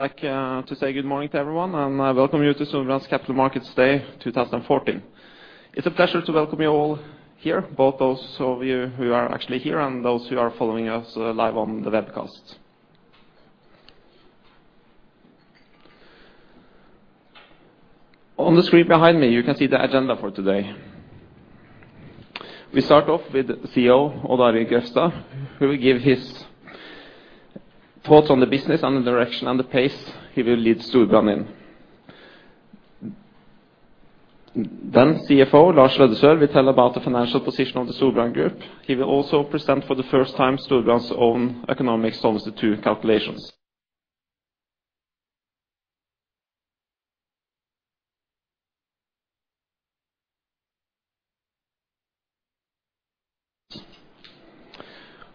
like, to say good morning to everyone, and I welcome you to Storebrand's Capital Markets Day 2014. It's a pleasure to welcome you all here, both those of you who are actually here and those who are following us live on the webcast. On the screen behind me, you can see the agenda for today. We start off with the CEO, Odd Arild Grefstad, who will give his thoughts on the business and the direction and the pace he will lead Storebrand in. Then CFO, Lars Aa. Løddesøl, will tell about the financial position of the Storebrand Group. He will also present, for the first time, Storebrand's own economic Solvency II calculations.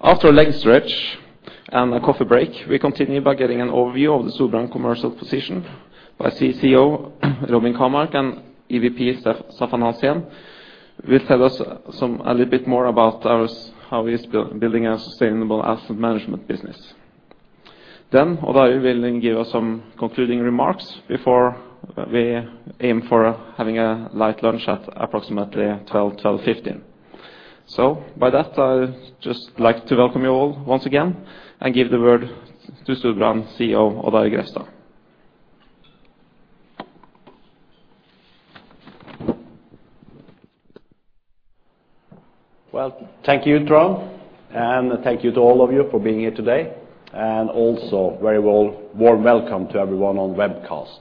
After a leg stretch and a coffee break, we continue by getting an overview of the Storebrand commercial position by CCO Robin Kamark and EVP Staffan Hansén will tell us a little bit more about our, how he is building a sustainable asset management business. Then Odd Arild Grefstad will then give us some concluding remarks before we aim for having a light lunch at approximately 12:00 P.M., 12:15 P.M. So by that, I would just like to welcome you all once again and give the word to Storebrand's CEO, Odd Arild Grefstad. Well, thank you, Trond, and thank you to all of you for being here today, and also a very well warm welcome to everyone on webcast.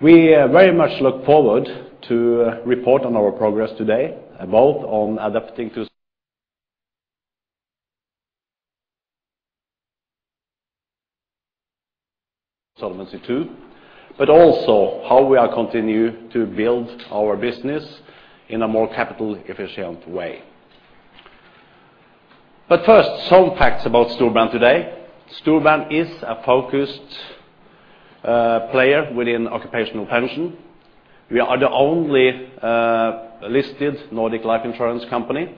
We very much look forward to report on our progress today, both on adapting to... Solvency II, but also how we are continue to build our business in a more capital efficient way. But first, some facts about Storebrand today. Storebrand is a focused player within occupational pension. We are the only listed Nordic life insurance company,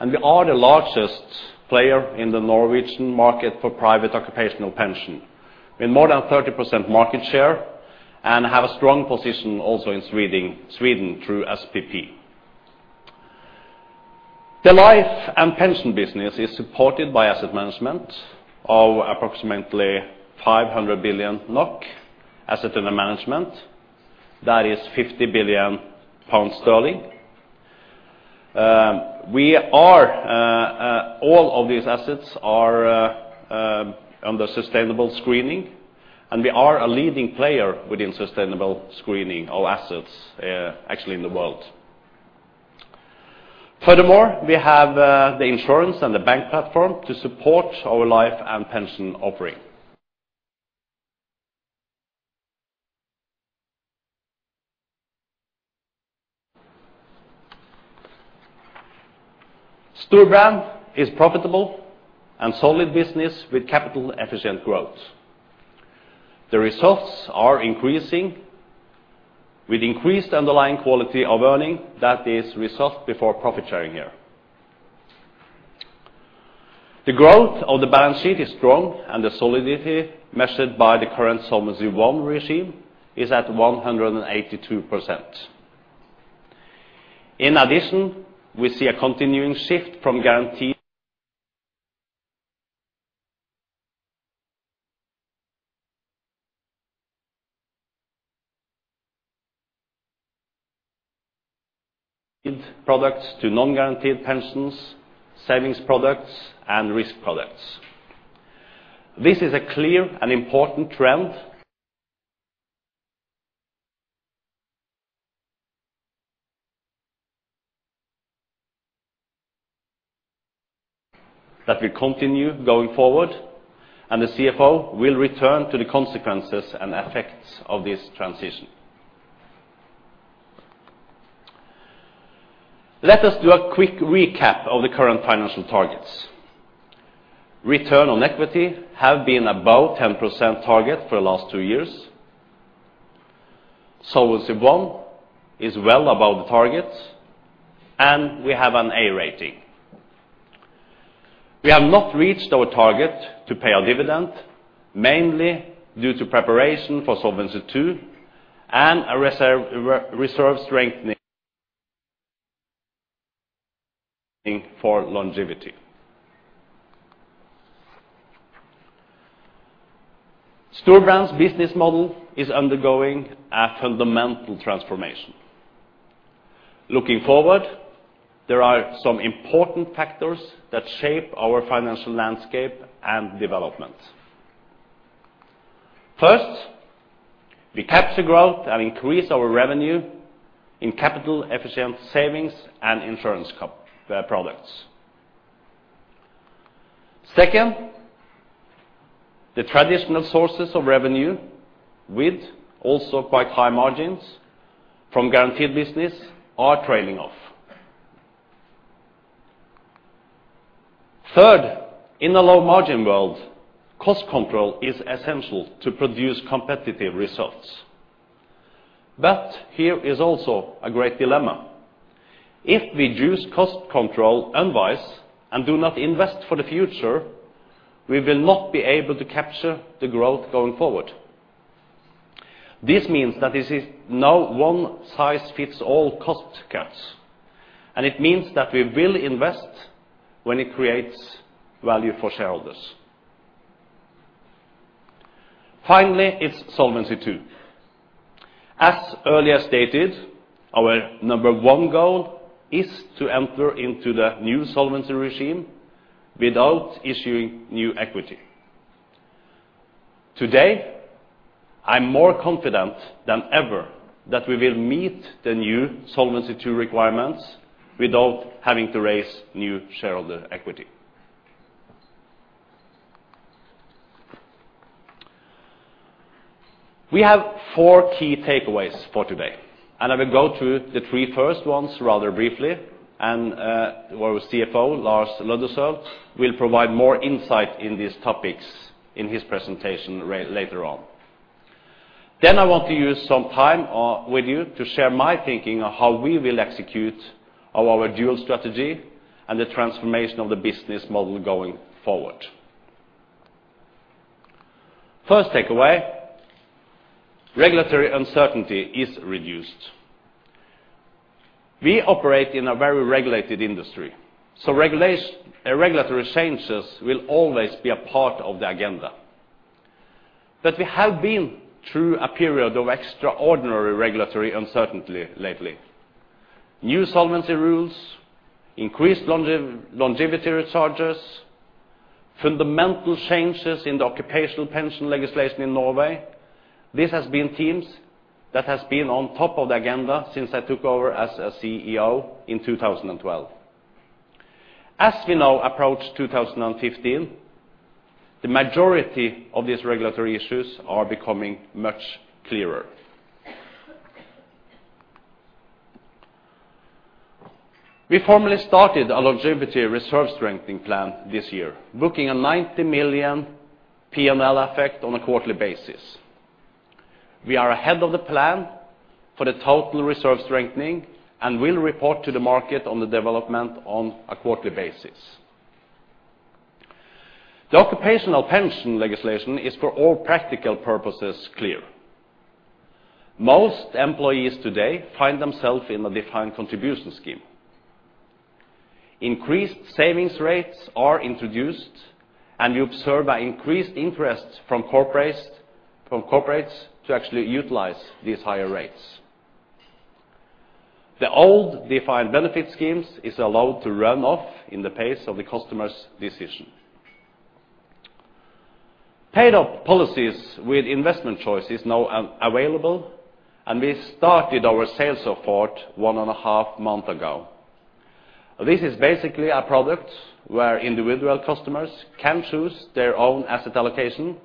and we are the largest player in the Norwegian market for private occupational pension. With more than 30% market share and have a strong position also in Sweden, Sweden through SPP. The life and pension business is supported by asset management of approximately 500 billion NOK asset under management. That is 50 billion pounds. We are all of these assets are under sustainable screening, and we are a leading player within sustainable screening of assets, actually in the world. Furthermore, we have the insurance and the bank platform to support our life and pension offering. Storebrand is profitable and solid business with capital efficient growth. The results are increasing with increased underlying quality of earning, that is, results before profit sharing here. The growth of the balance sheet is strong, and the solidity, measured by the current Solvency I regime, is at 182%. In addition, we see a continuing shift from guaranteed products to non-guaranteed pensions, savings products, and risk products. This is a clear and important trend. That will continue going forward, and the CFO will return to the consequences and effects of this transition. Let us do a quick recap of the current financial targets. Return on equity have been above 10% target for the last two years. Solvency I is well above the targets, and we have an A rating. We have not reached our target to pay our dividend, mainly due to preparation for Solvency II and a reserve, reserve strengthening for longevity. Storebrand's business model is undergoing a fundamental transformation. Looking forward, there are some important factors that shape our financial landscape and development. First, we capture growth and increase our revenue in capital efficient savings and insurance products. Second, the traditional sources of revenue, with also quite high margins from guaranteed business, are trailing off. Third, in a low margin world, cost control is essential to produce competitive results.... But here is also a great dilemma. If we use cost control advice and do not invest for the future, we will not be able to capture the growth going forward. This means that this is no one-size-fits-all cost cuts, and it means that we will invest when it creates value for shareholders. Finally, it's Solvency II. As earlier stated, our number one goal is to enter into the new solvency regime without issuing new equity. Today, I'm more confident than ever that we will meet the new Solvency II requirements without having to raise new shareholder equity. We have four key takeaways for today, and I will go through the three first ones rather briefly, and, our CFO, Lars Aa. Løddesøl, will provide more insight in these topics in his presentation later on. Then I want to use some time with you to share my thinking on how we will execute our dual strategy and the transformation of the business model going forward. First takeaway, regulatory uncertainty is reduced. We operate in a very regulated industry, so regulatory changes will always be a part of the agenda. But we have been through a period of extraordinary regulatory uncertainty lately. New solvency rules, increased longevity recharges, fundamental changes in the occupational pension legislation in Norway. This has been themes that has been on top of the agenda since I took over as CEO in 2012. As we now approach 2015, the majority of these regulatory issues are becoming much clearer. We formally started our longevity reserve strengthening plan this year, booking a 90 million P&L effect on a quarterly basis. We are ahead of the plan for the total reserve strengthening and will report to the market on the development on a quarterly basis. The occupational pension legislation is, for all practical purposes, clear. Most employees today find themselves in a defined contribution scheme. Increased savings rates are introduced, and we observe an increased interest from corporates to actually utilize these higher rates. The old defined benefit schemes is allowed to run off in the pace of the customer's decision. Paid-up policies with investment choices now are available, and we started our sales effort 1.5 months ago. This is basically a product where individual customers can choose their own asset allocation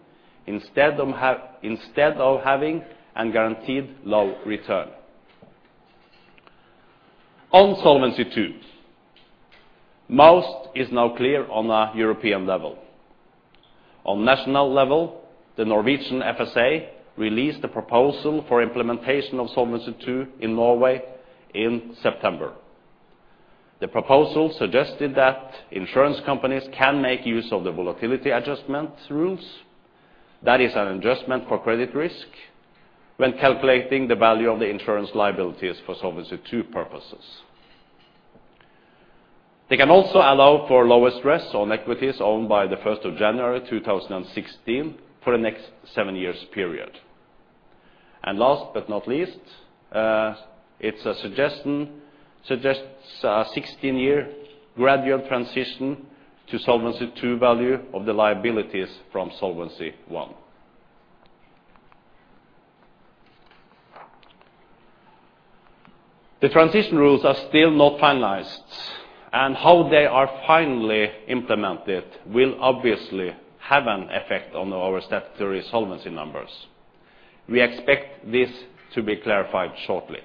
instead of having a guaranteed low return. On Solvency II, most is now clear on a European level. On national level, the Norwegian FSA released a proposal for implementation of Solvency II in Norway in September. The proposal suggested that insurance companies can make use of the Volatility Adjustment rules. That is an adjustment for credit risk when calculating the value of the insurance liabilities for Solvency II purposes. They can also allow for lower stress on equities owned by the first of January 2016, for the next 7-year period. And last but not least, it's a suggestion, suggests a 16-year gradual transition to Solvency II value of the liabilities from Solvency I. The transition rules are still not finalized, and how they are finally implemented will obviously have an effect on our statutory solvency numbers. We expect this to be clarified shortly.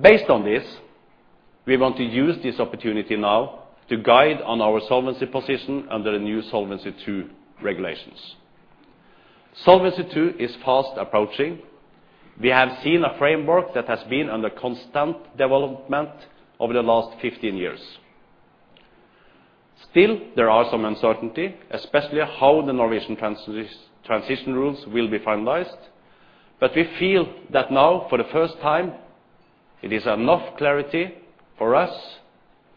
Based on this, we want to use this opportunity now to guide on our solvency position under the new Solvency II regulations. Solvency II is fast approaching. We have seen a framework that has been under constant development over the last 15 years. Still, there are some uncertainty, especially how the Norwegian transition rules will be finalized, but we feel that now, for the first time, it is enough clarity for us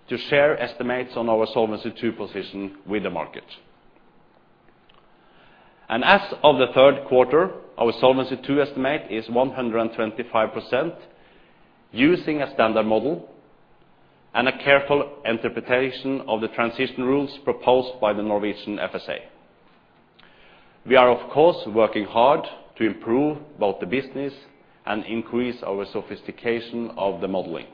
to share estimates on our Solvency II position with the market. And as of the Q3, our Solvency II estimate is 125%, using a standard model and a careful interpretation of the transition rules proposed by the Norwegian FSA. We are, of course, working hard to improve both the business and increase our sophistication of the modeling.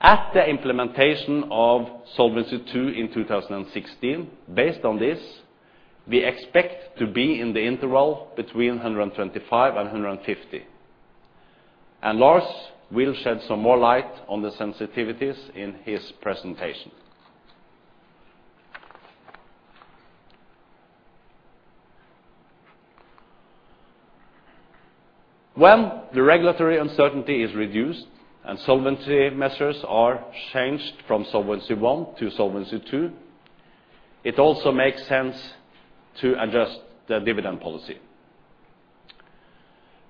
At the implementation of Solvency II in 2016, based on this, we expect to be in the interval between 125 and 150. And Lars will shed some more light on the sensitivities in his presentation... When the regulatory uncertainty is reduced and solvency measures are changed from Solvency I to Solvency II, it also makes sense to adjust the dividend policy.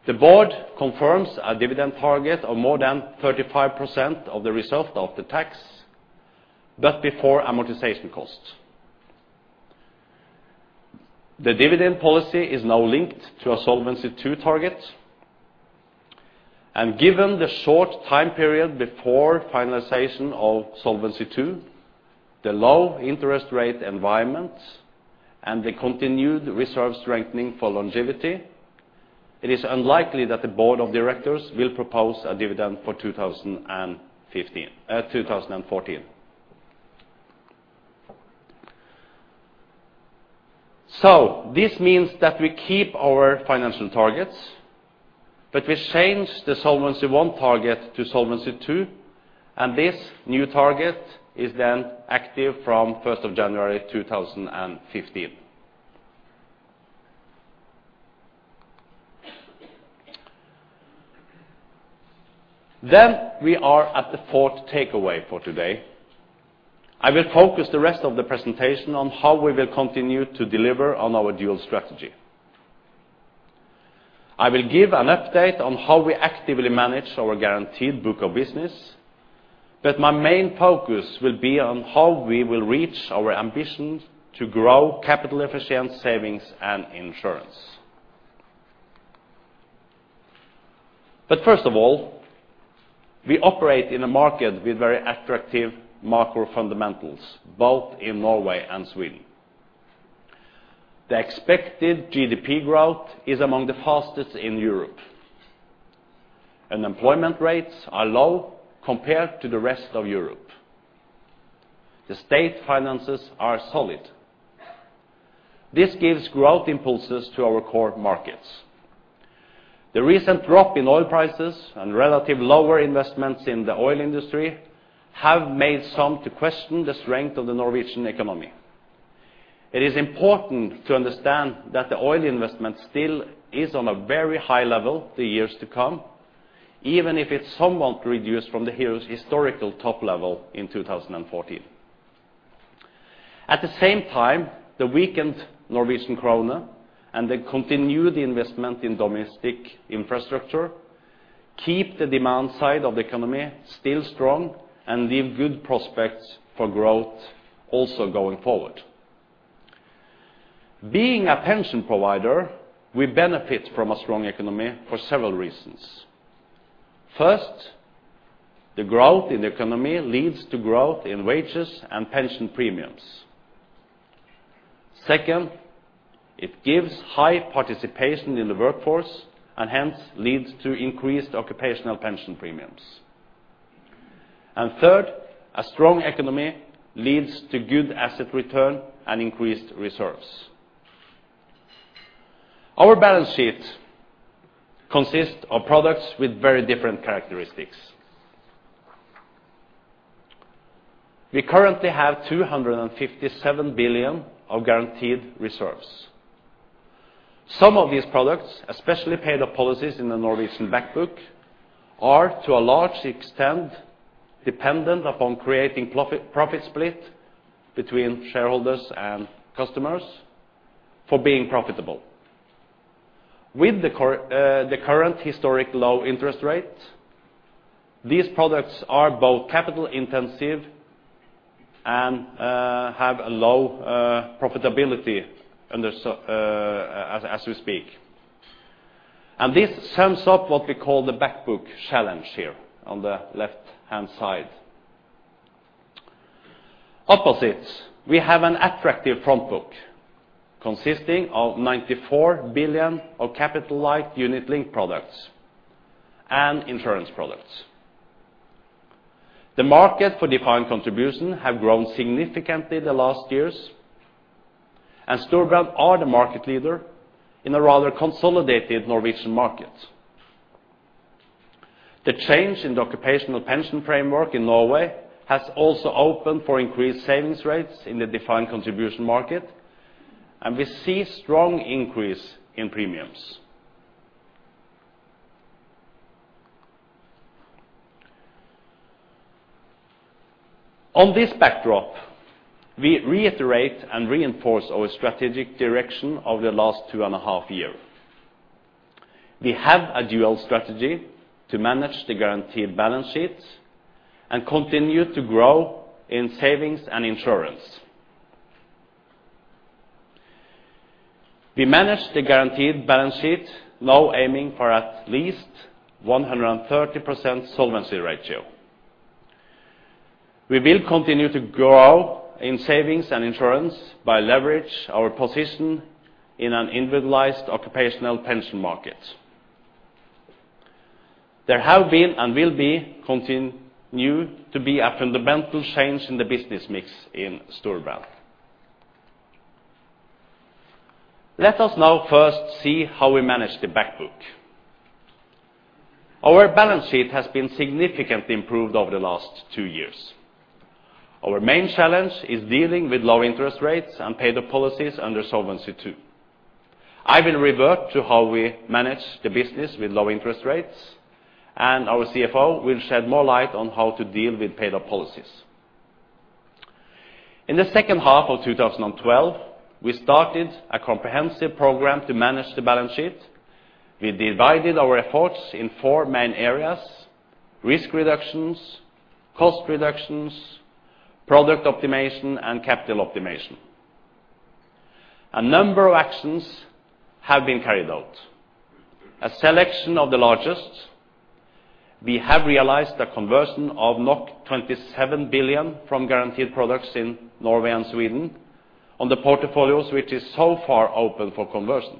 The board confirms a dividend target of more than 35% of the result after tax, but before amortization costs. The dividend policy is now linked to a Solvency II target. Given the short time period before finalization of Solvency II, the low interest rate environment, and the continued reserve strengthening for longevity, it is unlikely that the board of directors will propose a dividend for 2015, 2014. This means that we keep our financial targets, but we change the Solvency I target to Solvency II, and this new target is then active from January 1, 2015. Then we are at the fourth takeaway for today. I will focus the rest of the presentation on how we will continue to deliver on our dual strategy. I will give an update on how we actively manage our guaranteed book of business, but my main focus will be on how we will reach our ambition to grow capital efficient savings and insurance. But first of all, we operate in a market with very attractive macro fundamentals, both in Norway and Sweden. The expected GDP growth is among the fastest in Europe. Unemployment rates are low compared to the rest of Europe. The state finances are solid. This gives growth impulses to our core markets. The recent drop in oil prices and relative lower investments in the oil industry have made some to question the strength of the Norwegian economy. It is important to understand that the oil investment still is on a very high level the years to come, even if it's somewhat reduced from the historical top level in 2014. At the same time, the weakened Norwegian kroner and the continued investment in domestic infrastructure, keep the demand side of the economy still strong and give good prospects for growth also going forward. Being a pension provider, we benefit from a strong economy for several reasons. First, the growth in the economy leads to growth in wages and pension premiums. Second, it gives high participation in the workforce, and hence leads to increased occupational pension premiums. And third, a strong economy leads to good asset return and increased reserves. Our balance sheet consists of products with very different characteristics. We currently have 257 billion of guaranteed reserves. Some of these products, especially paid-up policies in the Norwegian back book, are, to a large extent, dependent upon creating profit, profit split between shareholders and customers for being profitable. With the current historic low interest rates, these products are both capital intensive and have a low profitability, as we speak. This sums up what we call the back book challenge here on the left-hand side. Opposite, we have an attractive front book consisting of 94 billion of capital-light unit-linked products and insurance products. The market for defined contribution have grown significantly in the last years, and Storebrand are the market leader in a rather consolidated Norwegian market. The change in the occupational pension framework in Norway has also opened for increased savings rates in the defined contribution market, and we see strong increase in premiums. On this backdrop, we reiterate and reinforce our strategic direction of the last 2.5 years. We have a dual strategy to manage the guaranteed balance sheets and continue to grow in savings and insurance. We manage the guaranteed balance sheet, now aiming for at least 130% solvency ratio. We will continue to grow in savings and insurance by leverage our position in an individualized occupational pension market. There have been and will be, continue to be a fundamental change in the business mix in Storebrand.... Let us now first see how we manage the back book. Our balance sheet has been significantly improved over the last two years. Our main challenge is dealing with low interest rates and paid-up policies under Solvency II. I will revert to how we manage the business with low interest rates, and our CFO will shed more light on how to deal with paid-up policies. In the second half of 2012, we started a comprehensive program to manage the balance sheet. We divided our efforts in four main areas: risk reductions, cost reductions, product optimization, and capital optimization. A number of actions have been carried out. A selection of the largest, we have realized the conversion of 27 billion from guaranteed products in Norway and Sweden on the portfolios, which is so far open for conversion,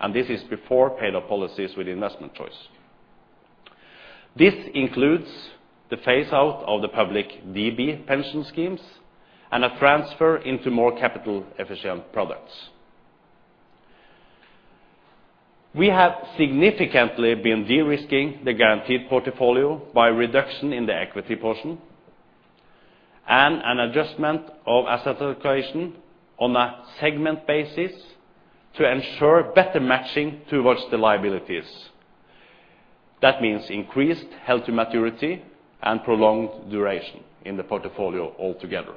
and this is before paid-up policies with investment choice. This includes the phase out of the public DB pension schemes and a transfer into more capital efficient products. We have significantly been de-risking the guaranteed portfolio by reduction in the equity portion and an adjustment of asset allocation on a segment basis to ensure better matching towards the liabilities. That means increased healthy maturity and prolonged duration in the portfolio altogether.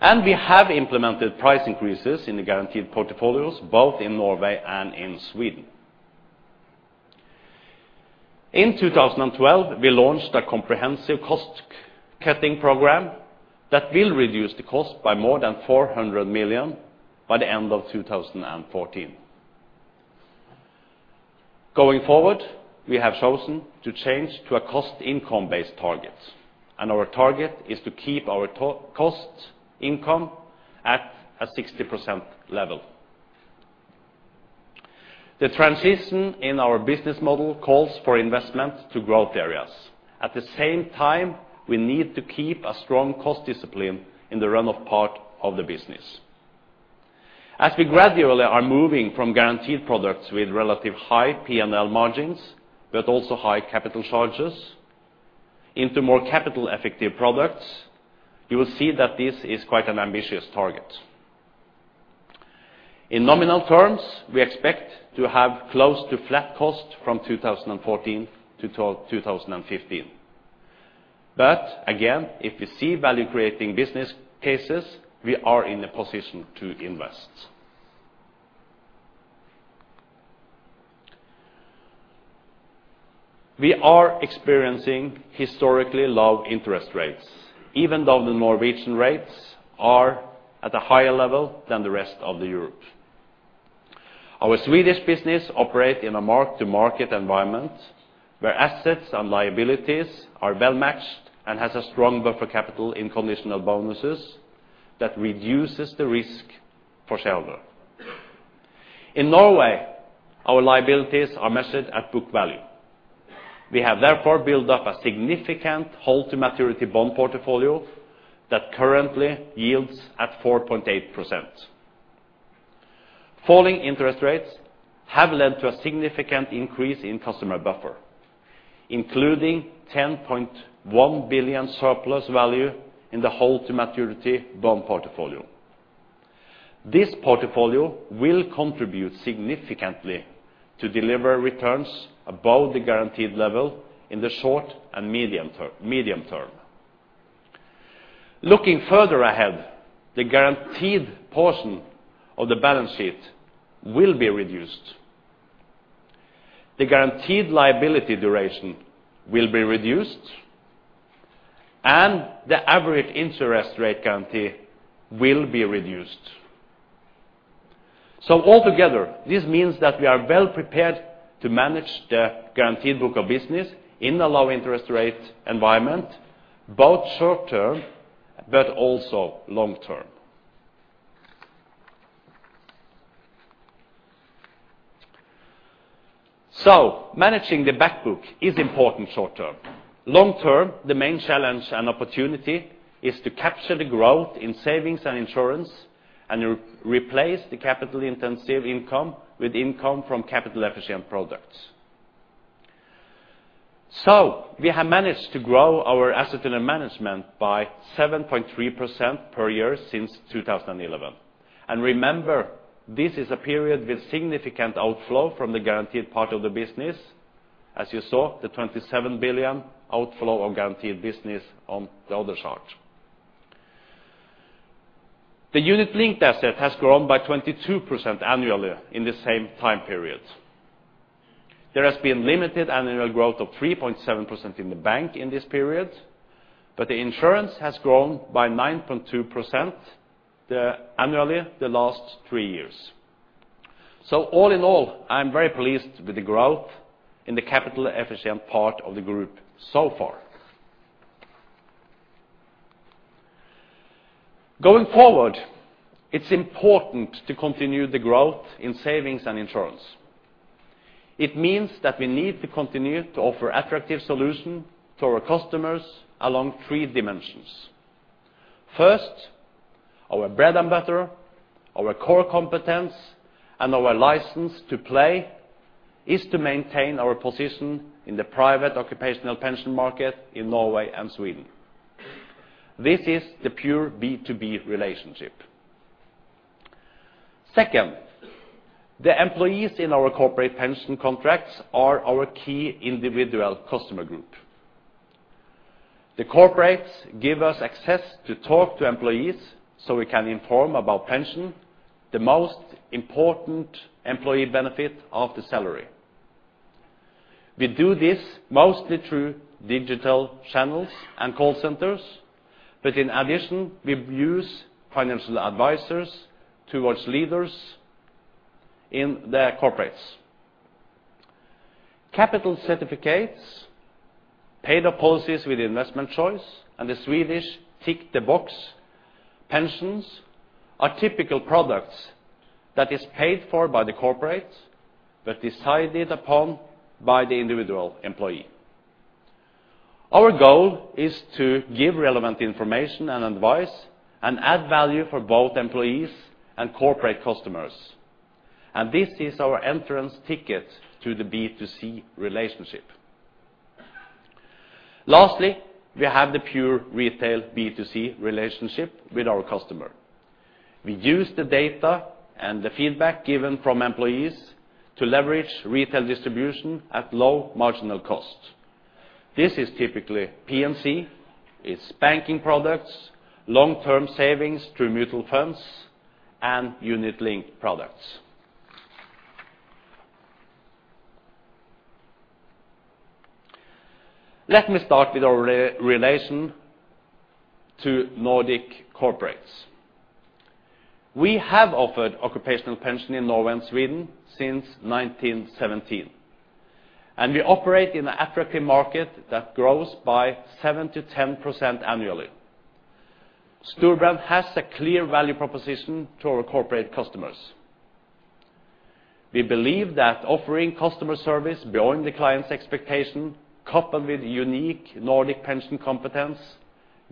And we have implemented price increases in the guaranteed portfolios, both in Norway and in Sweden. In 2012, we launched a comprehensive cost cutting program that will reduce the cost by more than 400 million by the end of 2014. Going forward, we have chosen to change to a cost income-based target, and our target is to keep our cost-to-income at a 60% level. The transition in our business model calls for investment to growth areas. At the same time, we need to keep a strong cost discipline in the run-off part of the business. As we gradually are moving from guaranteed products with relative high PNL margins, but also high capital charges, into more capital effective products, you will see that this is quite an ambitious target. In nominal terms, we expect to have close to flat cost from 2014 to 2015. But again, if we see value creating business cases, we are in a position to invest. We are experiencing historically low interest rates, even though the Norwegian rates are at a higher level than the rest of the Europe. Our Swedish business operate in a mark-to-market environment, where assets and liabilities are well matched and has a strong buffer capital in conditional bonuses that reduces the risk for shareholder. In Norway, our liabilities are measured at book value. We have therefore built up a significant hold-to-maturity bond portfolio that currently yields at 4.8%. Falling interest rates have led to a significant increase in customer buffer, including 10.1 billion surplus value in the hold-to-maturity bond portfolio. This portfolio will contribute significantly to deliver returns above the guaranteed level in the short and medium term. Looking further ahead, the guaranteed portion of the balance sheet will be reduced. The guaranteed liability duration will be reduced, and the average interest rate guarantee will be reduced. So altogether, this means that we are well prepared to manage the guaranteed book of business in a low interest rate environment, both short term but also long term. So managing the back book is important short term. Long term, the main challenge and opportunity is to capture the growth in savings and insurance and replace the capital intensive income with income from capital efficient products. So we have managed to grow our asset under management by 7.3% per year since 2011. And remember, this is a period with significant outflow from the guaranteed part of the business. As you saw, the 27 billion outflow of guaranteed business on the other chart. The unit-linked asset has grown by 22% annually in the same time period. There has been limited annual growth of 3.7% in the bank in this period, but the insurance has grown by 9.2% annually the last three years. So all in all, I'm very pleased with the growth in the capital efficient part of the group so far. Going forward, it's important to continue the growth in savings and insurance. It means that we need to continue to offer attractive solution to our customers along three dimensions. First, our bread and butter, our core competence, and our license to play, is to maintain our position in the private occupational pension market in Norway and Sweden. This is the pure B2B relationship. Second, the employees in our corporate pension contracts are our key individual customer group. The corporates give us access to talk to employees, so we can inform about pension, the most important employee benefit of the salary. We do this mostly through digital channels and call centers, but in addition, we use financial advisors to our leaders in their corporates. Capital certificates, paid-up policies with investment choice, and the Swedish tick-the-box pensions, are typical products that is paid for by the corporates, but decided upon by the individual employee. Our goal is to give relevant information and advice, and add value for both employees and corporate customers, and this is our entrance ticket to the B2C relationship. Lastly, we have the pure retail B2C relationship with our customer. We use the data and the feedback given from employees to leverage retail distribution at low marginal cost. This is typically P&C, it's banking products, long-term savings through mutual funds, and unit-linked products. Let me start with our relation to Nordic corporates. We have offered occupational pension in Norway and Sweden since 1917, and we operate in an attractive market that grows by 7%-10% annually. Storebrand has a clear value proposition to our corporate customers. We believe that offering customer service beyond the client's expectation, coupled with unique Nordic pension competence,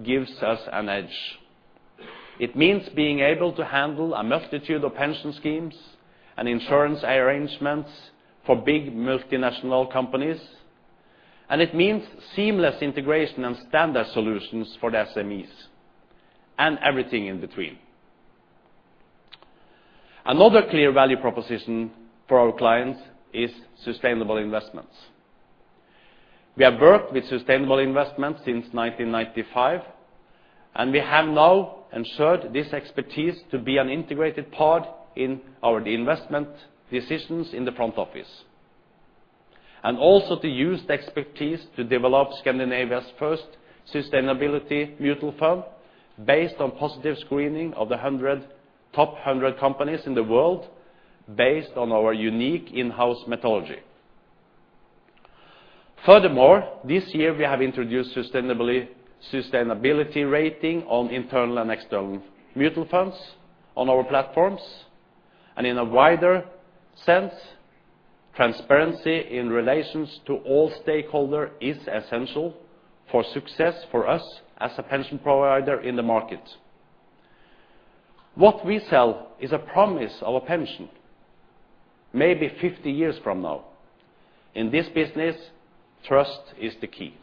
gives us an edge. It means being able to handle a multitude of pension schemes and insurance arrangements for big multinational companies, and it means seamless integration and standard solutions for the SMEs, and everything in between. Another clear value proposition for our clients is sustainable investments. We have worked with sustainable investments since 1995, and we have now ensured this expertise to be an integrated part in our investment decisions in the front office. And also to use the expertise to develop Scandinavia's first sustainability mutual fund, based on positive screening of the top hundred companies in the world, based on our unique in-house methodology. Furthermore, this year we have introduced sustainability rating on internal and external mutual funds on our platforms, and in a wider sense, transparency in relations to all stakeholders is essential for success for us as a pension provider in the market. What we sell is a promise of a pension, maybe 50 years from now. In this business, trust is the key.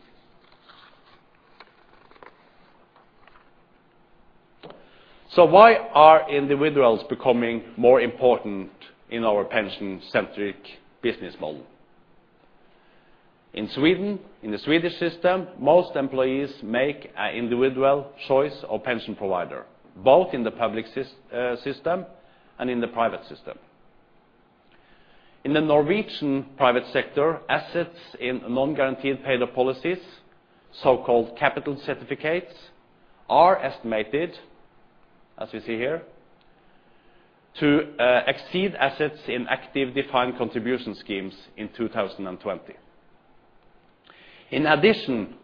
So why are individuals becoming more important in our pension centric business model? In Sweden, in the Swedish system, most employees make an individual choice of pension provider, both in the public system and in the private system. In the Norwegian private sector, assets in non-guaranteed paid-up policies, so-called capital certificates, are estimated, as you see here, to exceed assets in active defined contribution schemes in 2020. In addition,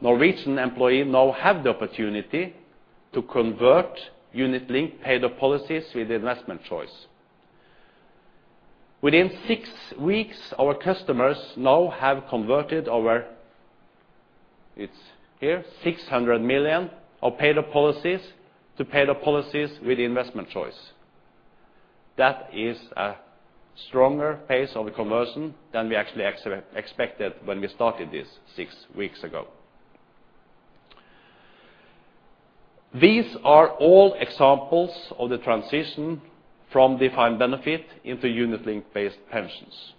Norwegian employee now have the opportunity to convert unit-linked paid-up policies with investment choice. Within six weeks, our customers now have converted over, it's here, 600 million of paid-up policies to paid-up policies with investment choice. That is a stronger pace of conversion than we actually expected when we started this six weeks ago. These are all examples of the transition from defined benefit into unit-linked based pensions.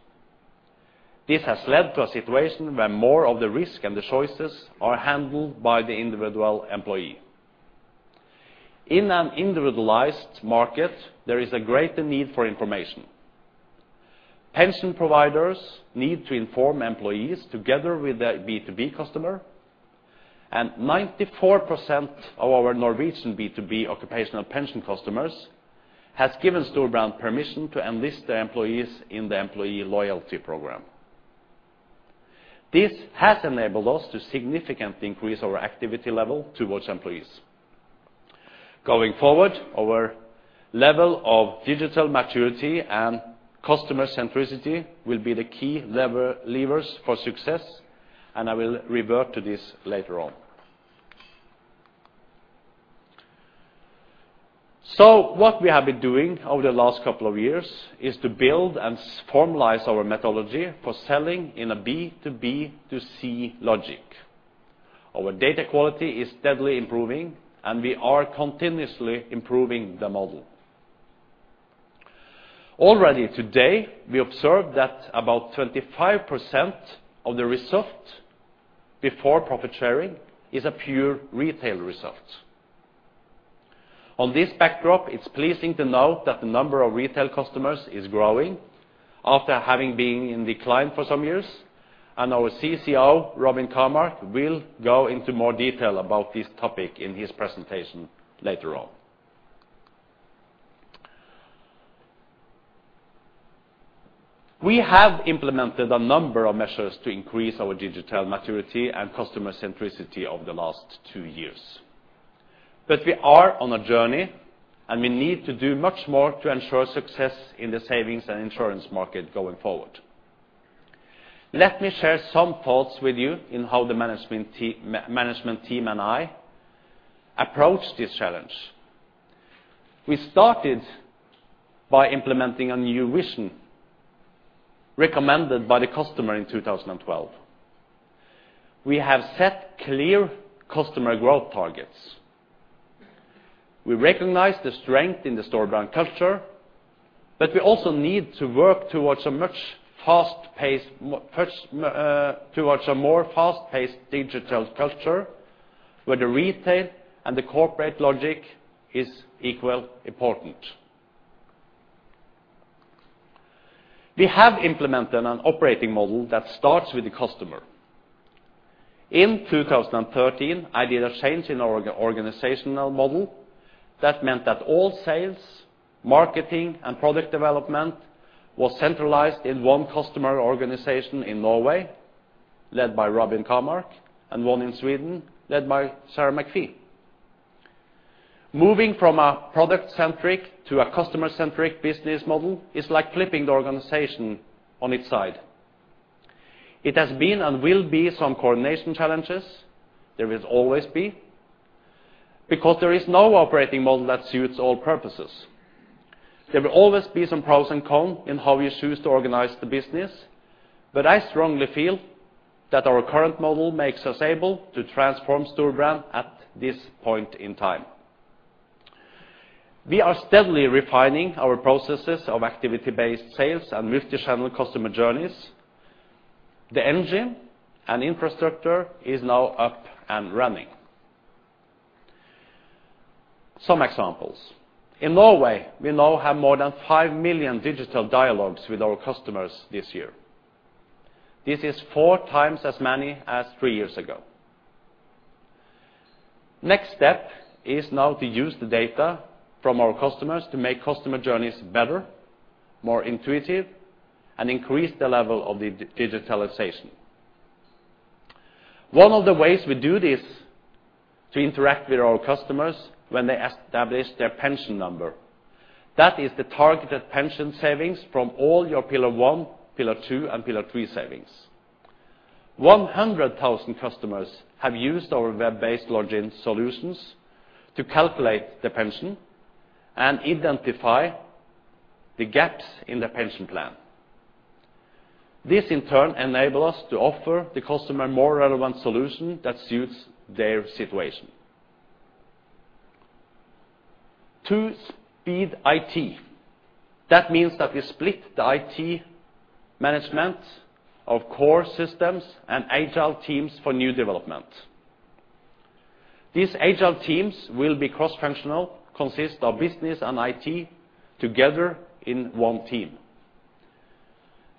This has led to a situation where more of the risk and the choices are handled by the individual employee. In an individualized market, there is a greater need for information. Pension providers need to inform employees together with their B2B customer, and 94% of our Norwegian B2B occupational pension customers has given Storebrand permission to enlist their employees in the employee loyalty program. This has enabled us to significantly increase our activity level towards employees. Going forward, our level of digital maturity and customer centricity will be the key lever, levers for success, and I will revert to this later on. What we have been doing over the last couple of years is to build and formalize our methodology for selling in a B to B to C logic. Our data quality is steadily improving, and we are continuously improving the model. Already today, we observe that about 25% of the results before profit sharing is a pure retail result. On this backdrop, it's pleasing to note that the number of retail customers is growing after having been in decline for some years, and our CCO, Robin Kamark, will go into more detail about this topic in his presentation later on. We have implemented a number of measures to increase our digital maturity and customer centricity over the last two years. We are on a journey, and we need to do much more to ensure success in the savings and insurance market going forward. Let me share some thoughts with you in how the management team and I approach this challenge. We started by implementing a new vision recommended by the customer in 2012. We have set clear customer growth targets. We recognize the strength in the Storebrand culture, but we also need to work towards a much fast-paced towards a more fast-paced digital culture, where the retail and the corporate logic is equally important. We have implemented an operating model that starts with the customer. In 2013, I did a change in our organizational model that meant that all sales, marketing, and product development was centralized in one customer organization in Norway, led by Robin Kamark, and one in Sweden, led by Sarah McPhee. Moving from a product-centric to a customer-centric business model is like flipping the organization on its side. It has been and will be some coordination challenges. There will always be, because there is no operating model that suits all purposes. There will always be some pros and cons in how you choose to organize the business, but I strongly feel that our current model makes us able to transform Storebrand at this point in time. We are steadily refining our processes of activity-based sales and multi-channel customer journeys. The engine and infrastructure is now up and running. Some examples. In Norway, we now have more than five million digital dialogues with our customers this year. This is four times as many as three years ago. Next step is now to use the data from our customers to make customer journeys better, more intuitive, and increase the level of the digitalization. One of the ways we do this, to interact with our customers when they establish their pension number. That is the targeted pension savings from all your pillar one, pillar two, and pillar three savings. 100,000 customers have used our web-based login solutions to calculate their pension and identify the gaps in their pension plan. This, in turn, enable us to offer the customer a more relevant solution that suits their situation. Two-speed IT. That means that we split the IT management of core systems and agile teams for new development. These agile teams will be cross-functional, consist of business and IT together in one team.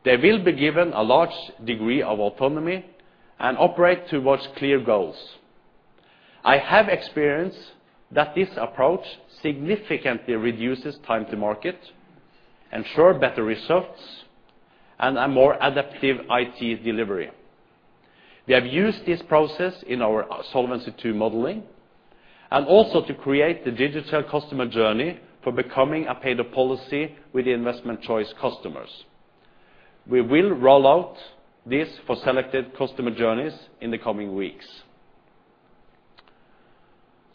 They will be given a large degree of autonomy and operate towards clear goals. I have experienced that this approach significantly reduces time to market, ensure better results, and a more adaptive IT delivery. We have used this process in our Solvency II modeling, and also to create the digital customer journey for becoming a paid-up policy with the investment choice customers. We will roll out this for selected customer journeys in the coming weeks.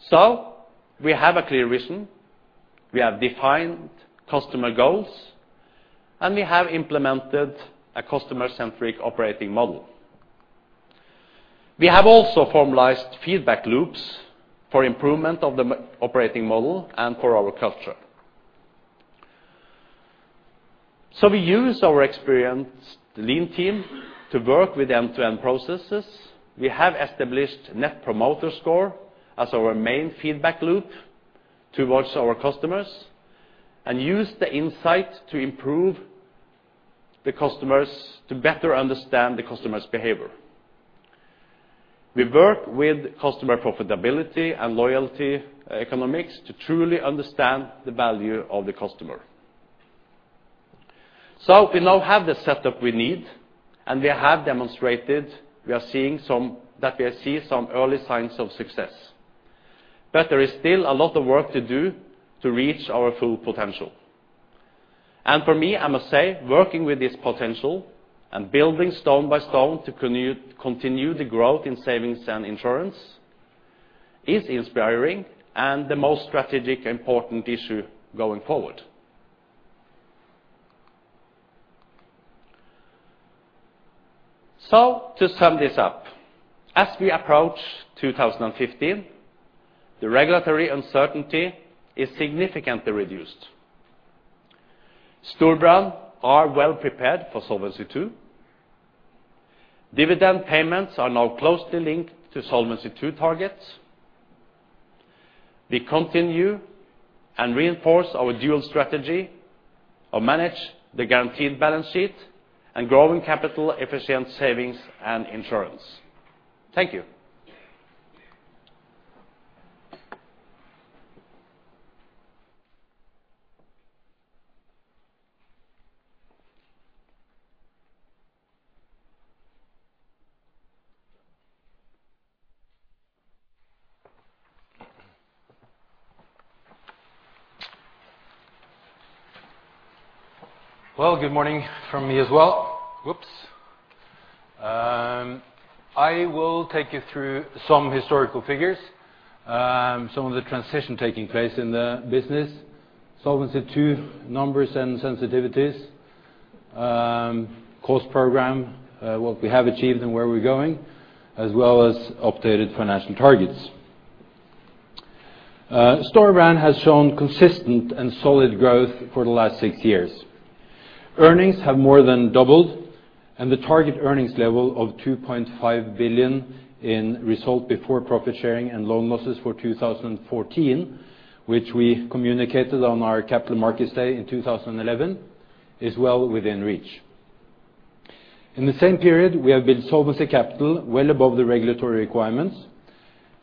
So we have a clear vision, we have defined customer goals, and we have implemented a customer-centric operating model. We have also formalized feedback loops for improvement of the operating model and for our culture. So we use our experienced Lean team to work with end-to-end processes. We have established Net Promoter Score as our main feedback loop towards our customers, and use the insight to improve the customers, to better understand the customer's behavior.... We work with customer profitability and loyalty economics to truly understand the value of the customer. So we now have the setup we need, and we have demonstrated that we are seeing some early signs of success. But there is still a lot of work to do to reach our full potential. And for me, I must say, working with this potential and building stone by stone to continue the growth in savings and insurance, is inspiring and the most strategic important issue going forward. So to sum this up, as we approach 2015, the regulatory uncertainty is significantly reduced. Storebrand are well prepared for Solvency II. Dividend payments are now closely linked to Solvency II targets. We continue and reinforce our dual strategy of manage the guaranteed balance sheet and growing capital efficient savings and insurance. Thank you. Well, good morning from me as well. I will take you through some historical figures, some of the transition taking place in the business, Solvency II numbers and sensitivities, cost program, what we have achieved and where we're going, as well as updated financial targets. Storebrand has shown consistent and solid growth for the last six years. Earnings have more than doubled, and the target earnings level of 2.5 billion in result before profit sharing and loan losses for 2014, which we communicated on our capital markets day in 2011, is well within reach. In the same period, we have built solvency capital well above the regulatory requirements,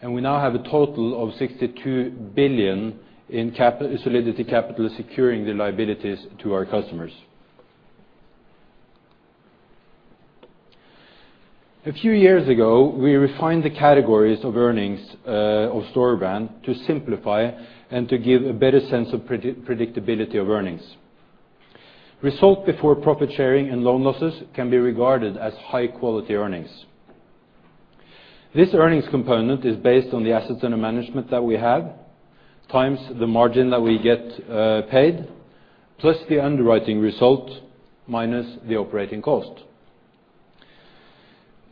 and we now have a total of 62 billion in capital, solvency capital, securing the liabilities to our customers. A few years ago, we refined the categories of earnings of Storebrand to simplify and to give a better sense of predictability of earnings. Result before profit sharing and loan losses can be regarded as high quality earnings. This earnings component is based on the assets under management that we have, times the margin that we get paid, plus the underwriting result, minus the operating cost.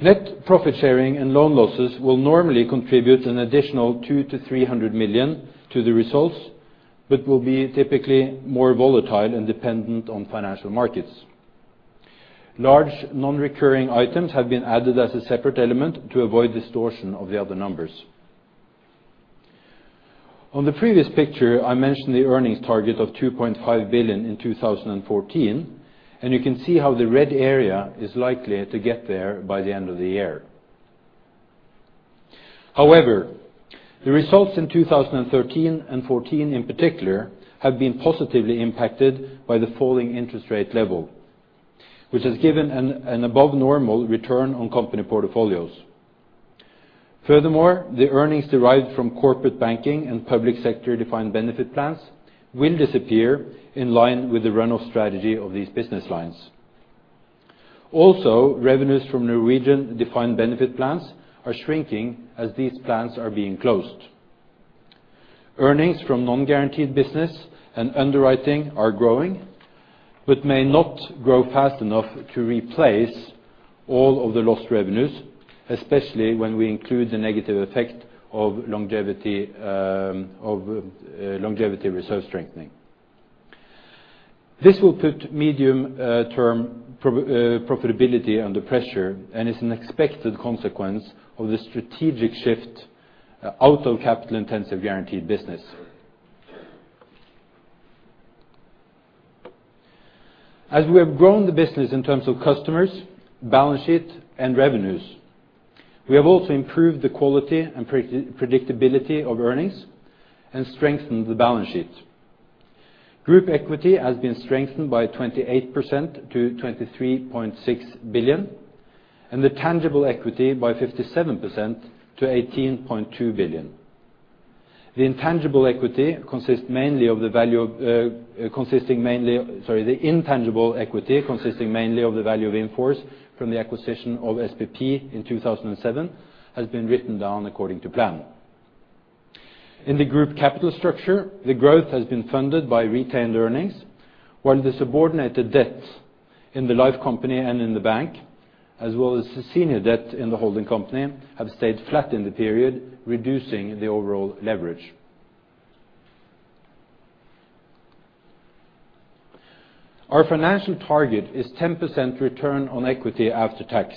Net profit sharing and loan losses will normally contribute an additional 200 million-300 million to the results, but will be typically more volatile and dependent on financial markets. Large non-recurring items have been added as a separate element to avoid distortion of the other numbers. On the previous picture, I mentioned the earnings target of 2.5 billion in 2014, and you can see how the red area is likely to get there by the end of the year. However, the results in 2013 and 2014 in particular, have been positively impacted by the falling interest rate level, which has given an above normal return on company portfolios. Furthermore, the earnings derived from corporate banking and public sector defined benefit plans will disappear in line with the run-off strategy of these business lines. Also, revenues from Norwegian defined benefit plans are shrinking as these plans are being closed. Earnings from non-guaranteed business and underwriting are growing, but may not grow fast enough to replace all of the lost revenues, especially when we include the negative effect of longevity reserve strengthening. This will put medium term profitability under pressure, and is an expected consequence of the strategic shift out of capital-intensive guaranteed business. As we have grown the business in terms of customers, balance sheet, and revenues, we have also improved the quality and predictability of earnings and strengthened the balance sheet. Group equity has been strengthened by 28% to 23.6 billion, and the tangible equity by 57% to NOK 18.2 billion. The intangible equity, consisting mainly of the value in force from the acquisition of SPP in 2007, has been written down according to plan. In the group capital structure, the growth has been funded by retained earnings, while the subordinated debts in the life company and in the bank, as well as the senior debt in the holding company, have stayed flat in the period, reducing the overall leverage. Our financial target is 10% return on equity after tax.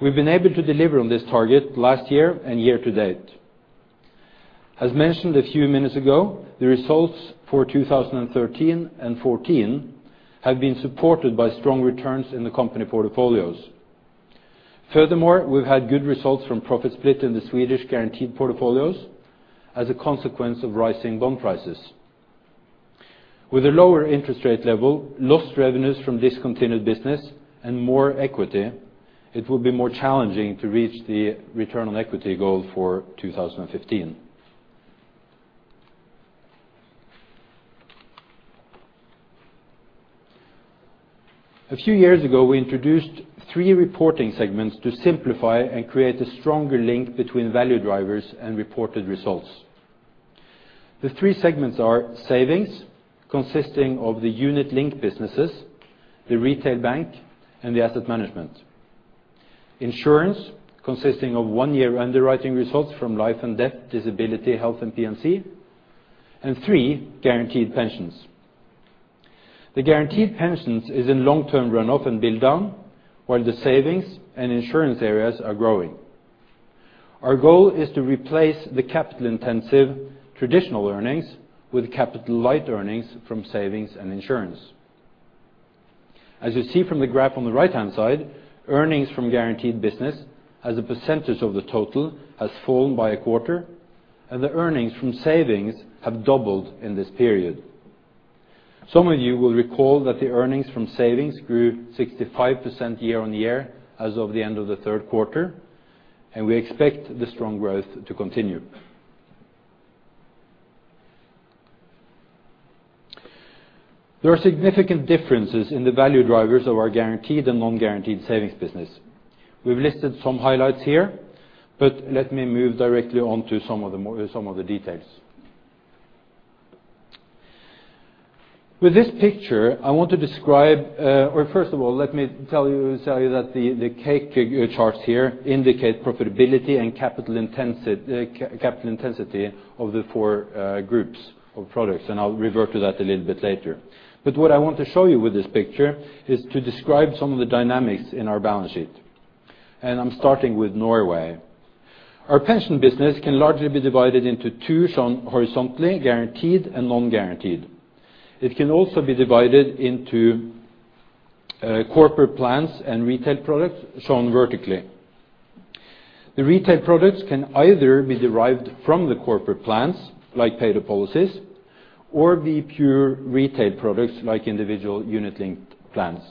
We've been able to deliver on this target last year and year to date....As mentioned a few minutes ago, the results for 2013 and 2014 have been supported by strong returns in the company portfolios. Furthermore, we've had good results from profit split in the Swedish guaranteed portfolios as a consequence of rising bond prices. With a lower interest rate level, lost revenues from discontinued business and more equity, it will be more challenging to reach the return on equity goal for 2015. A few years ago, we introduced three reporting segments to simplify and create a stronger link between value drivers and reported results. The three segments are savings, consisting of the unit-linked businesses, the retail bank, and the asset management. Insurance, consisting of one-year underwriting results from life and death, disability, health, and P&C. And three, guaranteed pensions. The guaranteed pensions is in long-term runoff and build down, while the savings and insurance areas are growing. Our goal is to replace the capital-intensive traditional earnings with capital-light earnings from savings and insurance. As you see from the graph on the right-hand side, earnings from guaranteed business as a percentage of the total has fallen by a quarter, and the earnings from savings have doubled in this period. Some of you will recall that the earnings from savings grew 65% year-on-year as of the end of the Q3, and we expect the strong growth to continue. There are significant differences in the value drivers of our guaranteed and non-guaranteed savings business. We've listed some highlights here, but let me move directly on to some of the details. With this picture, I want to describe, or first of all, let me tell you that the cake figure charts here indicate profitability and capital intensity of the four groups of products, and I'll revert to that a little bit later. What I want to show you with this picture is to describe some of the dynamics in our balance sheet, and I'm starting with Norway. Our pension business can largely be divided into two shown horizontally, guaranteed and non-guaranteed. It can also be divided into corporate plans and retail products, shown vertically. The retail products can either be derived from the corporate plans, like paid-up policies, or be pure retail products, like individual unit-linked plans.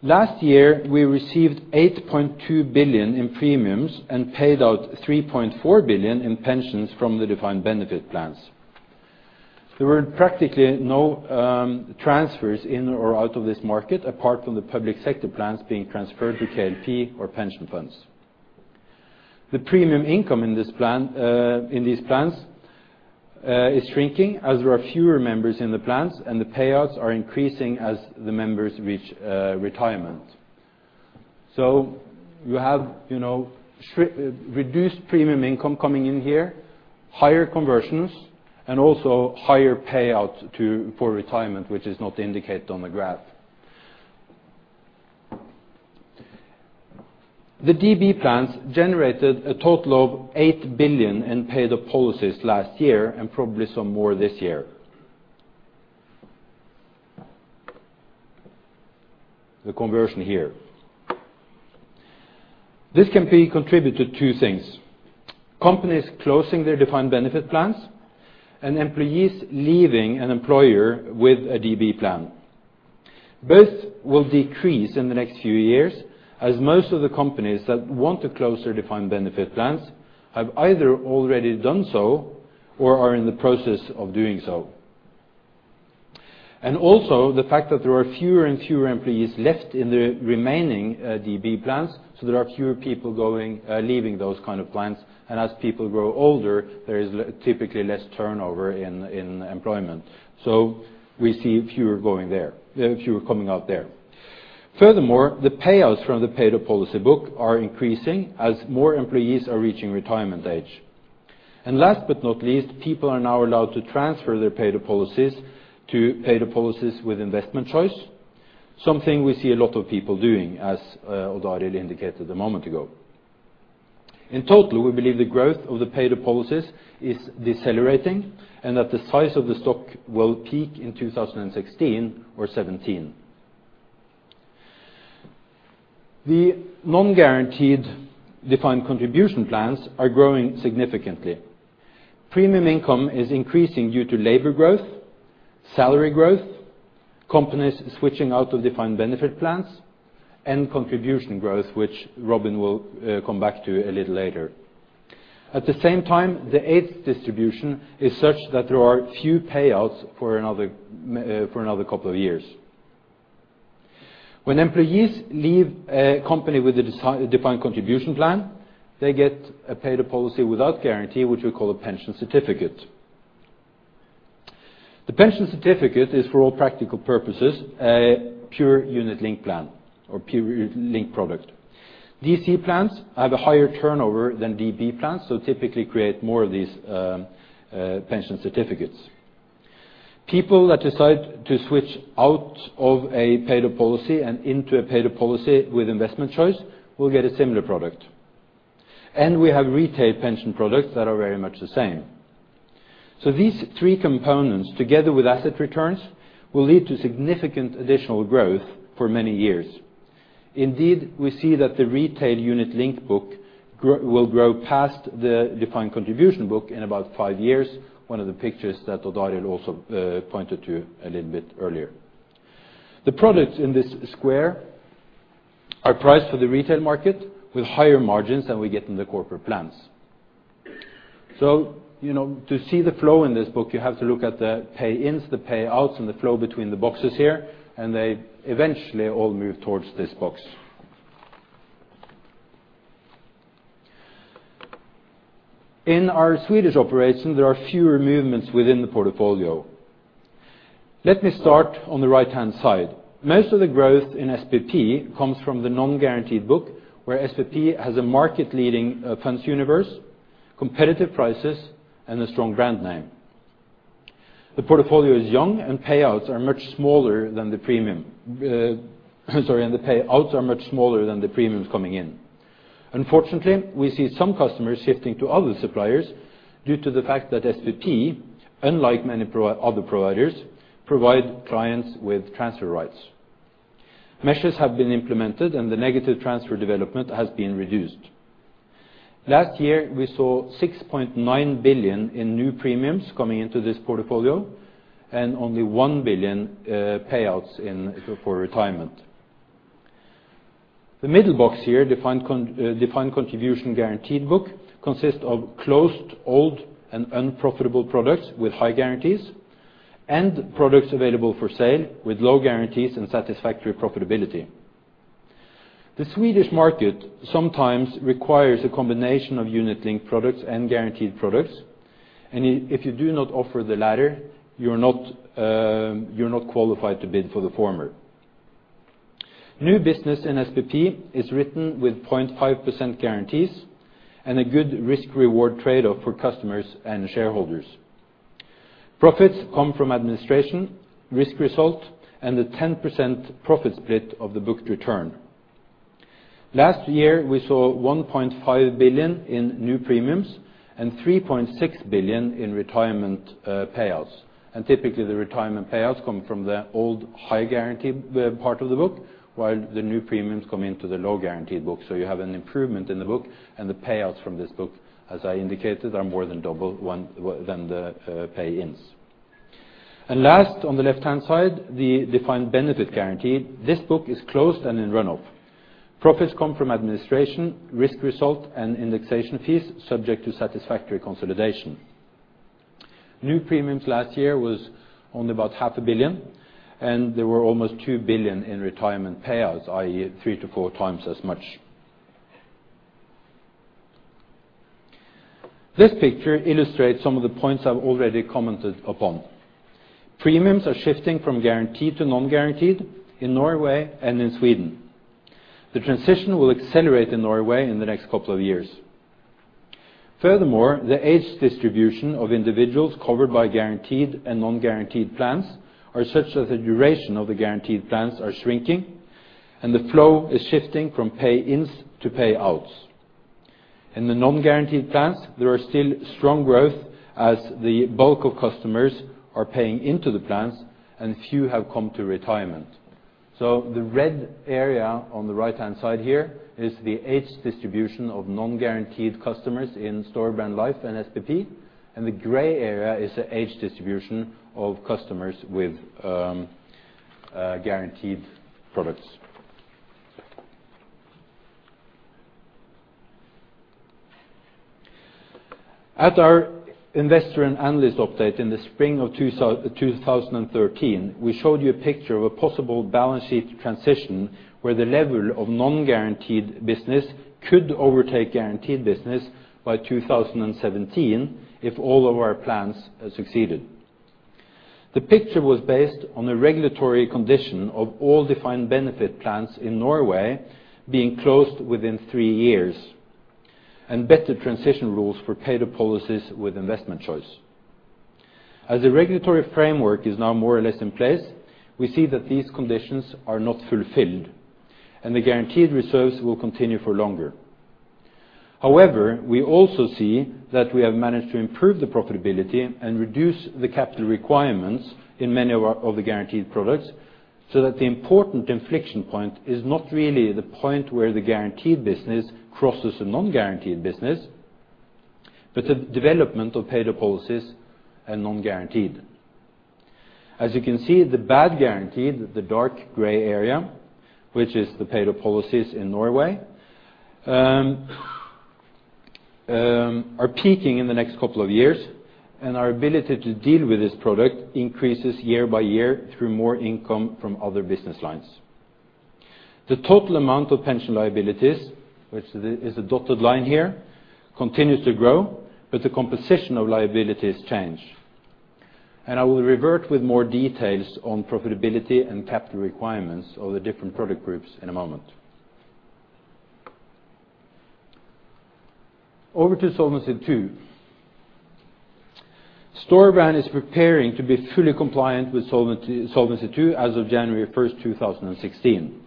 Last year, we received 8.2 billion in premiums and paid out 3.4 billion in pensions from the defined benefit plans. There were practically no transfers in or out of this market, apart from the public sector plans being transferred to KLP or pension funds. The premium income in this plan in these plans is shrinking as there are fewer members in the plans, and the payouts are increasing as the members reach retirement. So you have, you know, reduced premium income coming in here, higher conversions, and also higher payouts to, for retirement, which is not indicated on the graph. The DB plans generated a total of 8 billion in paid-up policies last year, and probably some more this year. The conversion here. This can be contributed to two things: companies closing their defined benefit plans and employees leaving an employer with a DB plan. Both will decrease in the next few years, as most of the companies that want to close their defined benefit plans have either already done so or are in the process of doing so. And also, the fact that there are fewer and fewer employees left in the remaining DB plans, so there are fewer people going, leaving those kind of plans. As people grow older, there is typically less turnover in employment. So we see fewer going there, fewer coming out there. Furthermore, the payouts from the paid-up policy book are increasing as more employees are reaching retirement age. And last but not least, people are now allowed to transfer their paid-up policies to paid-up policies with investment choice, something we see a lot of people doing, as Odd Arild indicated a moment ago. In total, we believe the growth of the paid-up policies is decelerating and that the size of the stock will peak in 2016 or 2017. The non-guaranteed defined contribution plans are growing significantly. Premium income is increasing due to labor growth, salary growth, companies switching out of defined benefit plans, and contribution growth, which Robin will come back to a little later. At the same time, the age distribution is such that there are few payouts for another couple of years. When employees leave a company with a defined contribution plan, they get a paid-up policy without guarantee, which we call a pension certificate. The pension certificate is, for all practical purposes, a pure unit-linked plan or pure unit-linked product. DC plans have a higher turnover than DB plans, so typically create more of these pension certificates. People that decide to switch out of a paid-up policy and into a paid-up policy with investment choice will get a similar product. We have retail pension products that are very much the same. So these three components, together with asset returns, will lead to significant additional growth for many years. Indeed, we see that the retail unit-linked book grow, will grow past the defined contribution book in about five years, one of the pictures that Ulrik Årdal Zürcher also pointed to you a little bit earlier. The products in this square are priced for the retail market with higher margins than we get in the corporate plans. So, you know, to see the flow in this book, you have to look at the pay-ins, the payouts, and the flow between the boxes here, and they eventually all move towards this box. In our Swedish operation, there are fewer movements within the portfolio. Let me start on the right-hand side. Most of the growth in SPP comes from the non-guaranteed book, where SPP has a market-leading funds universe, competitive prices, and a strong brand name. The portfolio is young, and payouts are much smaller than the premium, sorry, and the payouts are much smaller than the premiums coming in. Unfortunately, we see some customers shifting to other suppliers due to the fact that SPP, unlike many other providers, provide clients with transfer rights. Measures have been implemented, and the negative transfer development has been reduced. Last year, we saw 6.9 billion in new premiums coming into this portfolio, and only 1 billion payouts in for retirement. The middle box here, defined contribution guaranteed book, consists of closed, old, and unprofitable products with high guarantees, and products available for sale, with low guarantees and satisfactory profitability. The Swedish market sometimes requires a combination of unit-linked products and guaranteed products, and if you do not offer the latter, you're not qualified to bid for the former. New business in SPP is written with 0.5% guarantees and a good risk-reward trade-off for customers and shareholders. Profits come from administration, risk result, and the 10% profit split of the booked return. Last year, we saw 1.5 billion in new premiums and 3.6 billion in retirement payouts. And typically, the retirement payouts come from the old high guarantee part of the book, while the new premiums come into the low guaranteed book. So you have an improvement in the book, and the payouts from this book, as I indicated, are more than double than the pay-ins. Last, on the left-hand side, the defined benefit guarantee. This book is closed and in run-off. Profits come from administration, risk result, and indexation fees, subject to satisfactory consolidation. New premiums last year was only about 0.5 billion, and there were almost 2 billion in retirement payouts, i.e., three four times as much. This picture illustrates some of the points I've already commented upon. Premiums are shifting from guaranteed to non-guaranteed in Norway and in Sweden. The transition will accelerate in Norway in the next couple of years. Furthermore, the age distribution of individuals covered by guaranteed and non-guaranteed plans are such that the duration of the guaranteed plans are shrinking, and the flow is shifting from pay-ins to payouts. In the non-guaranteed plans, there are still strong growth as the bulk of customers are paying into the plans and few have come to retirement. So the red area on the right-hand side here is the age distribution of non-guaranteed customers in Storebrand Life and SPP, and the gray area is the age distribution of customers with guaranteed products. At our investor and analyst update in the spring of 2013, we showed you a picture of a possible balance sheet transition, where the level of non-guaranteed business could overtake guaranteed business by 2017, if all of our plans succeeded. The picture was based on a regulatory condition of all defined benefit plans in Norway being closed within three years, and better transition rules for paid-up policies with investment choice. As the regulatory framework is now more or less in place, we see that these conditions are not fulfilled, and the guaranteed reserves will continue for longer. However, we also see that we have managed to improve the profitability and reduce the capital requirements in many of our, of the guaranteed products, so that the important inflection point is not really the point where the guaranteed business crosses the non-guaranteed business, but the development of paid-up policies and non-guaranteed. As you can see, the bad guaranteed, the dark gray area, which is the paid-up policies in Norway, are peaking in the next couple of years, and our ability to deal with this product increases year by year through more income from other business lines. The total amount of pension liabilities, which is a dotted line here, continues to grow, but the composition of liabilities change. I will revert with more details on profitability and capital requirements of the different product groups in a moment. Over to Solvency II. Storebrand is preparing to be fully compliant with Solvency II as of January 1, 2016.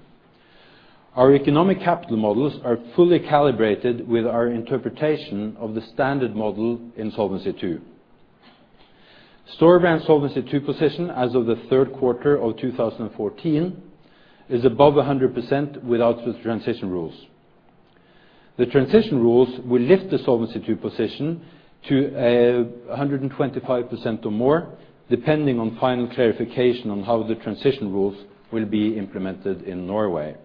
Our economic capital models are fully calibrated with our interpretation of the standard model in Solvency II. Storebrand Solvency II position as of the Q3 of 2014, is above 100% without the transition rules. The transition rules will lift the Solvency II position to a hundred and twenty five percent or more, depending on final clarification on how the transition rules will be implemented in Norway.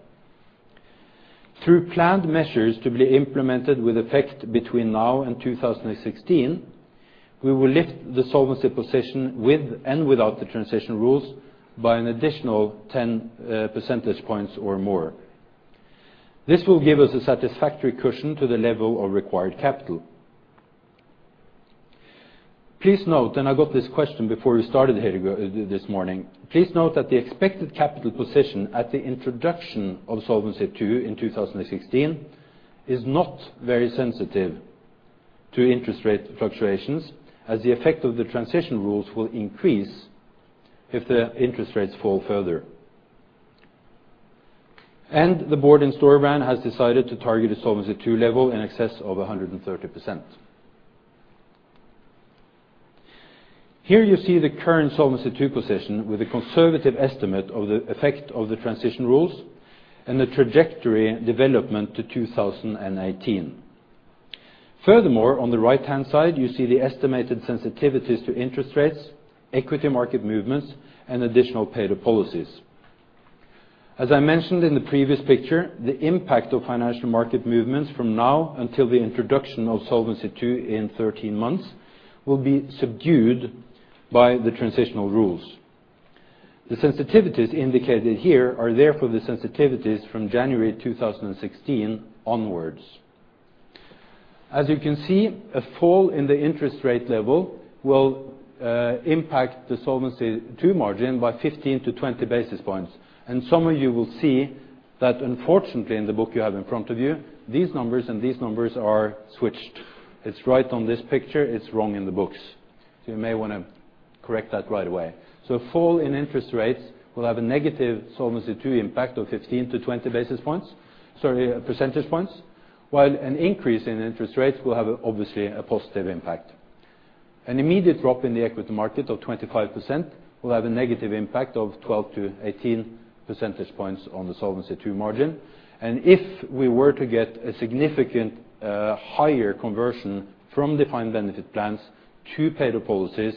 Through planned measures to be implemented with effect between now and 2016, we will lift the solvency position with and without the transition rules, by an additional ten percentage points or more. This will give us a satisfactory cushion to the level of required capital. Please note, I got this question before we started a while ago, this morning. Please note that the expected capital position at the introduction of Solvency II in 2016 is not very sensitive to interest rate fluctuations, as the effect of the transition rules will increase if the interest rates fall further. The board in Storebrand has decided to target a Solvency II level in excess of 130%. Here you see the current Solvency II position with a conservative estimate of the effect of the transition rules and the trajectory development to 2018. Furthermore, on the right-hand side, you see the estimated sensitivities to interest rates, equity market movements, and additional paid-up policies. As I mentioned in the previous picture, the impact of financial market movements from now until the introduction of Solvency II in 13 months, will be subdued by the transitional rules. The sensitivities indicated here are therefore the sensitivities from January 2016 onwards. As you can see, a fall in the interest rate level will impact the Solvency II margin by 15-20 basis points. Some of you will see that unfortunately, in the book you have in front of you, these numbers and these numbers are switched. It's right on this picture, it's wrong in the books. You may want to correct that right away. A fall in interest rates will have a negative Solvency II impact of 15-20 basis points, sorry, percentage points, while an increase in interest rates will have obviously a positive impact. An immediate drop in the equity market of 25% will have a negative impact of 12-18 percentage points on the Solvency II margin. If we were to get a significant higher conversion from defined benefit plans to paid-up policies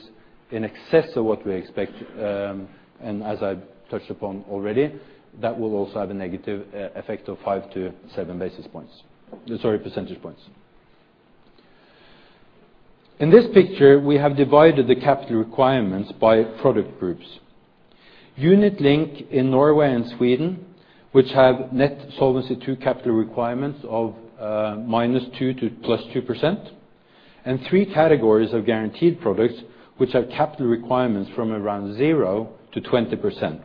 in excess of what we expect, and as I've touched upon already, that will also have a negative effect of 5-7 basis points, sorry, percentage points. In this picture, we have divided the capital requirements by product groups. Unit-linked in Norway and Sweden, which have net Solvency II capital requirements of -2% to +2%, and three categories of guaranteed products, which have capital requirements from around 0-20%.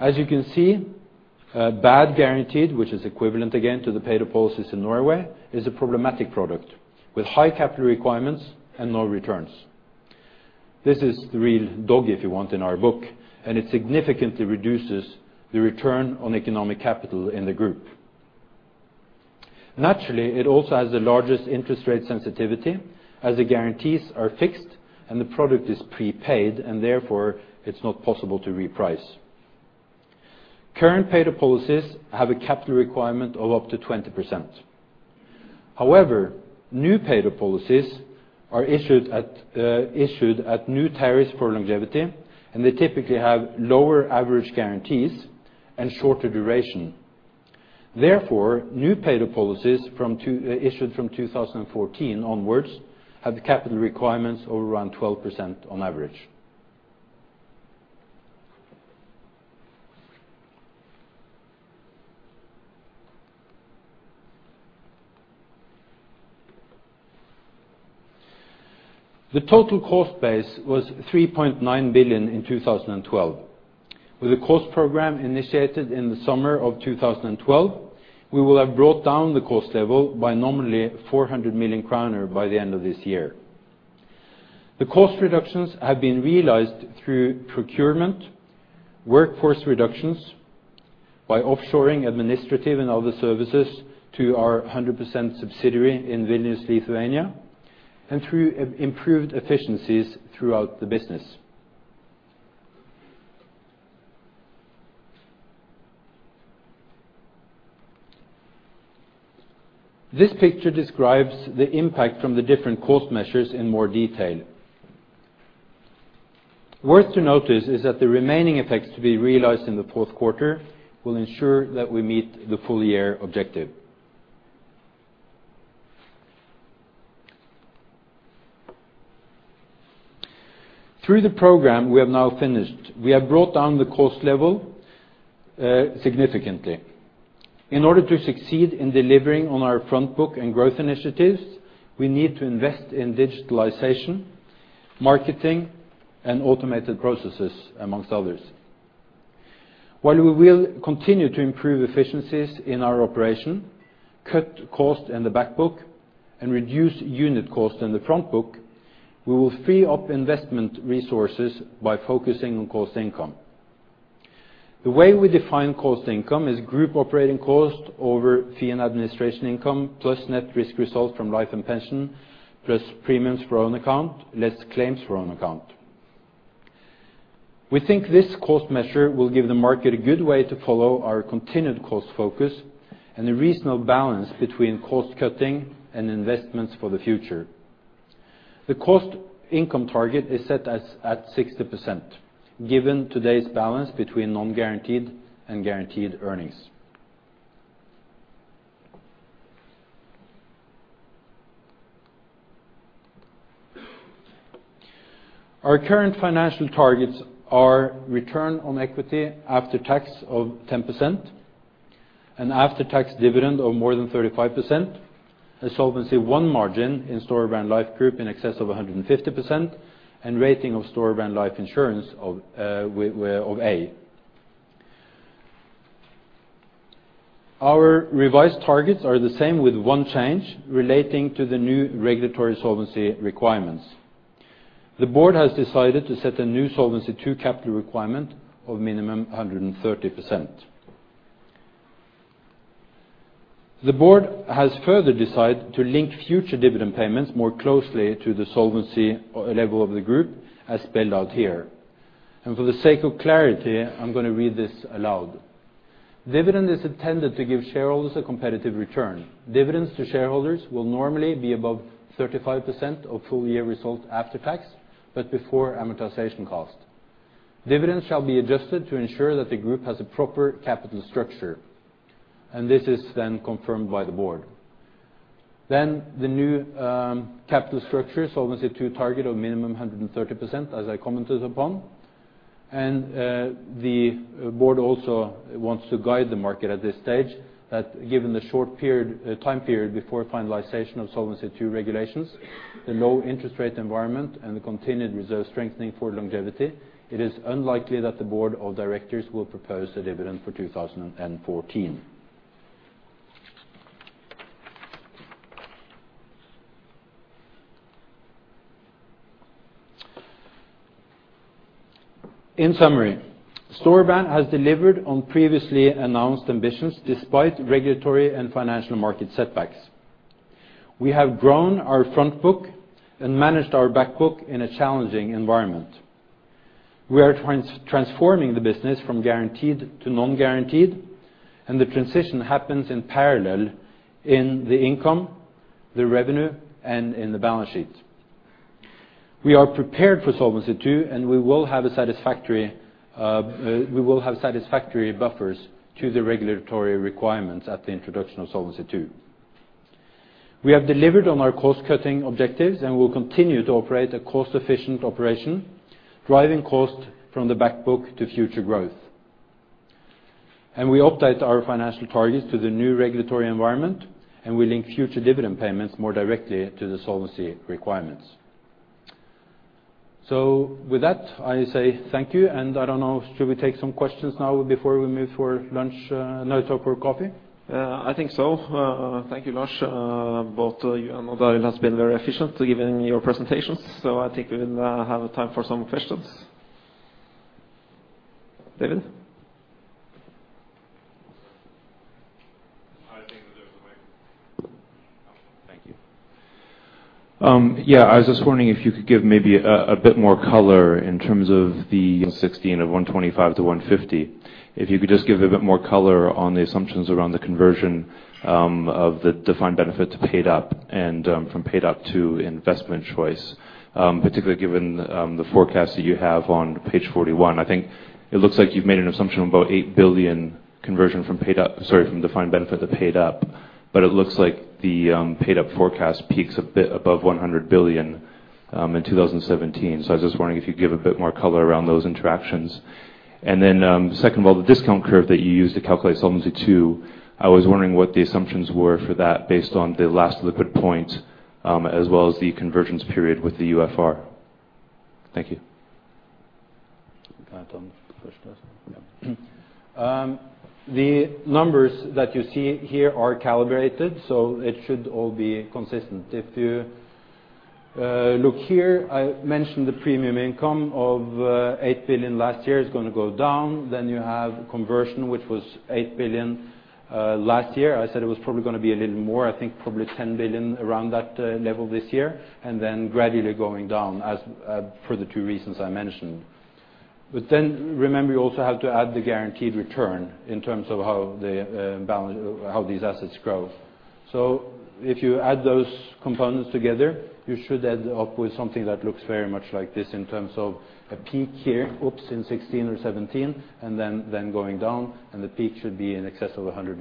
As you can see, paid guaranteed, which is equivalent again to the paid-up policies in Norway, is a problematic product with high capital requirements and no returns. This is the real dog, if you want, in our book, and it significantly reduces the return on economic capital in the group. Naturally, it also has the largest interest rate sensitivity, as the guarantees are fixed and the product is prepaid, and therefore it's not possible to reprice. Current paid-up policies have a capital requirement of up to 20%. However, new paid-up policies are issued at issued at new tariffs for longevity, and they typically have lower average guarantees and shorter duration. Therefore, new paid-up policies issued from 2014 onwards have capital requirements of around 12% on average. The total cost base was 3.9 billion in 2012. With a cost program initiated in the summer of 2012, we will have brought down the cost level by nominally 400 million kroner by the end of this year. The cost reductions have been realized through procurement, workforce reductions, by offshoring administrative and other services to our 100% subsidiary in Vilnius, Lithuania, and through improved efficiencies throughout the business. This picture describes the impact from the different cost measures in more detail. Worth noting is that the remaining effects to be realized in the Q4 will ensure that we meet the full year objective. Through the program we have now finished, we have brought down the cost level significantly. In order to succeed in delivering on our front book and growth initiatives, we need to invest in digitalization, marketing, and automated processes, amongst others. While we will continue to improve efficiencies in our operation, cut costs in the back book, and reduce unit costs in the front book, we will free up investment resources by focusing on cost income. The way we define cost income is group operating cost over fee and administration income, plus net risk results from life and pension, plus premiums for own account, less claims for own account. We think this cost measure will give the market a good way to follow our continued cost focus and a reasonable balance between cost cutting and investments for the future. The cost income target is set at 60%, given today's balance between non-guaranteed and guaranteed earnings. Our current financial targets are return on equity after tax of 10%, and after-tax dividend of more than 35%, a Solvency I margin in Storebrand Life Group in excess of 150%, and rating of Storebrand Life Insurance of A. Our revised targets are the same with one change relating to the new regulatory solvency requirements. The board has decided to set a new Solvency II capital requirement of minimum 130%. The board has further decided to link future dividend payments more closely to the solvency level of the group, as spelled out here. For the sake of clarity, I'm going to read this aloud. "Dividend is intended to give shareholders a competitive return. Dividends to shareholders will normally be above 35% of full year results after tax, but before amortization cost. Dividends shall be adjusted to ensure that the group has a proper capital structure, and this is then confirmed by the board." The new capital structure, Solvency II target of minimum 130%, as I commented upon. The board also wants to guide the market at this stage, that given the short period, time period before finalization of Solvency II regulations, the low interest rate environment, and the continued reserve strengthening for longevity, it is unlikely that the board of directors will propose a dividend for 2014. In summary, Storebrand has delivered on previously announced ambitions, despite regulatory and financial market setbacks. We have grown our front book and managed our back book in a challenging environment. We are transforming the business from guaranteed to non-guaranteed, and the transition happens in parallel in the income, the revenue, and in the balance sheet. We are prepared for Solvency II, and we will have satisfactory buffers to the regulatory requirements at the introduction of Solvency II. We have delivered on our cost-cutting objectives, and will continue to operate a cost-efficient operation, driving cost from the back book to future growth. We update our financial targets to the new regulatory environment, and we link future dividend payments more directly to the solvency requirements. So with that, I say thank you, and I don't know, should we take some questions now before we move for lunch, no, talk or coffee? I think so. Thank you, Lars. Both you and Odd Arild has been very efficient giving your presentations, so I think we will have time for some questions. David? I think there's a mic. Thank you. Yeah, I was just wondering if you could give maybe a bit more color in terms of the 60 and of 125-150. If you could just give a bit more color on the assumptions around the conversion of the defined benefit to paid up and from paid up to investment choice. Particularly given the forecast that you have on page 41. I think it looks like you've made an assumption about 8 billion conversion from paid up, sorry, from defined benefit to paid up, but it looks like the paid up forecast peaks a bit above 100 billion in 2017. So I was just wondering if you could give a bit more color around those interactions. And then, second of all, the discount curve that you used to calculate Solvency II, I was wondering what the assumptions were for that based on the last liquid point, as well as the convergence period with the UFR. Thank you. Can I turn the question? Yeah. The numbers that you see here are calibrated, so it should all be consistent. If you look here, I mentioned the premium income of 8 billion last year is going to go down. Then you have conversion, which was 8 billion last year. I said it was probably going to be a little more, I think probably 10 billion around that level this year, and then gradually going down as for the two reasons I mentioned. But then remember, you also have to add the guaranteed return in terms of how the balance, how these assets grow. So if you add those components together, you should end up with something that looks very much like this in terms of a peak here, oops, in 2016 or 2017, and then going down, and the peak should be in excess of 100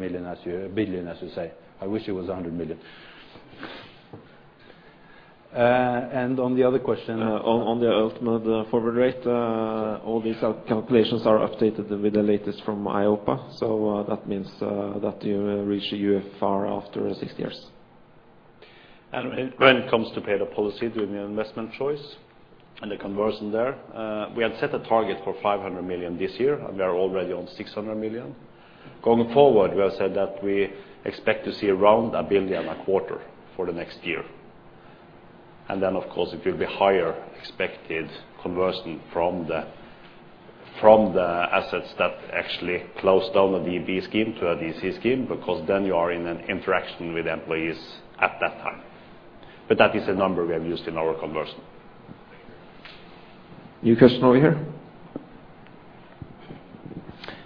billion, I should say. I wish it was 100 million. On the other question, on the ultimate forward rate, all these calculations are updated with the latest from EIOPA. So, that means that you reach UFR after six years. When it comes to paid-up policy during the investment choice and the conversion there, we had set a target for 500 million this year, and we are already on 600 million. Going forward, we have said that we expect to see around 1 billion a quarter for the next year. And then, of course, it will be higher expected conversion from the, from the assets that actually close down the DB scheme to a DC scheme, because then you are in an interaction with employees at that time. But that is a number we have used in our conversion. New question over here.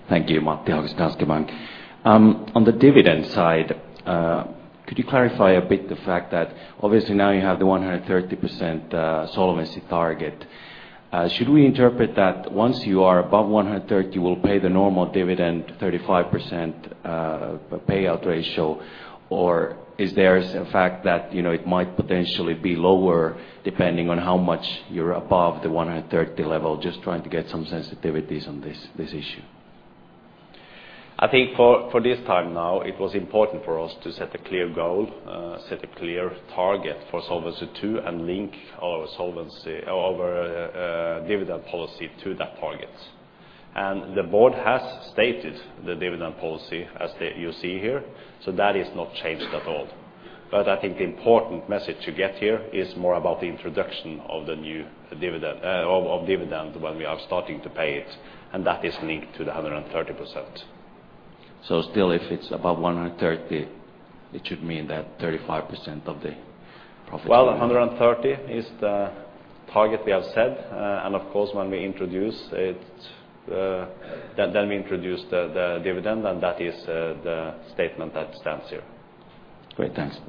Thank you, Matti from Danske Bank. On the dividend side, could you clarify a bit the fact that obviously now you have the 130% solvency target? Should we interpret that once you are above 130, we'll pay the normal dividend, 35% payout ratio, or is there a fact that, you know, it might potentially be lower, depending on how much you're above the 130 level? Just trying to get some sensitivities on this, this issue. I think for this time now, it was important for us to set a clear goal, set a clear target for Solvency II, and link our solvency or our dividend policy to that target. And the board has stated the dividend policy as you see here, so that is not changed at all. But I think the important message to get here is more about the introduction of the new dividend, of dividend, when we are starting to pay it, and that is linked to the 130%. still, if it's above 130, it should mean that 35% of the profit- Well, 130 is the target we have set, and of course, when we introduce it, then we introduce the dividend, and that is the statement that stands here. Great. Thanks.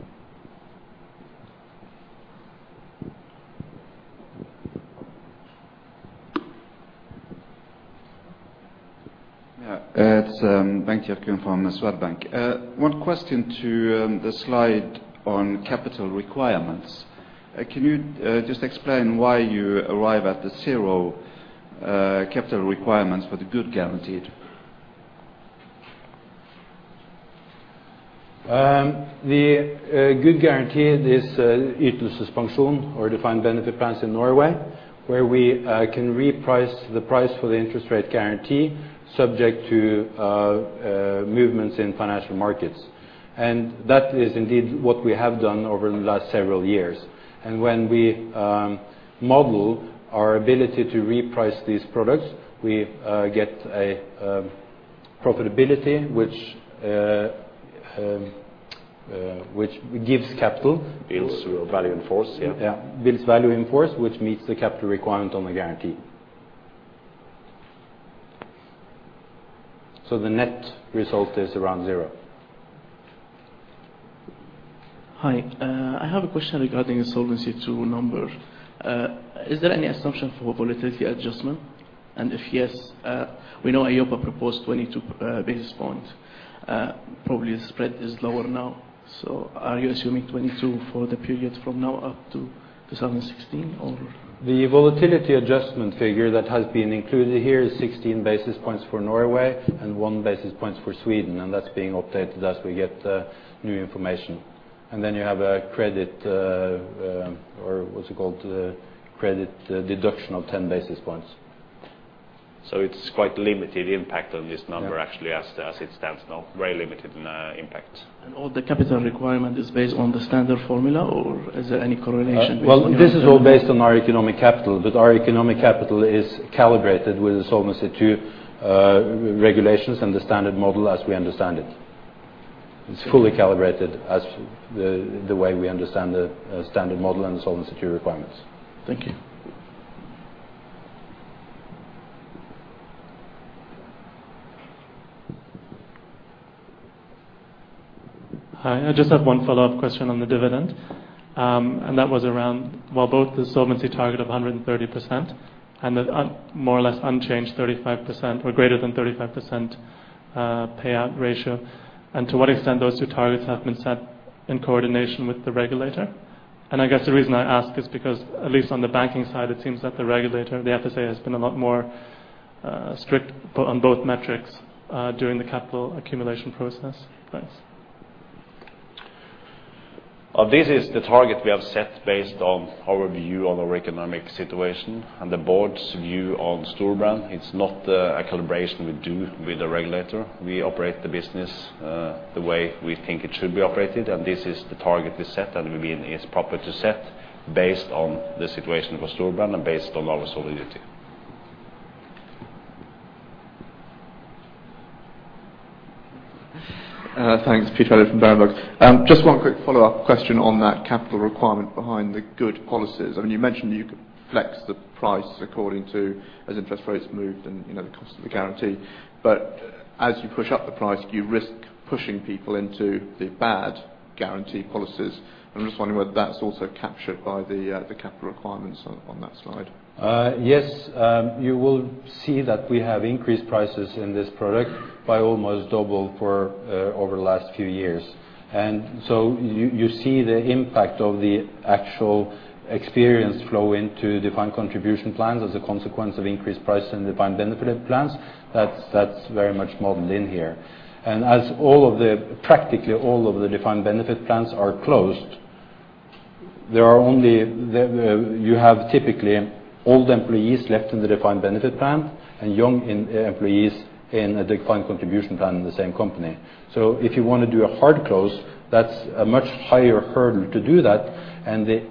Yeah, it's Bengt from Swedbank. One question to the slide on capital requirements. Can you just explain why you arrive at the zero capital requirements for the good guaranteed? The good guarantee is Ytelsespensjon, or defined benefit plans in Norway, where we can reprice the price for the interest rate guarantee, subject to movements in financial markets. That is indeed what we have done over the last several years. When we model our ability to reprice these products, we get a profitability which gives capital. Builds your Value in Force, yeah. Yeah, builds Value in Force, which meets the capital requirement on the guarantee. So the net result is around zero. Hi, I have a question regarding the Solvency II number. Is there any assumption for volatility adjustment? If yes, we know EIOPA proposed 22 basis points. Probably the spread is lower now. Are you assuming 22 for the period from now up to 2016, or? The volatility adjustment figure that has been included here is 16 basis points for Norway and one basis points for Sweden, and that's being updated as we get new information. Then you have a credit, or what's it called, credit, deduction of 10 basis points. It's quite limited impact on this number- Yeah Actually, as it stands now. Very limited impact. All the capital requirement is based on the standard formula, or is there any correlation between them? Well, this is all based on our economic capital, but our economic capital is calibrated with the Solvency II regulations and the standard model as we understand it. It's fully calibrated as the, the way we understand the standard model and the Solvency II requirements. Thank you. Hi, I just have one follow-up question on the dividend. And that was around... well, both the solvency target of 130% and the more or less unchanged 35% or greater than 35% payout ratio, and to what extent those two targets have been set in coordination with the regulator? And I guess the reason I ask is because, at least on the banking side, it seems that the regulator, the FSA, has been a lot more strict on both metrics during the capital accumulation process. Thanks. This is the target we have set based on our view on our economic situation and the board's view on Storebrand. It's not a calibration we do with the regulator. We operate the business the way we think it should be operated, and this is the target we set, and we mean it's proper to set based on the situation for Storebrand and based on our solidity. Thanks. Peter from Berenberg. Just one quick follow-up question on that capital requirement behind the good policies. I mean, you mentioned you could flex the price according to as interest rates moved and, you know, the cost of the guarantee. But as you push up the price, you risk pushing people into the bad guarantee policies. I'm just wondering whether that's also captured by the capital requirements on that slide? Yes. You will see that we have increased prices in this product by almost double for over the last few years. And so you see the impact of the actual experience flow into defined contribution plans as a consequence of increased price in defined benefit plans. That's very much modeled in here. And as practically all of the defined benefit plans are closed, you have typically old employees left in the defined benefit plan and young employees in a defined contribution plan in the same company. So if you want to do a hard close, that's a much higher hurdle to do that, and the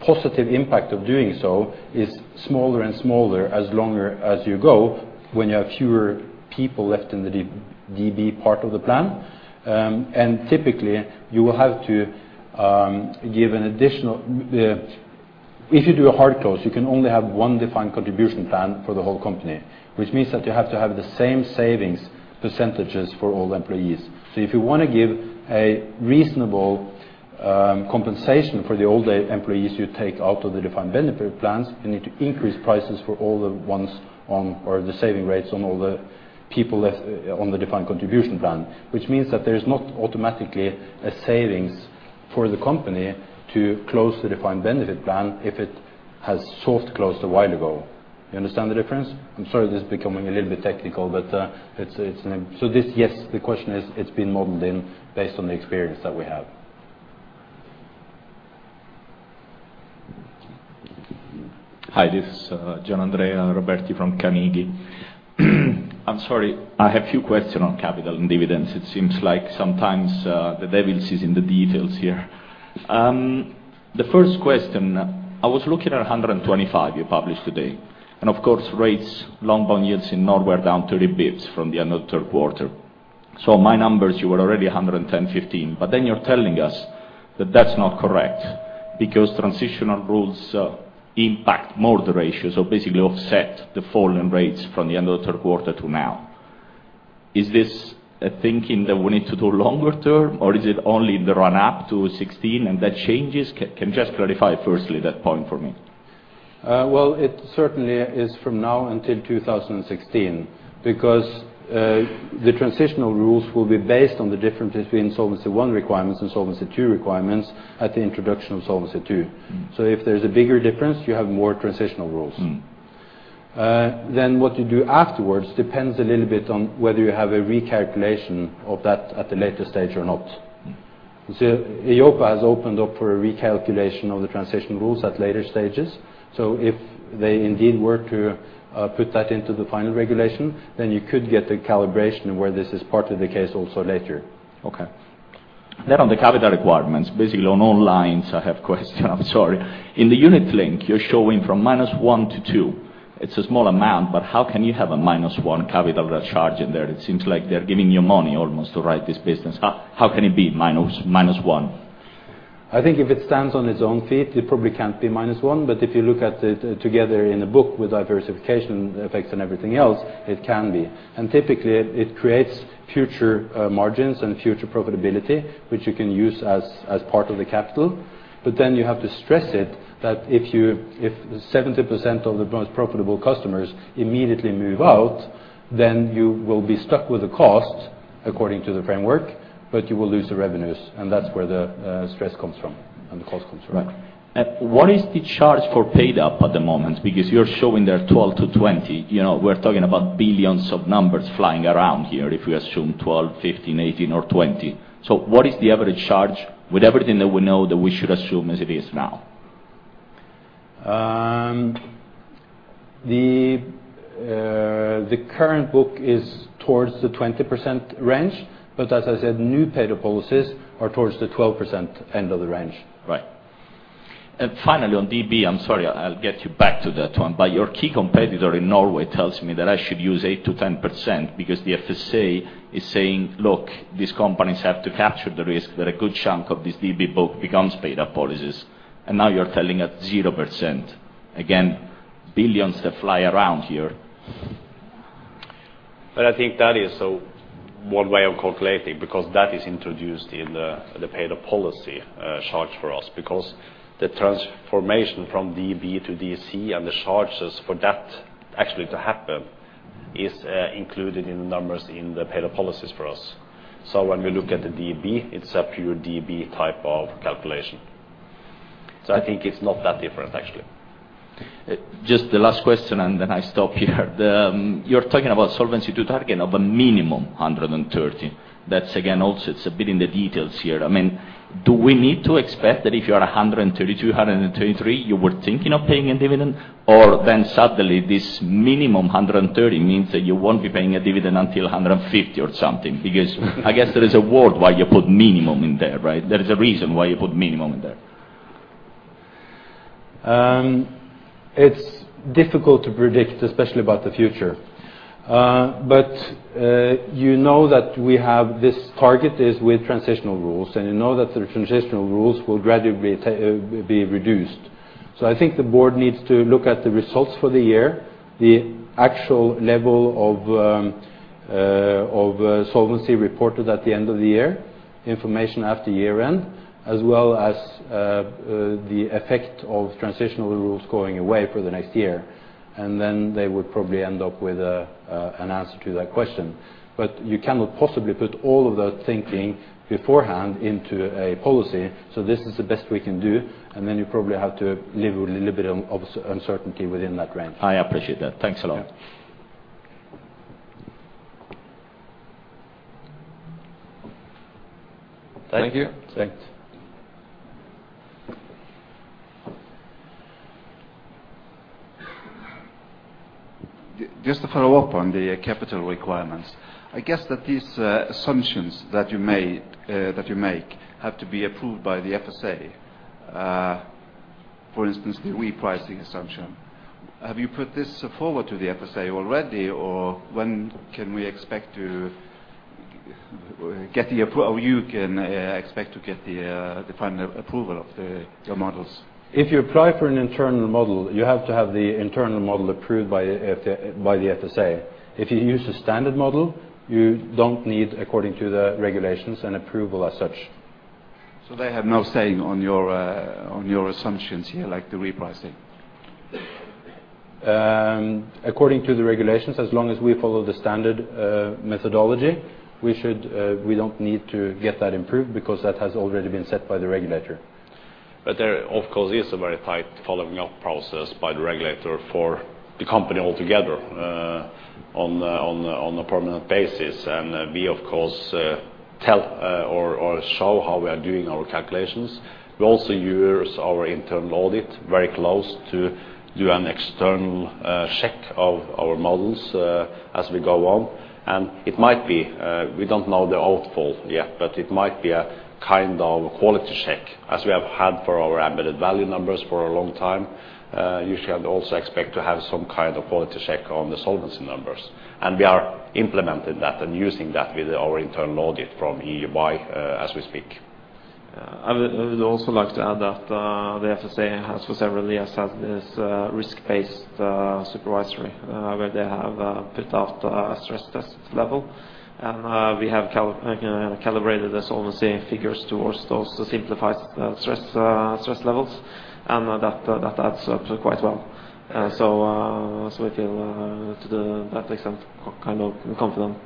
positive impact of doing so is smaller and smaller as longer as you go, when you have fewer people left in the DB part of the plan. And typically, you will have to give an additional. If you do a hard close, you can only have one defined contribution plan for the whole company, which means that you have to have the same savings percentages for all employees. So if you want to give a reasonable compensation for the older employees you take out of the defined benefit plans, you need to increase prices for all the ones on, or the saving rates on all the people left on the defined contribution plan. Which means that there is not automatically a savings for the company to close the defined benefit plan if it has soft closed a while ago. You understand the difference? I'm sorry, this is becoming a little bit technical, but it's so this, yes, the question is, it's been modeled in based on the experience that we have. Hi, this is Gianandrea Roberti from Carnegie. I'm sorry. I have a few questions on capital and dividends. It seems like sometimes the devil is in the details here. The first question, I was looking at 125 you published today, and of course, rates long bond yields in Norway are down 30 basis points from the end of Q3. So my numbers, you were already 110-115, but then you're telling us that that's not correct because transition rules impact more the ratios, so basically offset the fall in rates from the end of the Q3 to now. Is this a thinking that we need to do longer term, or is it only in the run-up to 2016, and that changes? Can you just clarify firstly that point for me? Well, it certainly is from now until 2016, because the transitional rules will be based on the difference between Solvency I requirements and Solvency II requirements at the introduction of Solvency II. Mm. If there's a bigger difference, you have more Transition Rules. Mm. Then what you do afterwards depends a little bit on whether you have a recalculation of that at a later stage or not. Mm. So EIOPA has opened up for a recalculation of the transitional rules at later stages. So if they indeed were to put that into the final regulation, then you could get a calibration where this is part of the case also later. Okay. Then on the capital requirements, basically, on all lines, I have questions. I'm sorry. In the unit-linked, you're showing from -1 to 2. It's a small amount, but how can you have a -1 capital charge in there? It seems like they're giving you money almost to write this business. How, how can it be minus, minus one? I think if it stands on its own feet, it probably can't be -1. But if you look at it together in a book with diversification effects and everything else, it can be. And typically, it, it creates future margins and future profitability, which you can use as, as part of the capital. But then you have to stress it, that if you, if 70% of the most profitable customers immediately move out, then you will be stuck with the cost according to the framework, but you will lose the revenues, and that's where the stress comes from and the cost comes from. Right. What is the charge for paid-up at the moment? Because you're showing there 12-20. You know, we're talking about billions of numbers flying around here if we assume 12, 15, 18, or 20. So what is the average charge with everything that we know that we should assume as it is now? The current book is towards the 20% range, but as I said, new paid-up policies are towards the 12% end of the range. Right. And finally, on DB, I'm sorry, I'll get you back to that one. But your key competitor in Norway tells me that I should use 8%-10% because the FSA is saying, "Look, these companies have to capture the risk that a good chunk of this DB book becomes paid-up policies." And now you're telling us 0%. Again, billions that fly around here. But I think that is one way of calculating, because that is introduced in the paid-up policy charge for us. Because the transformation from DB to DC and the charges for that actually to happen is included in the numbers in the paid-up policies for us. So when we look at the DB, it's a pure DB type of calculation. So I think it's not that different, actually. Just the last question, and then I stop here. You're talking about Solvency II target of a minimum 130. That's again, also, it's a bit in the details here. I mean, do we need to expect that if you are 132, 133, you were thinking of paying a dividend? Or then suddenly, this minimum 130 means that you won't be paying a dividend until 150 or something? Because I guess there is a reason why you put minimum in there, right? There is a reason why you put minimum in there. It's difficult to predict, especially about the future. But you know that we have this target is with transitional rules, and you know that the transitional rules will gradually be reduced. So I think the board needs to look at the results for the year, the actual level of solvency reported at the end of the year, information after year-end, as well as the effect of transitional rules going away for the next year. And then they would probably end up with a an answer to that question. But you cannot possibly put all of that thinking beforehand into a policy, so this is the best we can do, and then you probably have to live with a little bit of uncertainty within that range. I appreciate that. Thanks a lot.... Thank you. Thanks. Just to follow up on the capital requirements. I guess that these assumptions that you made, that you make, have to be approved by the FSA. For instance, the repricing assumption. Have you put this forward to the FSA already, or when can we expect to get the approval or you can expect to get the final approval of the models? If you apply for an internal model, you have to have the internal model approved by the FSA. If you use the standard model, you don't need, according to the regulations, an approval as such. They have no say on your assumptions here, like the repricing? According to the regulations, as long as we follow the standard methodology, we should, we don't need to get that approved because that has already been set by the regulator. But there, of course, is a very tight following up process by the regulator for the company altogether, on a permanent basis. And we, of course, tell or show how we are doing our calculations. We also use our internal audit very close to do an external check of our models as we go on. And it might be, we don't know the outfall yet, but it might be a kind of quality check as we have had for our embedded value numbers for a long time. You should also expect to have some kind of quality check on the solvency numbers, and we are implementing that and using that with our internal audit from EY as we speak. I would, I would also like to add that, the FSA has for several years had this, risk-based, supervisory, where they have, put out a stress test level, and, we have calibrated the solvency figures towards those simplified, stress, stress levels, and that, that adds up quite well. So, so we feel, to the that extent, kind of confident.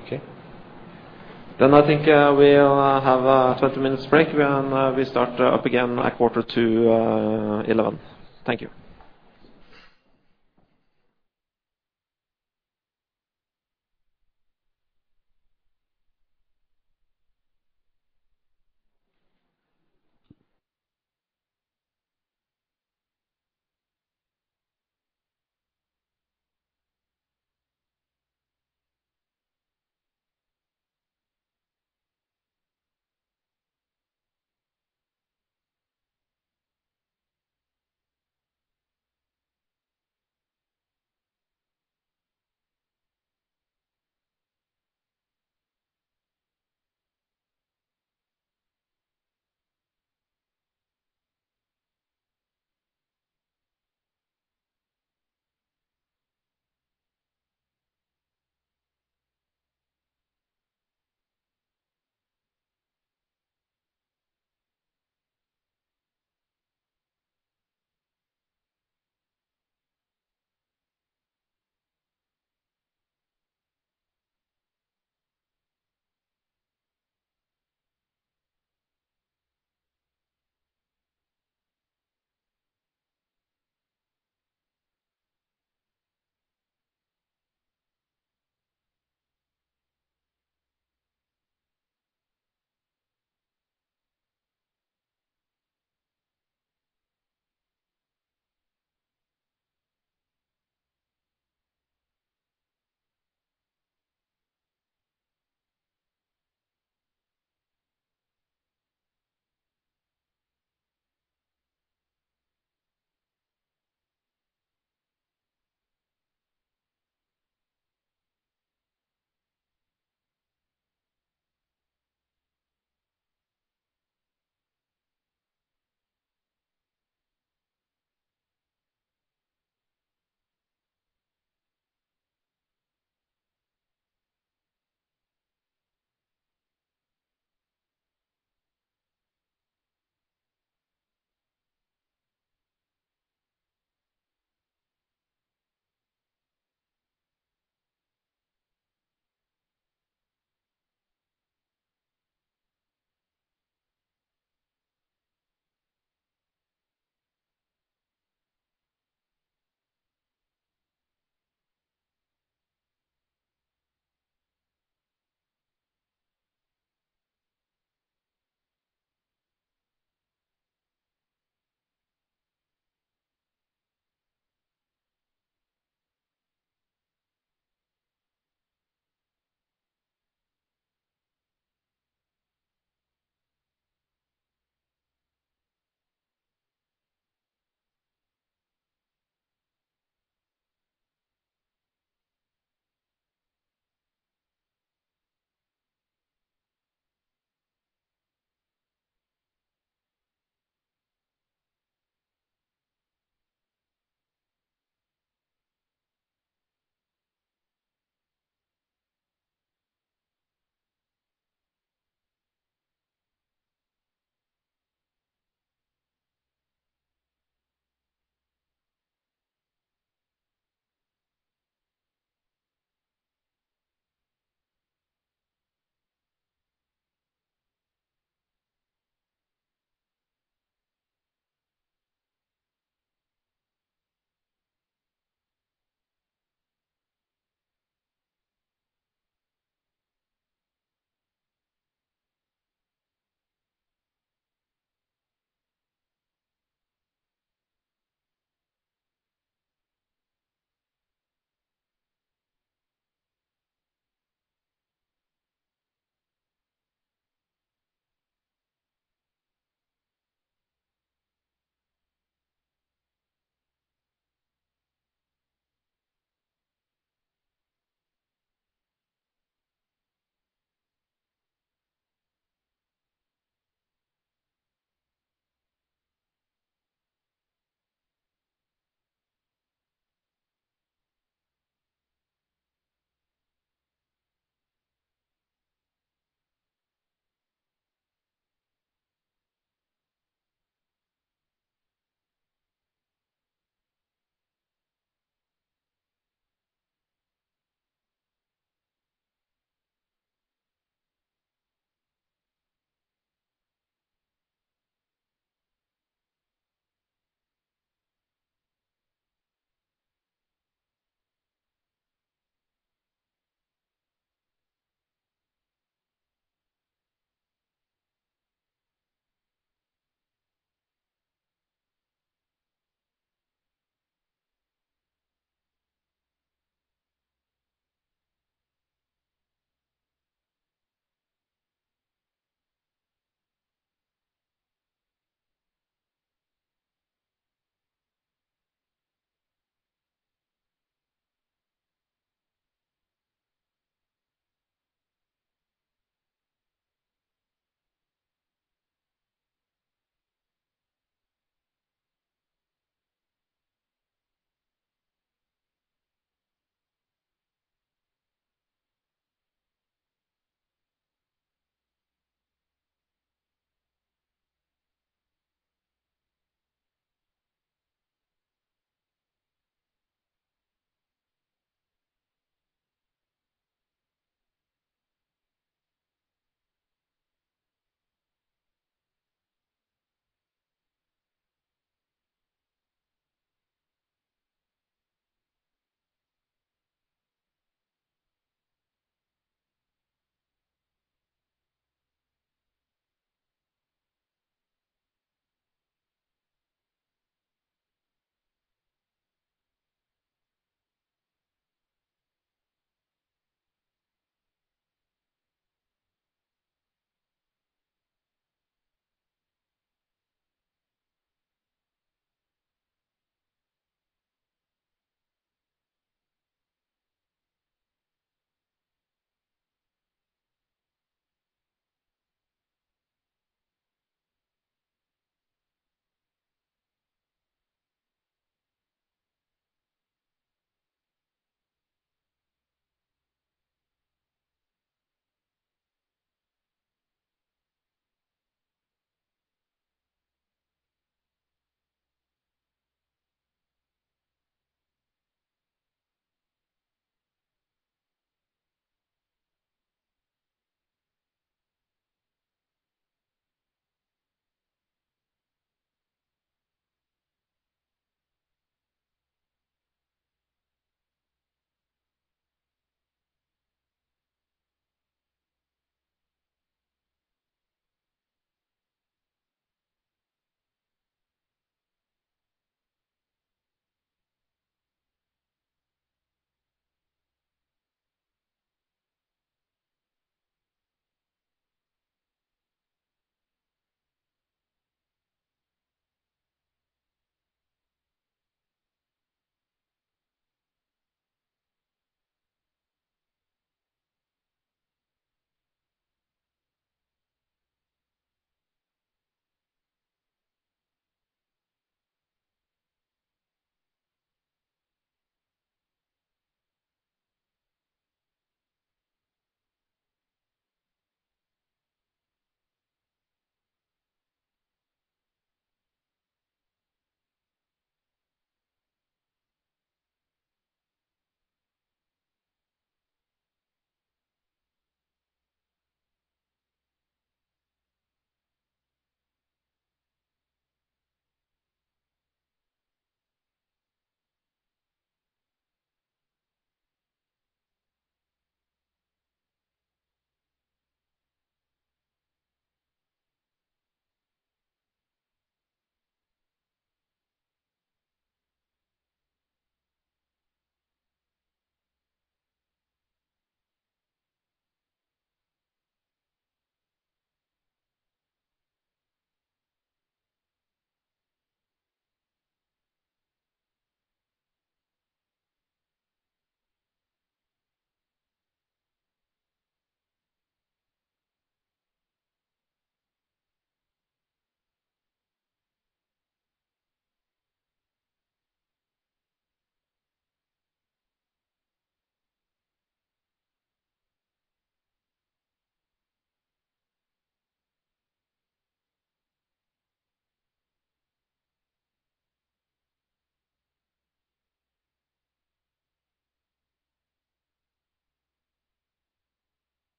Okay. Then I think we'll have a 30 minutes break, and we start up again at quarter to 11. Thank you.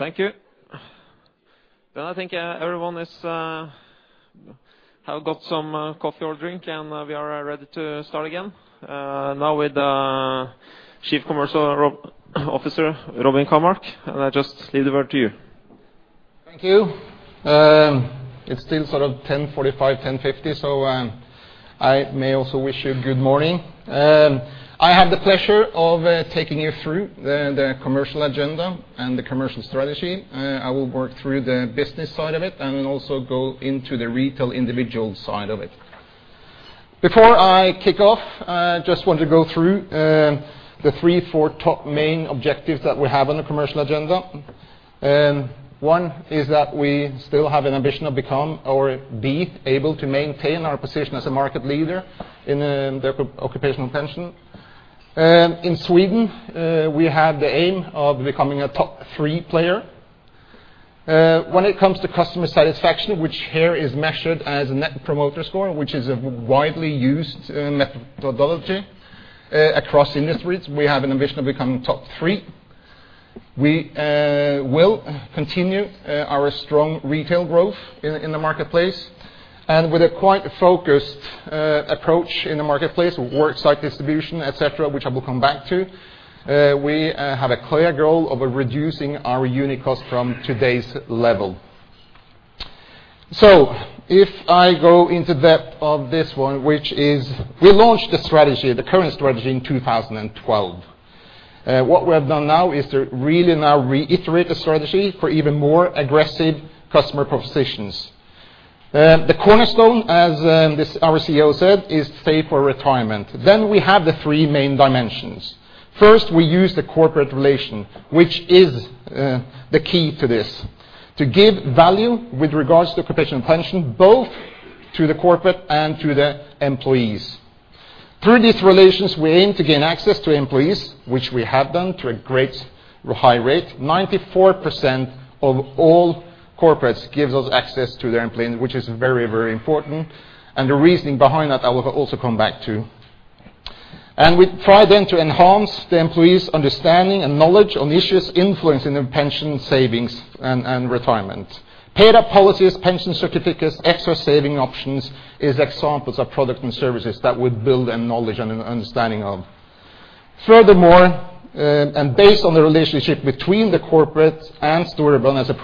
Thank you. Then I think, everyone is, have got some, coffee or drink, and, we are ready to start again, now with, Chief Commercial Officer, Robin Kamark, and I just leave the word to you. Thank you. It's still sort of 10:45, 10:50, so, I may also wish you a good morning. I have the pleasure of taking you through the commercial agenda and the commercial strategy. I will work through the business side of it and then also go into the retail individual side of it. Before I kick off, I just want to go through the three, four top main objectives that we have on the commercial agenda. One is that we still have an ambition to become or be able to maintain our position as a market leader in the occupational pension. In Sweden, we have the aim of becoming a top three player. When it comes to customer satisfaction, which here is measured as Net Promoter Score, which is a widely used methodology across industries, we have an ambition to become top three. We will continue our strong retail growth in the marketplace, and with a quite focused approach in the marketplace, worksite distribution, et cetera, which I will come back to. We have a clear goal of reducing our unit cost from today's level. So if I go into depth of this one, which is... We launched the strategy, the current strategy, in 2012. What we have done now is to really now reiterate the strategy for even more aggressive customer propositions. The cornerstone, as this—our CEO said, is save for retirement. Then we have the three main dimensions. First, we use the corporate relation, which is the key to this, to give value with regards to occupational pension, both to the corporate and to the employees. Through these relations, we aim to gain access to employees, which we have done through a great high rate. 94% of all corporates give us access to their employees, which is very, very important, and the reasoning behind that, I will also come back to. And we try then to enhance the employees' understanding and knowledge on issues influencing their pension savings and retirement. Paid up policies, pension certificates, extra saving options is examples of products and services that would build a knowledge and an understanding of. Furthermore, and based on the relationship between the corporate and Storebrand as a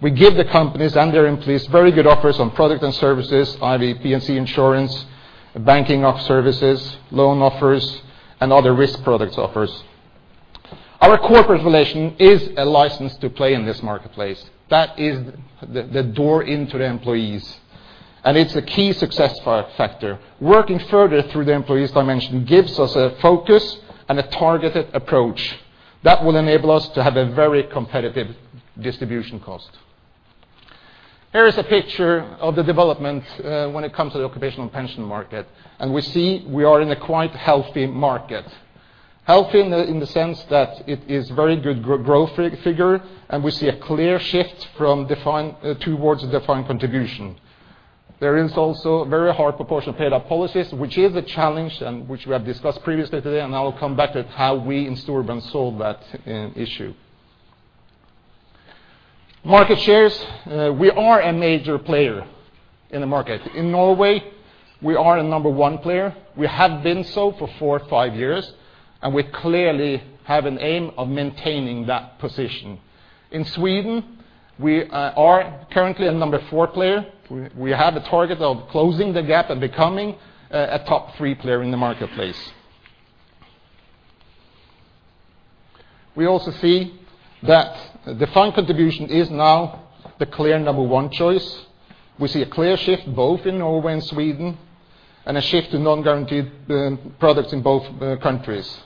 provider, we give the companies and their employees very good offers on product and services, i.e., P&C insurance, banking off services, loan offers, and other risk products offers. Our corporate relation is a license to play in this marketplace. That is the door into the employees, and it's a key success factor. Working further through the employees dimension gives us a focus and a targeted approach that will enable us to have a very competitive distribution cost. Here is a picture of the development, when it comes to the occupational pension market, and we see we are in a quite healthy market. Healthy in the sense that it is very good growth figure, and we see a clear shift from defined towards defined contribution. There is also a very hard proportion of paid up policies, which is a challenge, and which we have discussed previously today, and I will come back at how we in Storebrand solve that issue. Market shares, we are a major player in the market. In Norway, we are a number one player. We have been so for four five years, and we clearly have an aim of maintaining that position. In Sweden, we are currently a number four player. We have a target of closing the gap and becoming a top three player in the marketplace. We also see that defined contribution is now the clear number one choice. We see a clear shift both in Norway and Sweden, and a shift to non-guaranteed products in both countries.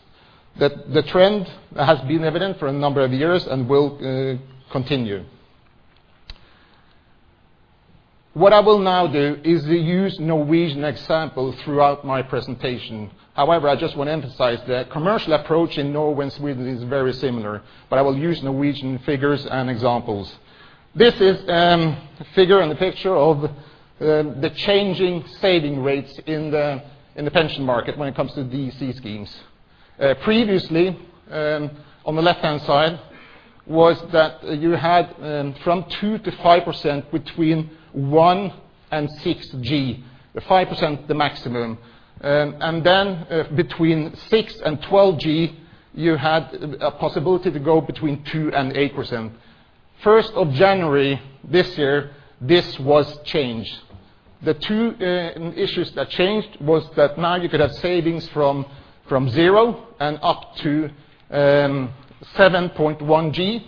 The trend has been evident for a number of years and will continue. What I will now do is use Norwegian example throughout my presentation. However, I just want to emphasize that commercial approach in Norway and Sweden is very similar, but I will use Norwegian figures and examples. This is a figure and a picture of the changing saving rates in the pension market when it comes to DC schemes. Previously, on the left-hand side, was that you had from 2%-5% between one and six G, the 5%, the maximum. And then, between six and 12 G, you had a possibility to go between 2% and 8%. January 1, this year, this was changed. The two issues that changed was that now you could have savings from zero and up to 7.1 G,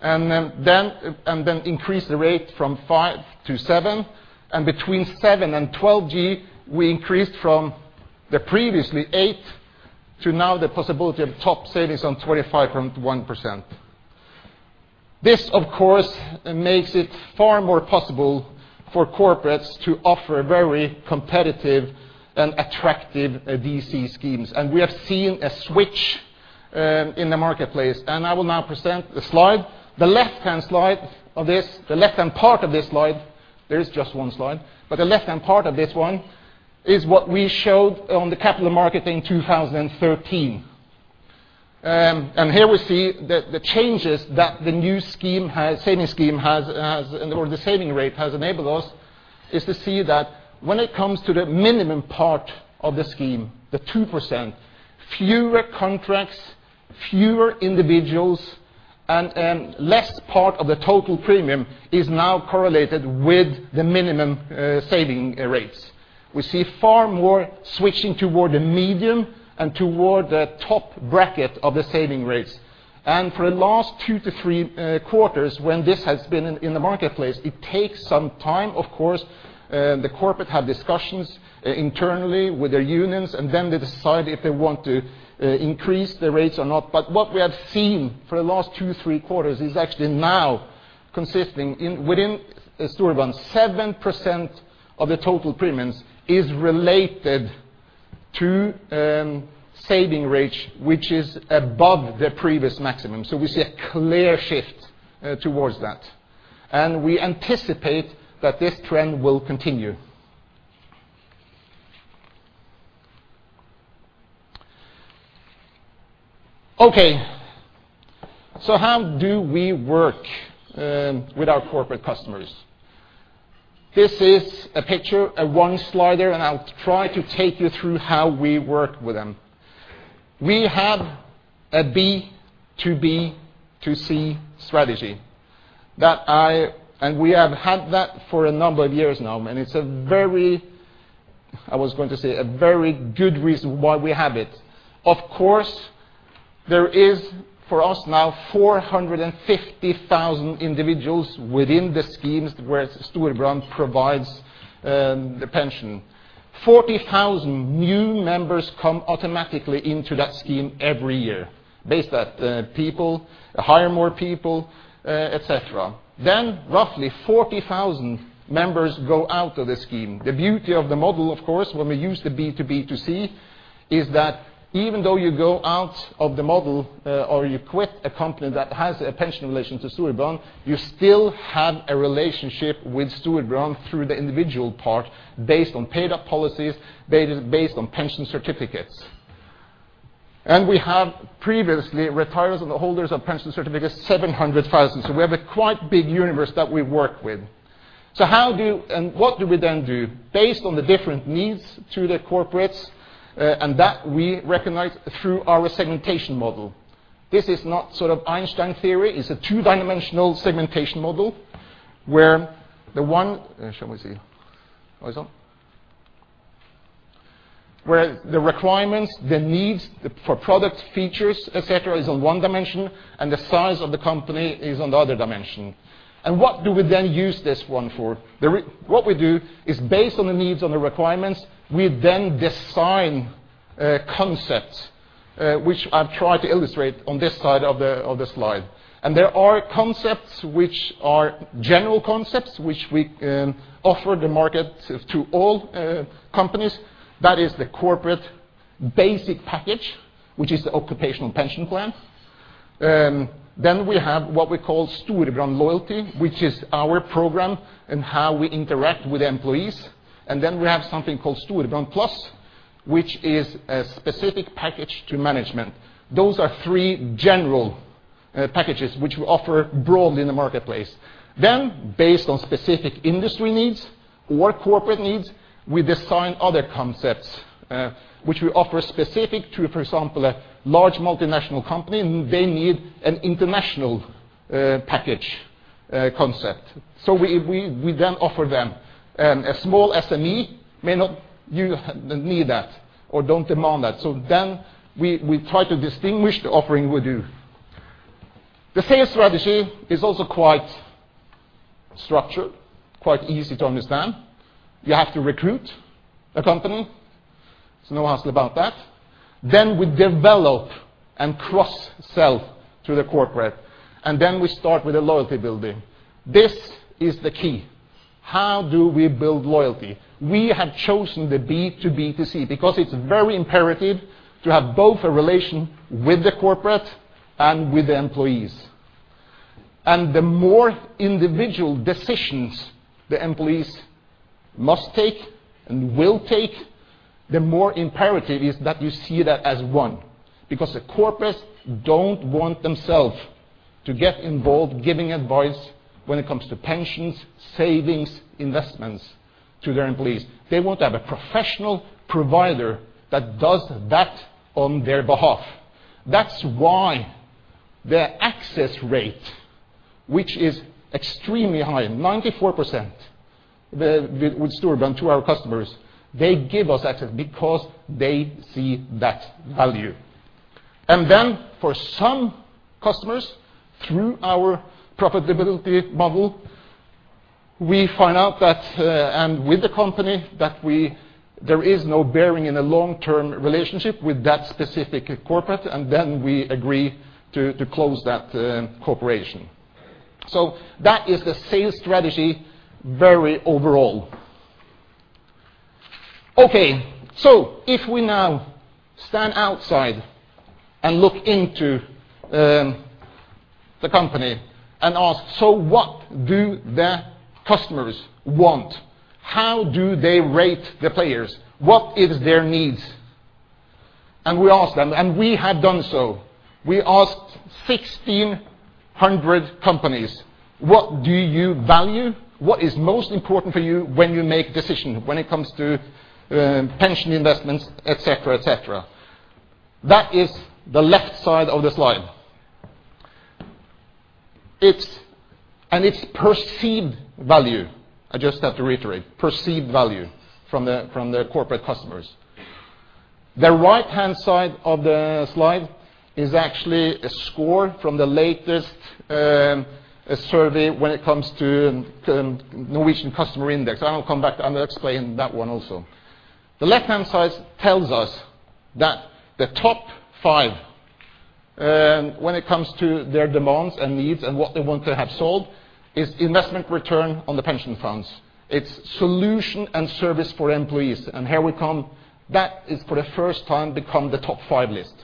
and then increase the rate from five to seven, and between seven and 12 G, we increased from the previously eight to now the possibility of top savings on 25.1%. This, of course, makes it far more possible for corporates to offer a very competitive and attractive DC schemes, and we have seen a switch in the marketplace, and I will now present the slide. The left-hand slide of this, the left-hand part of this slide, there is just one slide, but the left-hand part of this one is what we showed on the capital market in 2013. And here we see that the changes that the new saving scheme has, or the saving rate has enabled us, is to see that when it comes to the minimum part of the scheme, the 2%, fewer contracts, fewer individuals, and less part of the total premium is now correlated with the minimum saving rates. We see far more switching toward the medium and toward the top bracket of the saving rates. And for the last 2-3 quarters, when this has been in the marketplace, it takes some time, of course, the corporate have discussions internally with their unions, and then they decide if they want to increase the rates or not. But what we have seen for the last two three quarters is actually now consisting in, within Storebrand, 7% of the total premiums is related to, saving rate, which is above the previous maximum. So we see a clear shift, towards that, and we anticipate that this trend will continue. Okay, so how do we work, with our corporate customers? This is a picture, a one slider, and I'll try to take you through how we work with them. We have a B to B to C strategy and we have had that for a number of years now, and it's a very, I was going to say, a very good reason why we have it. Of course, there is, for us now, 450,000 individuals within the schemes where Storebrand provides, the pension. 40,000 new members come automatically into that scheme every year, based at, people, hire more people, et cetera. Then, roughly 40,000 members go out of the scheme. The beauty of the model, of course, when we use the B to B to C, is that even though you go out of the model, or you quit a company that has a pension relation to Storebrand, you still have a relationship with Storebrand through the individual part, based on paid-up policies, based, based on pension certificates.... and we have previously retirees and the holders of pension certificates, 700,000. So we have a quite big universe that we work with. So how do, and what do we then do? Based on the different needs to the corporates, and that we recognize through our segmentation model. This is not sort of Einstein theory, it's a two-dimensional segmentation model, where the requirements, the needs for product features, et cetera, is on one dimension, and the size of the company is on the other dimension. And what do we then use this one for? What we do is based on the needs and the requirements, we then design concepts, which I've tried to illustrate on this side of the, of the slide. And there are concepts which are general concepts, which we offer the market to all companies. That is the corporate basic package, which is the occupational pension plan. Then we have what we call Storebrand Loyalty, which is our program and how we interact with the employees. Then we have something called Storebrand Pluss, which is a specific package to management. Those are three general packages which we offer broadly in the marketplace. Then, based on specific industry needs or corporate needs, we design other concepts which we offer specific to, for example, a large multinational company, and they need an international package concept. So we then offer them. A small SME may not need that or don't demand that, so then we try to distinguish the offering we do. The sales strategy is also quite structured, quite easy to understand. You have to recruit a company, there's no hassle about that. Then we develop and cross-sell to the corporate, and then we start with the loyalty building. This is the key: How do we build loyalty? We have chosen the B to B to C, because it's very imperative to have both a relation with the corporate and with the employees. The more individual decisions the employees must take and will take, the more imperative is that you see that as one, because the corporates don't want themselves to get involved giving advice when it comes to pensions, savings, investments to their employees. They want to have a professional provider that does that on their behalf. That's why the access rate, which is extremely high, 94%, with Storebrand to our customers, they give us access because they see that value. Then for some customers, through our profitability model, we find out that and with the company, there is no bearing in a long-term relationship with that specific corporate, and then we agree to close that cooperation. So that is the sales strategy, very overall. Okay, so if we now stand outside and look into the company and ask: So what do the customers want? How do they rate the players? What is their needs? And we ask them, and we have done so. We asked 1,600 companies, "What do you value? What is most important for you when you make decision, when it comes to pension investments, et cetera, et cetera?" That is the left side of the slide. It's, and it's perceived value, I just have to reiterate, perceived value from the corporate customers. The right-hand side of the slide is actually a score from the latest survey when it comes to Norwegian Customer Index. I will come back, and I'll explain that one also. The left-hand side tells us that the top five, when it comes to their demands and needs and what they want to have sold, is investment return on the pension funds. It's solution and service for employees, and here we come, that is for the first time, become the top five list.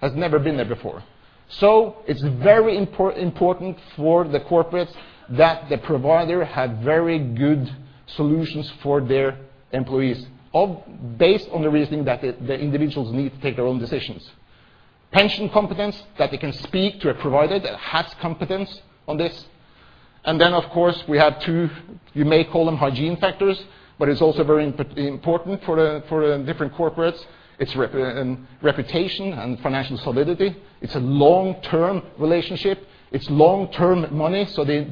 Has never been there before. So it's very important for the corporates that the provider have very good solutions for their employees, based on the reasoning that the individuals need to take their own decisions. Pension competence, that they can speak to a provider that has competence on this. And then, of course, we have two, you may call them hygiene factors, but it's also very important for the different corporates. It's reputation and financial solidity. It's a long-term relationship, it's long-term money, so they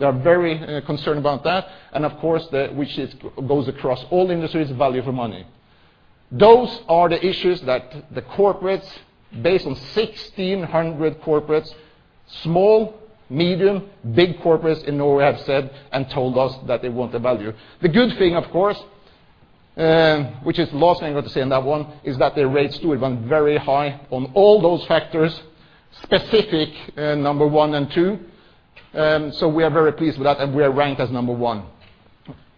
are very concerned about that. And of course, which goes across all industries, value for money. Those are the issues that the corporates, based on 1,600 corporates, small, medium, big corporates in Norway, have said and told us that they want the value. The good thing, of course, which is last thing I got to say on that one, is that they rate Storebrand very high on all those factors, number one and two, so we are very pleased with that, and we are ranked as number one.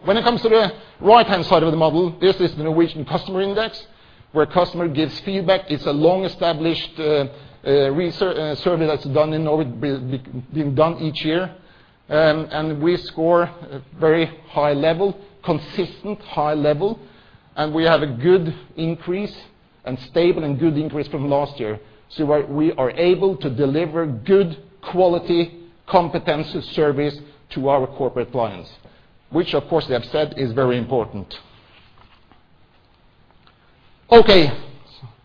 When it comes to the right-hand side of the model, this is the Norwegian Customer Index, where customer gives feedback. It's a long-established research survey that's done in Norway, being done each year. And we score a very high level, consistent high level, and we have a good increase-... and stable and good increase from last year. So we are, we are able to deliver good quality, competitive service to our corporate clients, which, of course, they have said is very important. Okay,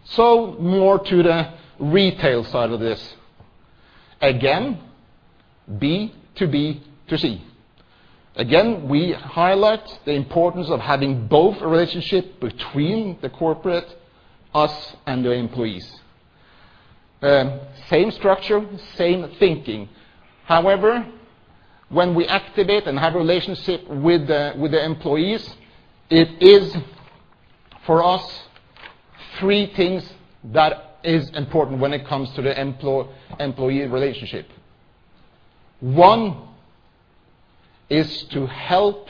so more to the retail side of this. Again, B to B to C. Again, we highlight the importance of having both a relationship between the corporate, us, and the employees. Same structure, same thinking. However, when we activate and have relationship with the employees, it is for us, three things that is important when it comes to the employee relationship. One, is to help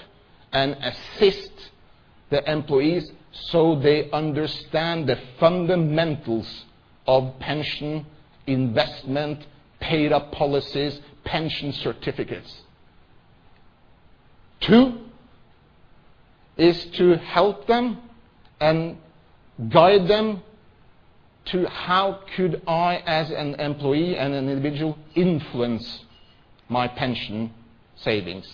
and assist the employees so they understand the fundamentals of pension, investment, paid-up policies, pension certificates. Two, is to help them and guide them to how could I, as an employee and an individual, influence my pension savings?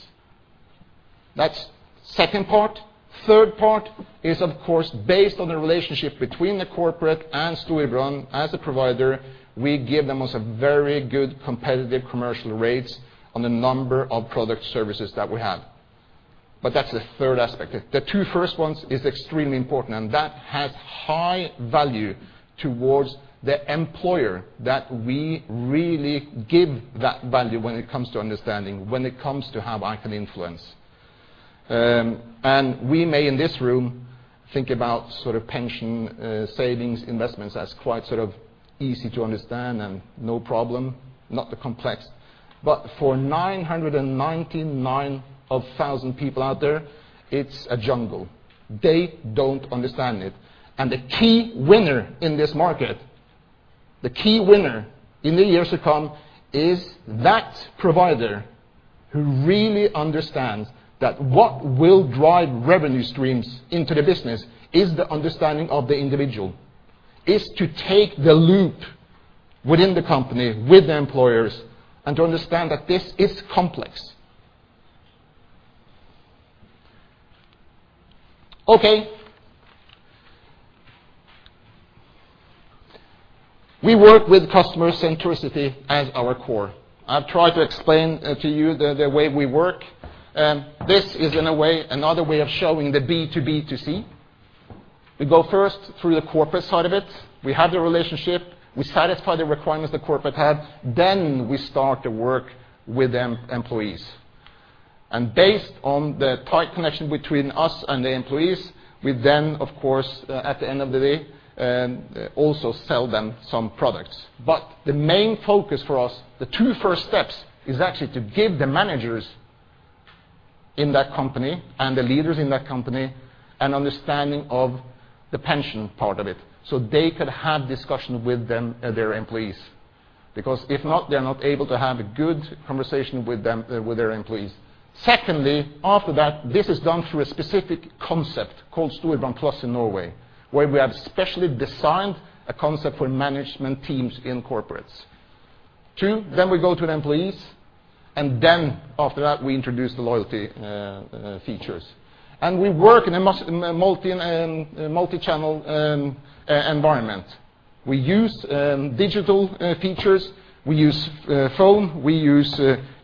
That's second part. Third part is, of course, based on the relationship between the corporate and Storebrand as a provider, we give them some very good competitive commercial rates on the number of product services that we have. But that's the third aspect. The two first ones is extremely important, and that has high value towards the employer, that we really give that value when it comes to understanding, when it comes to how I can influence. And we may, in this room, think about sort of pension, savings, investments as quite sort of easy to understand and no problem, not that complex. But for 999 of 1,000 people out there, it's a jungle. They don't understand it. The key winner in this market, the key winner in the years to come, is that provider who really understands that what will drive revenue streams into the business is the understanding of the individual. Is to take the loop within the company, with the employers, and to understand that this is complex. Okay. We work with customer centricity as our core. I've tried to explain to you the way we work, this is, in a way, another way of showing the B2B2C. We go first through the corporate side of it. We have the relationship, we satisfy the requirements the corporate have, then we start to work with the employees. And based on the tight connection between us and the employees, we then, of course, at the end of the day, also sell them some products. The main focus for us, the two first steps, is actually to give the managers in that company and the leaders in that company an understanding of the pension part of it, so they could have discussion with them and their employees. Because if not, they are not able to have a good conversation with them, with their employees. Secondly, after that, this is done through a specific concept called Storebrand Pluss in Norway, where we have specially designed a concept for management teams in corporates. Two, then we go to the employees, and then after that, we introduce the loyalty features. We work in a multi-channel environment. We use digital features, we use phone, we use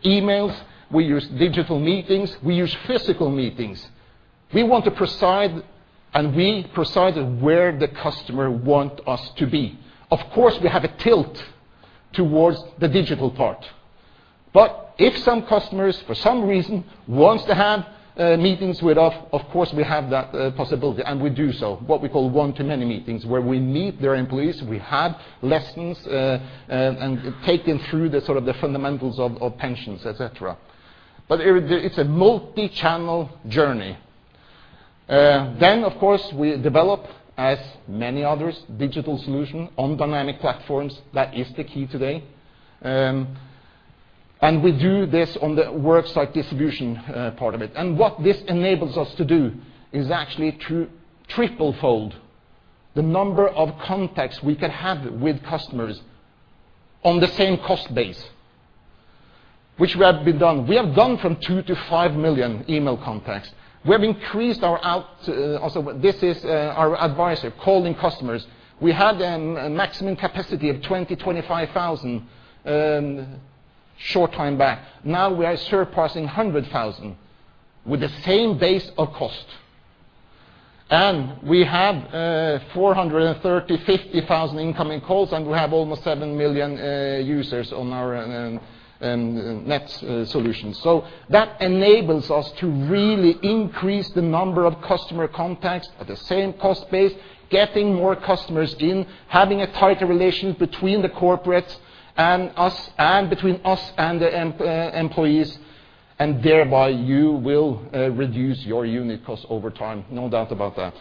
emails, we use digital meetings, we use physical meetings. We want to preside, and we preside where the customer want us to be. Of course, we have a tilt towards the digital part. But if some customers, for some reason, wants to have meetings with us, of course, we have that possibility, and we do so. What we call one-to-many meetings, where we meet their employees, we have lessons, and take them through the sort of the fundamentals of, of pensions, et cetera. But it, there, it's a multi-channel journey. Then, of course, we develop, as many others, digital solution on dynamic platforms. That is the key today. And we do this on the worksite distribution part of it. And what this enables us to do is actually to triple fold the number of contacts we can have with customers on the same cost base, which we have been done. We have gone from two to five million email contacts. We have increased our out—also, this is our advisor, calling customers. We had a maximum capacity of 20,000-25,000 a short time back. Now we are surpassing 100,000 with the same base of cost. We have 430,000-450,000 incoming calls, and we have almost seven million users on our net solution. That enables us to really increase the number of customer contacts at the same cost base, getting more customers in, having a tighter relationship between the corporates and us, and between us and the employees, and thereby, you will reduce your unit cost over time. No doubt about that.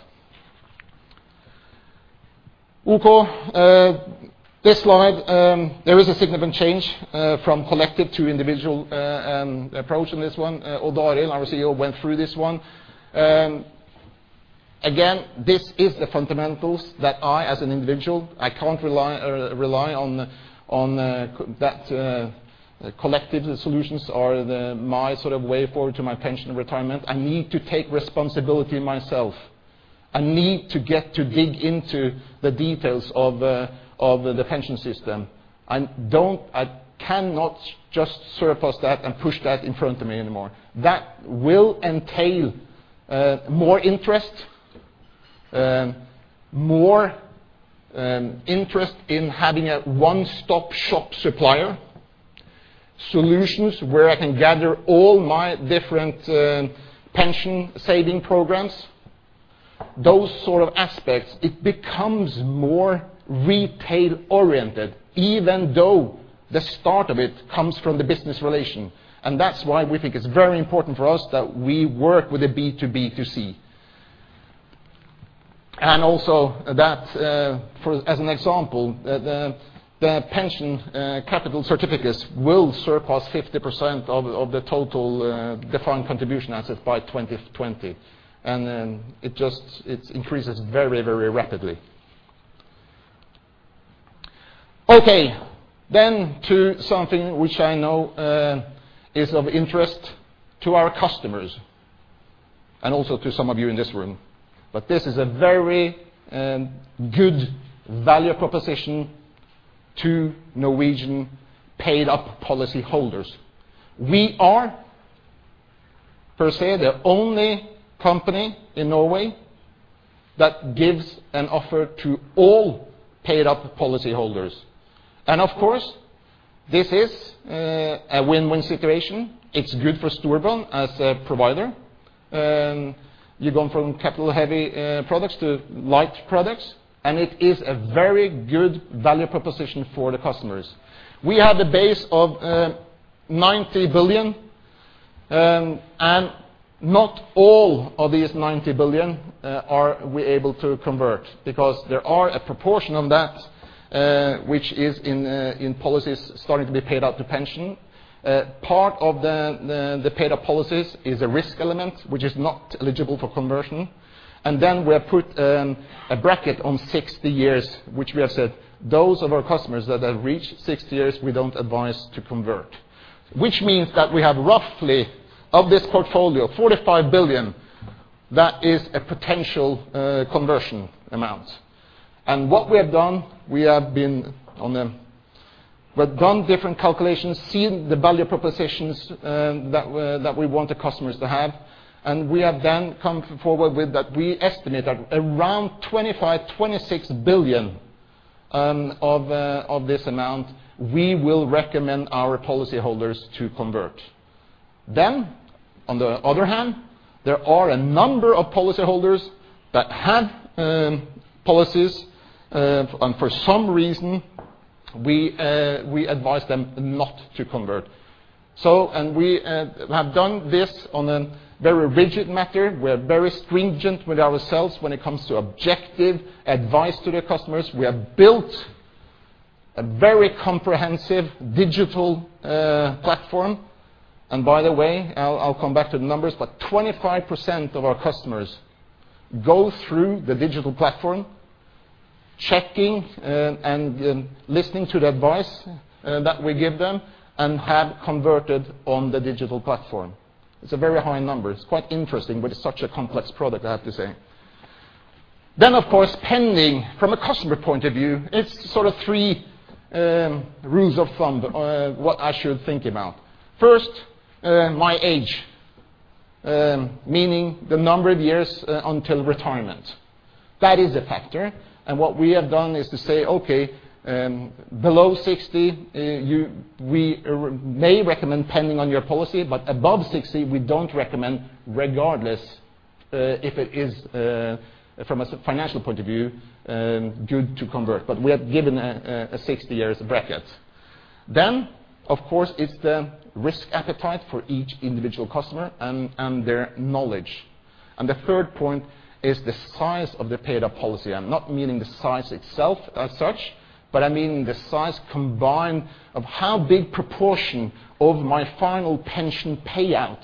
Okay. This slide, there is a significant change from collective to individual approach on this one. Odd Arild, our CEO, went through this one. Again, this is the fundamentals that I, as an individual, I can't rely, rely on, on, that collective solutions or the-- my sort of way forward to my pension and retirement. I need to take responsibility myself. I need to get to dig into the details of the pension system. I don't-- I cannot just surpass that and push that in front of me anymore. That will entail more interest, more interest in having a one-stop shop supplier. Solutions where I can gather all my different pension saving programs, those sort of aspects, it becomes more retail-oriented, even though the start of it comes from the business relation. That's why we think it's very important for us that we work with a B2B2C. Also, for as an example, the pension capital certificates will surpass 50% of the total defined contribution assets by 2020. Then, it increases very rapidly. Okay, to something which I know is of interest to our customers and also to some of you in this room, but this is a very good value proposition to Norwegian paid-up policyholders. We are, per se, the only company in Norway that gives an offer to all paid-up policyholders. And of course, this is a win-win situation. It's good for Storebrand as a provider, you go from capital-heavy products to light products, and it is a very good value proposition for the customers. We have a base of 90 billion, and not all of these 90 billion are we able to convert, because there are a proportion of that, which is in policies starting to be paid out to pension. Part of the paid-up policies is a risk element, which is not eligible for conversion. And then we have put a bracket on 60 years, which we have said, those of our customers that have reached 60 years, we don't advise to convert. Which means that we have roughly, of this portfolio, 45 billion, that is a potential conversion amount. And what we have done, we have been on the... We've done different calculations, seen the value propositions, that we, that we want the customers to have, and we have then come forward with that we estimate that around 25-26 billion, of this amount, we will recommend our policyholders to convert. Then, on the other hand, there are a number of policyholders that have policies, and for some reason, we, we advise them not to convert. So... We have done this on a very rigid matter. We are very stringent with ourselves when it comes to objective advice to the customers. We have built a very comprehensive digital platform. And by the way, I'll come back to the numbers, but 25% of our customers go through the digital platform, checking and listening to the advice that we give them, and have converted on the digital platform. It's a very high number. It's quite interesting, with such a complex product, I have to say. Then, of course, pending, from a customer point of view, it's sort of three rules of thumb what I should think about. First, my age, meaning the number of years until retirement. That is a factor, and what we have done is to say, "Okay, below 60, we may recommend depending on your policy, but above 60, we don't recommend, regardless, if it is, from a financial point of view, good to convert." But we have given a 60-year bracket. Then, of course, it's the risk appetite for each individual customer and their knowledge. And the third point is the size of the paid-up policy. I'm not meaning the size itself as such, but I mean the size combined of how big proportion of my final pension payout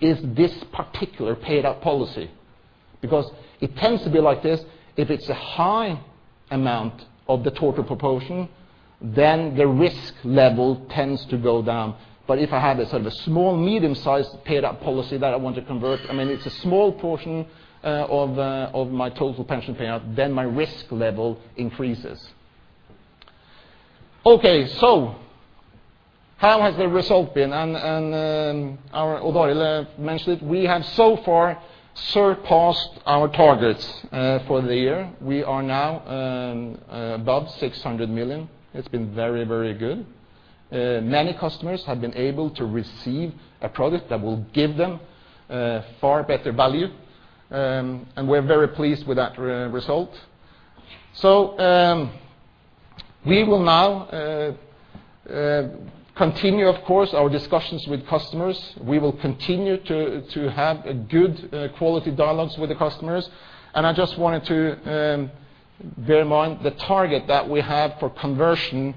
is this particular paid-up policy. Because it tends to be like this, if it's a high amount of the total proportion, then the risk level tends to go down. But if I have a sort of a small, medium-sized paid-up policy that I want to convert, I mean, it's a small portion of my total pension payout, then my risk level increases. Okay, so how has the result been? And our Odd Arild mentioned it, we have so far surpassed our targets for the year. We are now above 600 million. It's been very, very good. Many customers have been able to receive a product that will give them far better value, and we're very pleased with that result. So we will now continue, of course, our discussions with customers. We will continue to have good, quality dialogues with the customers. I just wanted to bear in mind the target that we have for conversion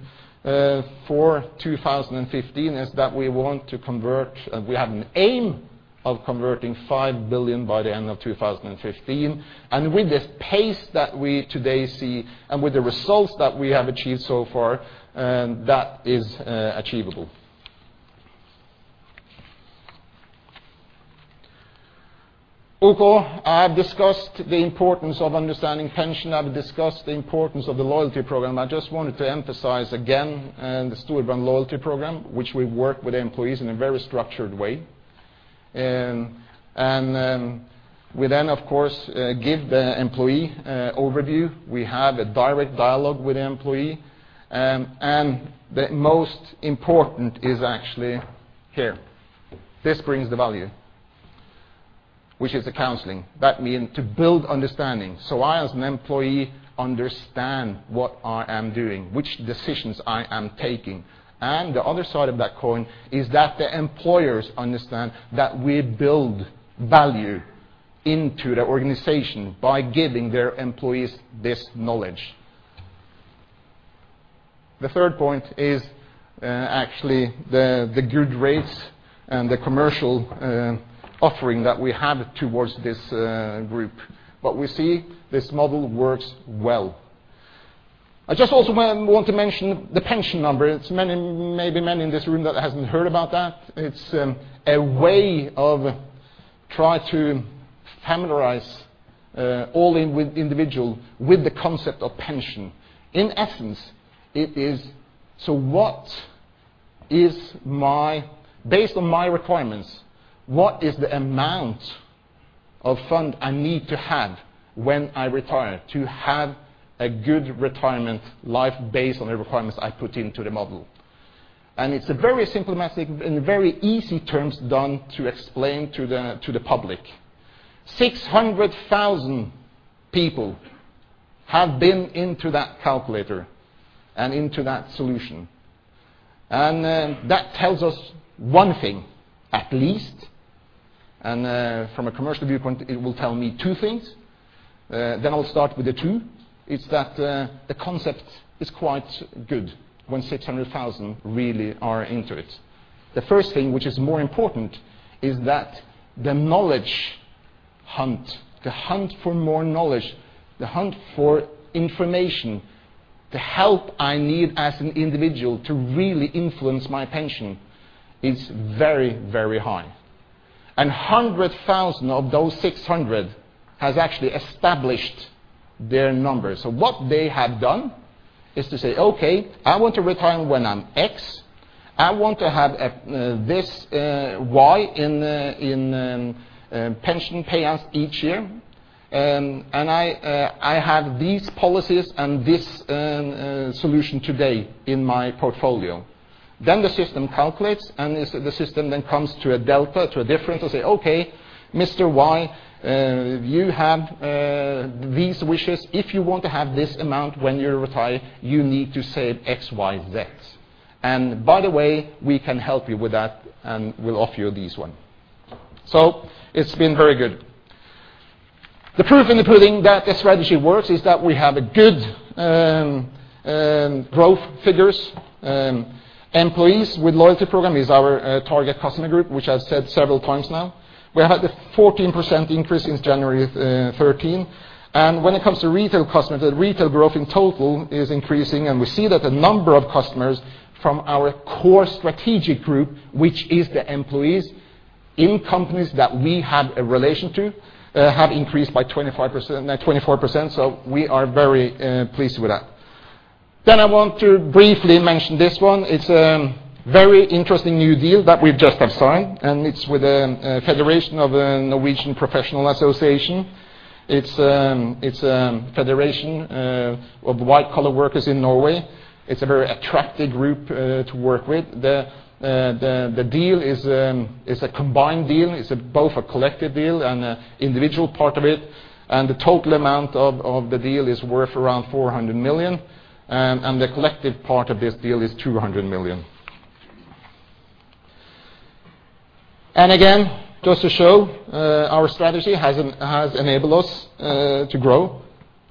for 2015 is that we want to convert—we have an aim of converting 5 billion by the end of 2015. With the pace that we today see, and with the results that we have achieved so far, that is achievable. Okay, I have discussed the importance of understanding pension. I have discussed the importance of the loyalty program. I just wanted to emphasize again, and the Storebrand Loyalty program, which we work with employees in a very structured way. We then, of course, give the employee overview. We have a direct dialogue with the employee, and the most important is actually here. This brings the value, which is the counseling. That mean to build understanding. So I, as an employee, understand what I am doing, which decisions I am taking. And the other side of that coin is that the employers understand that we build value into the organization by giving their employees this knowledge. The third point is, actually the good rates and the commercial offering that we have towards this group. But we see this model works well. I just also want to mention the pension number. It's many, maybe many in this room that hasn't heard about that. It's a way of try to familiarize all in with individual, with the concept of pension. In essence, it is... So what is my—based on my requirements, what is the amount of fund I need to have when I retire to have a good retirement life based on the requirements I put into the model? And it's a very simple message, in very easy terms, done to explain to the, to the public. 600,000 people have been into that calculator and into that solution, and, that tells us one thing, at least, and, from a commercial viewpoint, it will tell me two things. Then I'll start with the two, is that, the concept is quite good when 600,000 really are into it. The first thing, which is more important, is that the knowledge hunt, the hunt for more knowledge, the hunt for information, the help I need as an individual to really influence my pension is very, very high. 100,000 of those 600 has actually established their numbers. So what they have done is to say, "Okay, I want to retire when I'm X. I want to have a this Y in the pension payouts each year, and I have these policies and this solution today in my portfolio." Then the system calculates, and the system then comes to a delta, to a difference, and say, "Okay, Mr. Y, you have these wishes. If you want to have this amount when you retire, you need to save X, Y, Z. And by the way, we can help you with that, and we'll offer you this one." So it's been very good. The proof in the pudding that the strategy works is that we have a good growth figures. Employees with loyalty program is our target customer group, which I've said several times now. We have had a 14% increase since January 2013, and when it comes to retail customers, the retail growth in total is increasing, and we see that the number of customers from our core strategic group, which is the employees in companies that we have a relation to, have increased by 25%, 24%, so we are very pleased with that. Then I want to briefly mention this one. It's a very interesting new deal that we just have signed, and it's with a federation of a Norwegian professional association. It's a federation of white-collar workers in Norway. It's a very attractive group to work with. The deal is a combined deal. It's both a collective deal and an individual part of it, and the total amount of the deal is worth around 400 million, and the collective part of this deal is 200 million. Again, just to show, our strategy has enabled us to grow,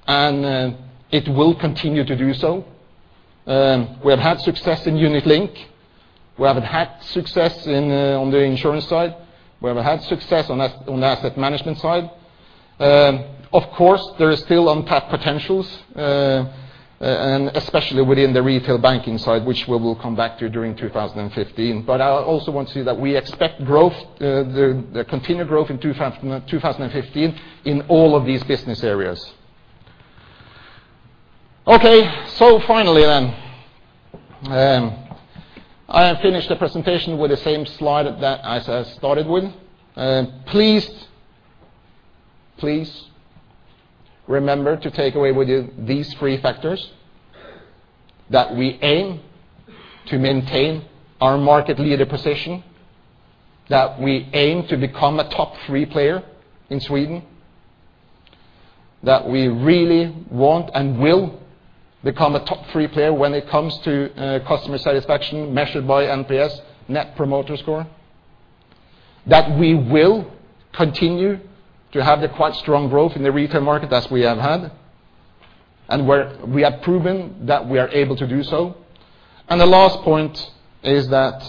and it will continue to do so. We have had success in unit-linked. We have had success in on the insurance side. We have had success on the asset management side. Of course, there is still untapped potentials, and especially within the retail banking side, which we will come back to during 2015. But I also want to say that we expect growth, the continued growth in 2015 in all of these business areas. Okay, finally then, I have finished the presentation with the same slide that I started with. Please remember to take away with you these three factors: that we aim to maintain our market leader position, that we aim to become a top three player in Sweden. That we really want and will become a top three player when it comes to customer satisfaction measured by NPS, Net Promoter Score. That we will continue to have the quite strong growth in the retail market as we have had, and where we have proven that we are able to do so. And the last point is that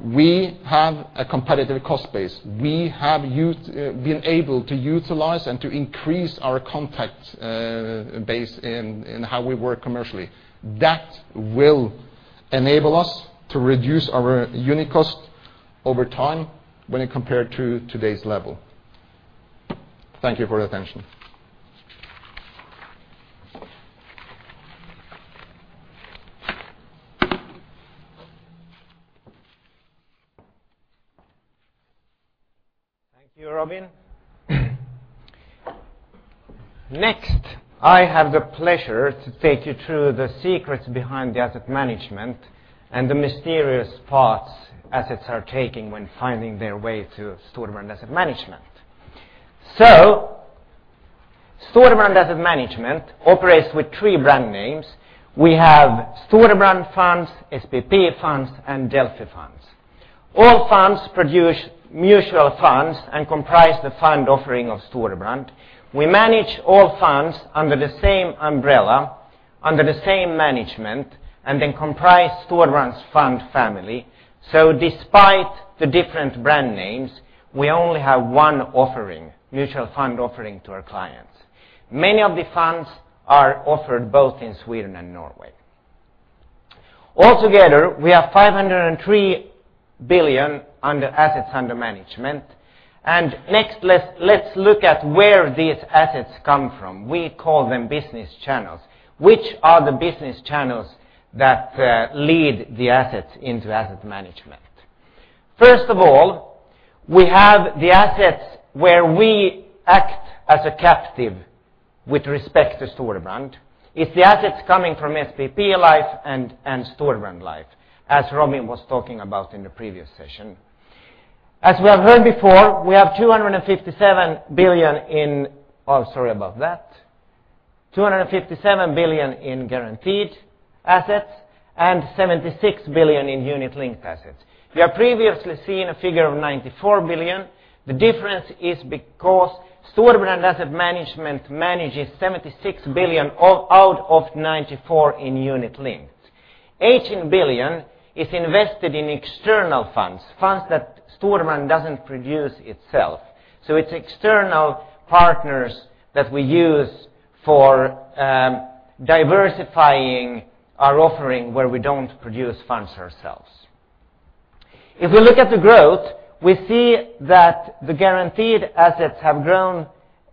we have a competitive cost base. We have been able to utilize and to increase our contact base in how we work commercially. That will enable us to reduce our unit cost over time when compared to today's level. Thank you for your attention. Thank you, Robin. Next, I have the pleasure to take you through the secrets behind the asset management and the mysterious paths assets are taking when finding their way to Storebrand Asset Management. Storebrand Asset Management operates with three brand names. We have Storebrand Funds, SPP Funds, and Delphi Funds. All funds produce mutual funds and comprise the fund offering of Storebrand. We manage all funds under the same umbrella, under the same management, and then comprise Storebrand's fund family. Despite the different brand names, we only have one offering, mutual fund offering to our clients. Many of the funds are offered both in Sweden and Norway. Altogether, we have 503 billion under assets under management, and next, let's look at where these assets come from. We call them business channels. Which are the business channels that lead the assets into asset management? First of all, we have the assets where we act as a captive with respect to Storebrand. It's the assets coming from SPP Life and Storebrand Life, as Robin was talking about in the previous session. As we have heard before, we have 257 billion in guaranteed assets and 76 billion in unit-linked assets. We have previously seen a figure of 94 billion. The difference is because Storebrand Asset Management manages 76 billion all out of 94 in unit-linked. 18 billion is invested in external funds, funds that Storebrand doesn't produce itself, so it's external partners that we use for diversifying our offering where we don't produce funds ourselves. If we look at the growth, we see that the guaranteed assets have grown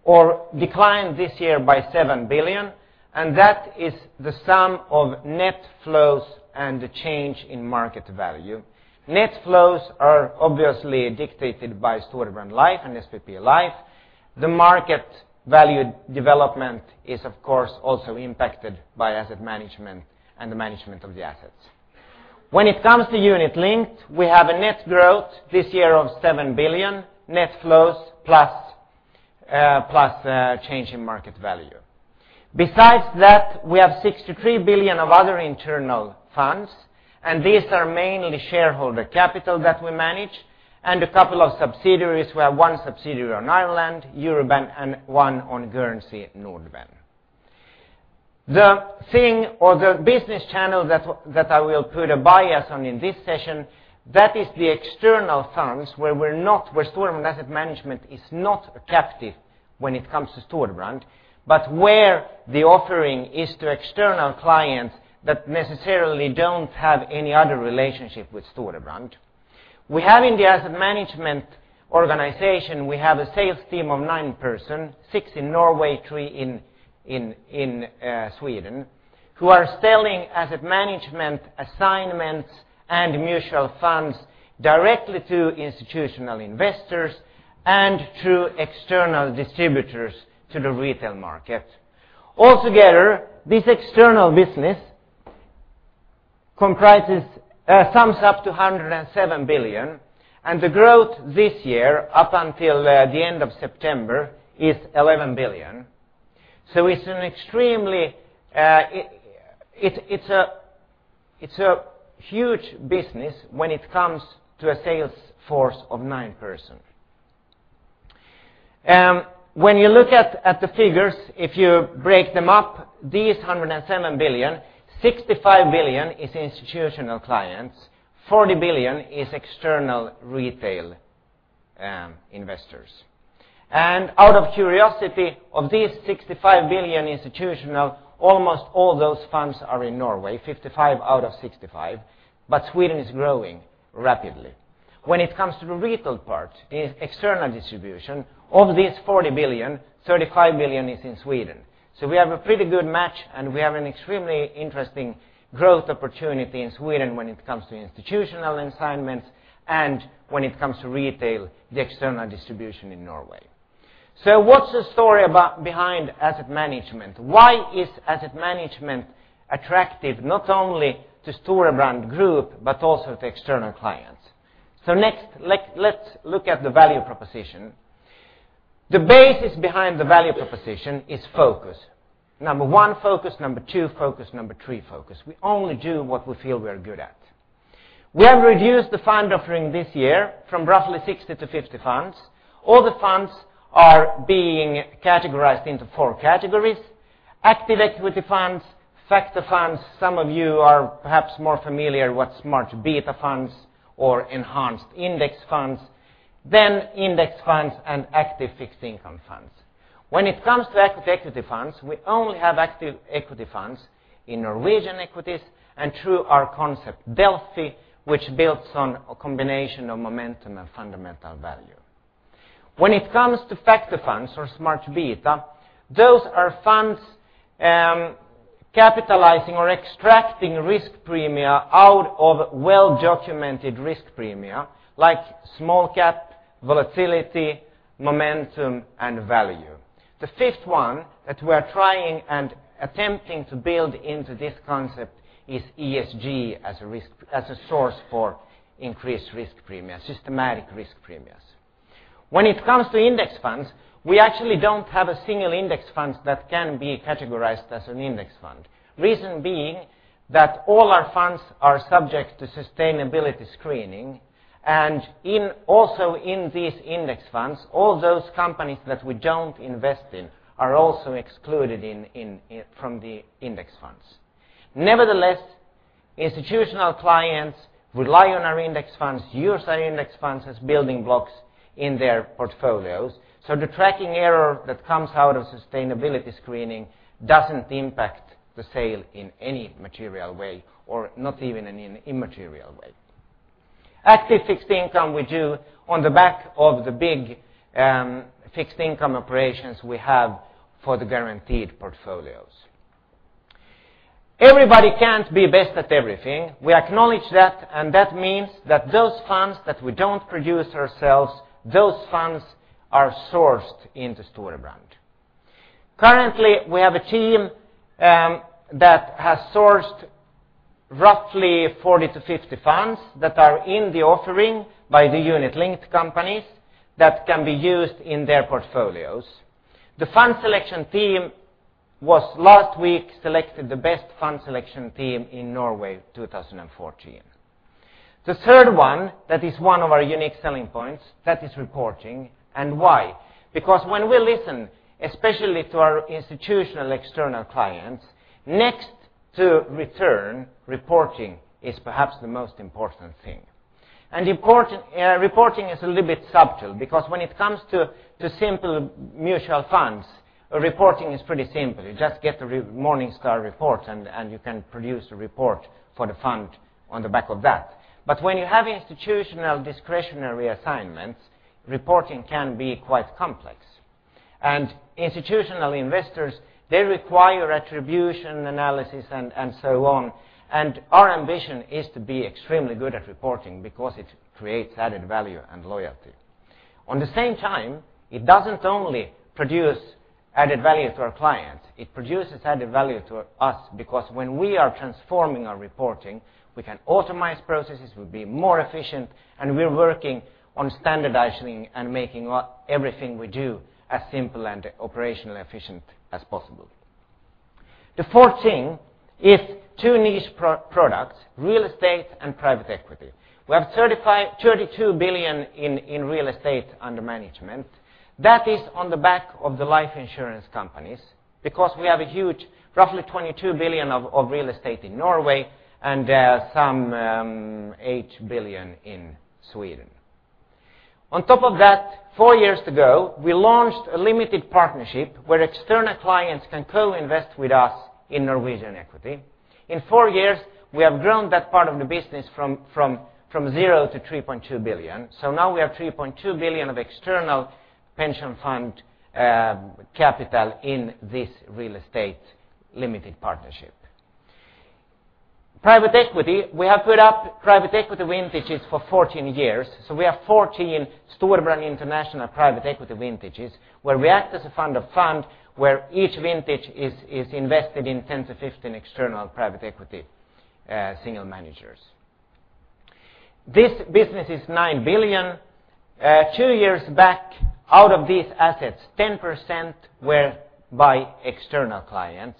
or declined this year by 7 billion, and that is the sum of net flows and the change in market value. Net flows are obviously dictated by Storebrand Life and SPP Life. The market value development is, of course, also impacted by asset management and the management of the assets. When it comes to unit-linked, we have a net growth this year of 7 billion, net flows plus change in market value. Besides that, we have 63 billion of other internal funds, and these are mainly shareholder capital that we manage, and a couple of subsidiaries. We have one subsidiary on Ireland, Euroben, and one on Guernsey, Nordben. The thing or the business channel that I will put a bias on in this session, that is the external funds, where we're not—where Storebrand Asset Management is not captive when it comes to Storebrand, but where the offering is to external clients that necessarily don't have any other relationship with Storebrand. We have in the asset management organization, we have a sales team of nine persons, six in Norway, three in Sweden, who are selling asset management assignments and mutual funds directly to institutional investors and through external distributors to the retail market. Altogether, this external business comprises, sums up to 107 billion, and the growth this year, up until the end of September, is 11 billion. It's an extremely, it's a huge business when it comes to a sales force of nine persons. When you look at the figures, if you break them up, these 107 billion, 65 billion is institutional clients, 40 billion is external retail investors. And out of curiosity, of these 65 billion institutional, almost all those funds are in Norway, 55 billion out of 65 billion, but Sweden is growing rapidly. When it comes to the retail part, in external distribution, of these 40 billion, 35 billion is in Sweden. We have a pretty good match, and we have an extremely interesting growth opportunity in Sweden when it comes to institutional assignments and when it comes to retail, the external distribution in Norway. What's the story about-- behind asset management? Why is asset management attractive, not only to Storebrand Group, but also to external clients? Next, let's look at the value proposition. The basis behind the value proposition is focus. Number one, focus. Number two, focus. Number three, focus. We only do what we feel we are good at. We have reduced the fund offering this year from roughly 60 to 50 funds. All the funds are being categorized into four categories: active equity funds, factor funds, some of you are perhaps more familiar with smart beta funds or enhanced index funds, then index funds, and active fixed income funds. When it comes to active equity funds, we only have active equity funds in Norwegian equities and through our concept, Delphi, which builds on a combination of momentum and fundamental value. When it comes to factor funds or smart beta, those are funds, capitalizing or extracting risk premia out of well-documented risk premia, like small cap, volatility, momentum, and value. The fifth one that we are trying and attempting to build into this concept is ESG as a risk—as a source for increased risk premia, systematic risk premia. When it comes to index funds, we actually don't have a single index fund that can be categorized as an index fund. Reason being, that all our funds are subject to sustainability screening, and also in these index funds, all those companies that we don't invest in are also excluded from the index funds. Nevertheless, institutional clients rely on our index funds, use our index funds as building blocks in their portfolios, so the tracking error that comes out of sustainability screening doesn't impact the sale in any material way, or not even in an immaterial way. Active fixed income we do on the back of the big fixed income operations we have for the guaranteed portfolios. Everybody can't be best at everything. We acknowledge that, and that means that those funds that we don't produce ourselves, those funds are sourced into Storebrand. Currently, we have a team that has sourced roughly 40-50 funds that are in the offering by the unit-linked companies that can be used in their portfolios. The fund selection team was last week selected the best fund selection team in Norway, 2014. The third one, that is one of our unique selling points, that is reporting, and why? Because when we listen, especially to our institutional external clients, next to return, reporting is perhaps the most important thing. And important reporting is a little bit subtle, because when it comes to simple mutual funds, reporting is pretty simple. You just get the Morningstar report, and you can produce a report for the fund on the back of that. But when you have institutional discretionary assignments, reporting can be quite complex. Institutional investors, they require attribution, analysis, and so on. Our ambition is to be extremely good at reporting because it creates added value and loyalty. On the same time, it doesn't only produce added value to our clients, it produces added value to us, because when we are transforming our reporting, we can optimize processes, we'll be more efficient, and we're working on standardizing and making everything we do as simple and operationally efficient as possible. The fourth thing is two niche products, real estate and private equity. We have 32 billion in real estate under management. That is on the back of the life insurance companies, because we have a huge, roughly 22 billion of real estate in Norway and some 8 billion in Sweden. On top of that, four years ago, we launched a limited partnership where external clients can co-invest with us in Norwegian equity. In four years, we have grown that part of the business from zero to 3.2 billion. So now we have 3.2 billion of external pension fund capital in this real estate limited partnership. Private equity, we have put up private equity vintages for 14 years, so we have 14 Storebrand International private equity vintages, where we act as a fund of fund, where each vintage is invested in 10-15 external private equity senior managers. This business is 9 billion. Two years back, out of these assets, 10% were by external clients.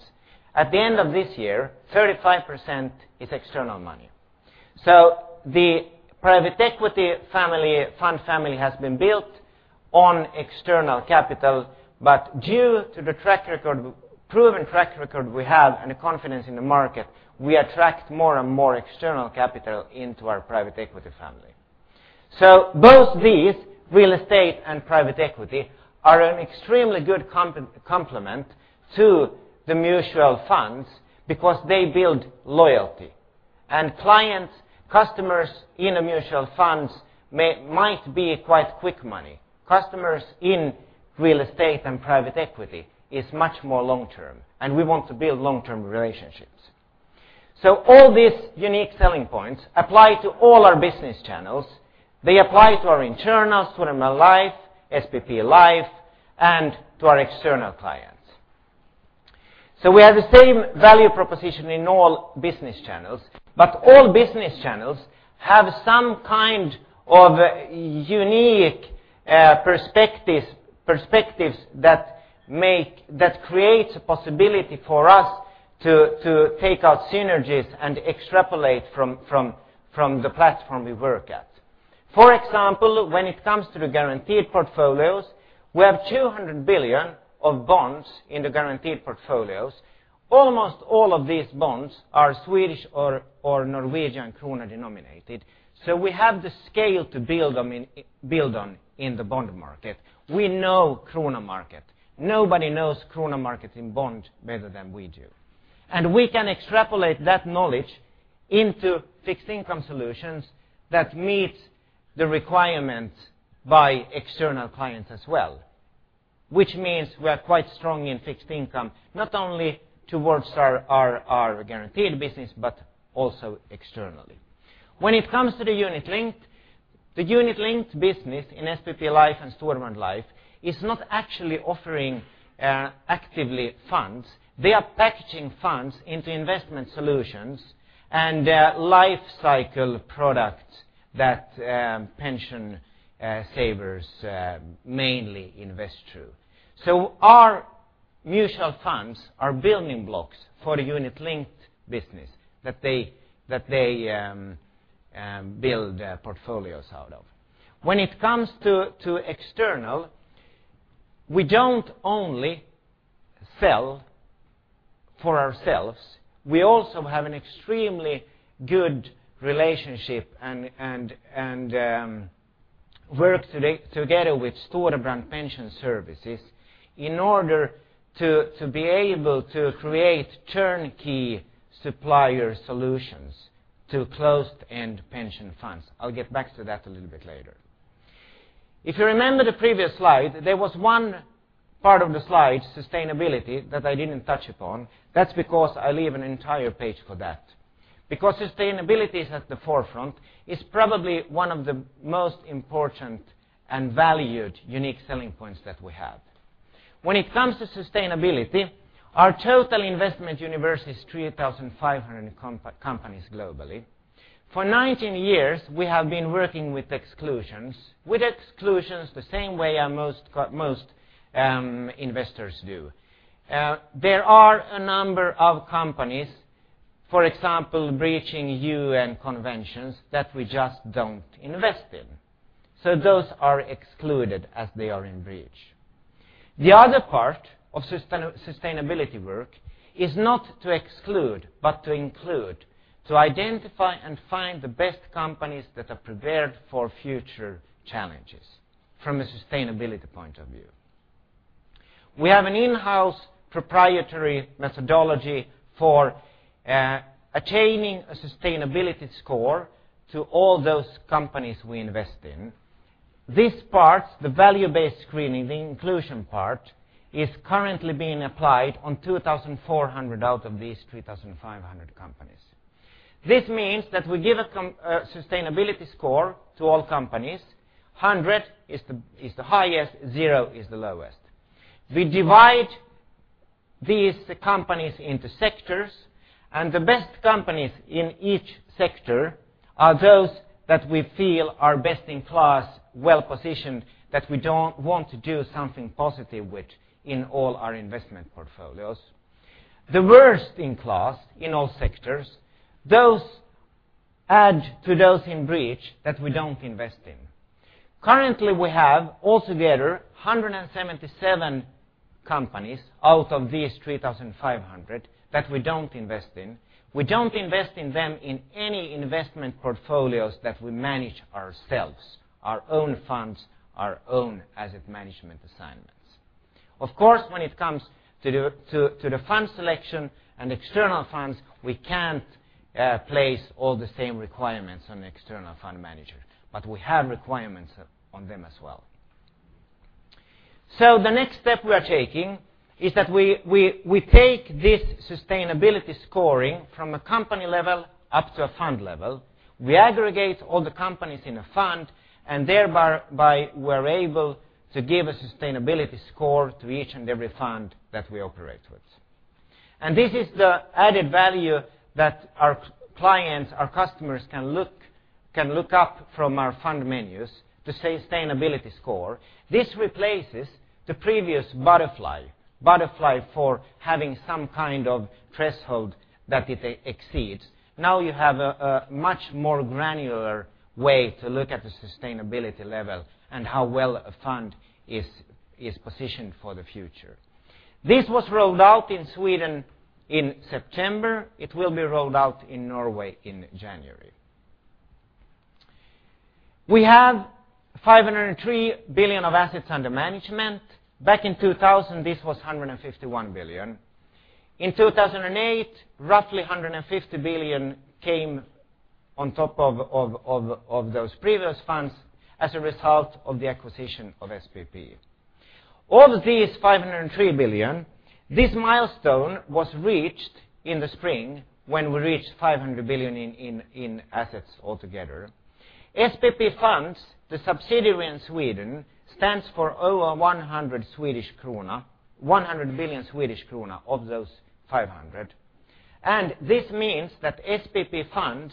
At the end of this year, 35% is external money. So the private equity family, fund family, has been built on external capital, but due to the track record, proven track record we have and the confidence in the market, we attract more and more external capital into our private equity family. So both these, real estate and private equity, are an extremely good complement to the mutual funds because they build loyalty, and clients, customers in the mutual funds might be quite quick money. Customers in real estate and private equity is much more long term, and we want to build long-term relationships. So all these unique selling points apply to all our business channels. They apply to our internal, Storebrand Life, SPP Life, and to our external clients. So we have the same value proposition in all business channels, but all business channels have some kind of unique perspectives that creates a possibility for us to take out synergies and extrapolate from the platform we work at. For example, when it comes to the guaranteed portfolios, we have 200 billion of bonds in the guaranteed portfolios. Almost all of these bonds are Swedish or Norwegian krona denominated, so we have the scale to build them in, build on in the bond market. We know krona market. Nobody knows krona market in bond better than we do. And we can extrapolate that knowledge into fixed income solutions that meet the requirements by external clients as well, which means we are quite strong in fixed income, not only towards our guaranteed business, but also externally. When it comes to the unit-linked, the unit-linked business in SPP Life and Storebrand Life is not actually offering active funds. They are packaging funds into investment solutions and life cycle products that pension savers mainly invest through. So our mutual funds are building blocks for the unit-linked business that they build portfolios out of. When it comes to external, we don't only sell for ourselves, we also have an extremely good relationship and work today together with Storebrand Pension Services in order to be able to create turnkey supplier solutions to closed-end pension funds. I'll get back to that a little bit later. If you remember the previous slide, there was one part of the slide, sustainability, that I didn't touch upon. That's because I leave an entire page for that. Because sustainability is at the forefront, it's probably one of the most important and valued unique selling points that we have. When it comes to sustainability, our total investment universe is 3,500 companies globally. For 19 years, we have been working with exclusions. With exclusions, the same way most investors do. There are a number of companies, for example, breaching UN conventions, that we just don't invest in. So those are excluded as they are in breach. The other part of sustainability work is not to exclude, but to include, to identify and find the best companies that are prepared for future challenges from a sustainability point of view. We have an in-house proprietary methodology for attaining a sustainability score to all those companies we invest in. This part, the value-based screening, the inclusion part, is currently being applied on 2,400 out of these 3,500 companies. This means that we give a sustainability score to all companies. 100 is the, is the highest, 0 is the lowest. We divide these companies into sectors, and the best companies in each sector are those that we feel are best in class, well-positioned, that we don't want to do something positive with in all our investment portfolios. The worst in class, in all sectors, those add to those in breach that we don't invest in. Currently, we have altogether 177 companies out of these 3,500 that we don't invest in. We don't invest in them in any investment portfolios that we manage ourselves, our own funds, our own asset management assignments. Of course, when it comes to the fund selection and external funds, we can't place all the same requirements on the external fund manager, but we have requirements on them as well. So the next step we are taking is that we take this sustainability scoring from a company level up to a fund level. We aggregate all the companies in a fund, and thereby, we're able to give a sustainability score to each and every fund that we operate with. And this is the added value that our clients, our customers, can look up from our fund menus, the sustainability score. This replaces the previous butterfly for having some kind of threshold that it exceeds. Now you have a much more granular way to look at the sustainability level and how well a fund is positioned for the future. This was rolled out in Sweden in September. It will be rolled out in Norway in January. We have 503 billion of assets under management. Back in 2000, this was 151 billion. In 2008, roughly 150 billion came on top of those previous funds as a result of the acquisition of SPP. All of these 503 billion, this milestone was reached in the spring when we reached 500 billion in assets altogether. SPP Funds, the subsidiary in Sweden, stands for over 100 billion Swedish krona of those 500. This means that SPP Funds,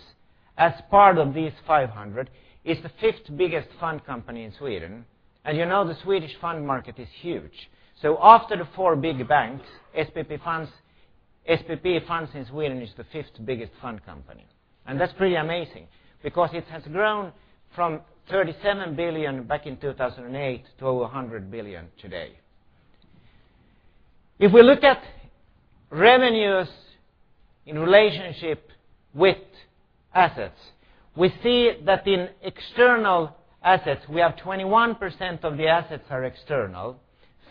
as part of these 500, is the fifth biggest fund company in Sweden, and you know, the Swedish fund market is huge. So after the four big banks, SPP Funds in Sweden is the fifth biggest fund company. And that's pretty amazing because it has grown from 37 billion back in 2008 to over 100 billion today. If we look at revenues in relationship with assets, we see that in external assets, we have 21% of the assets are external,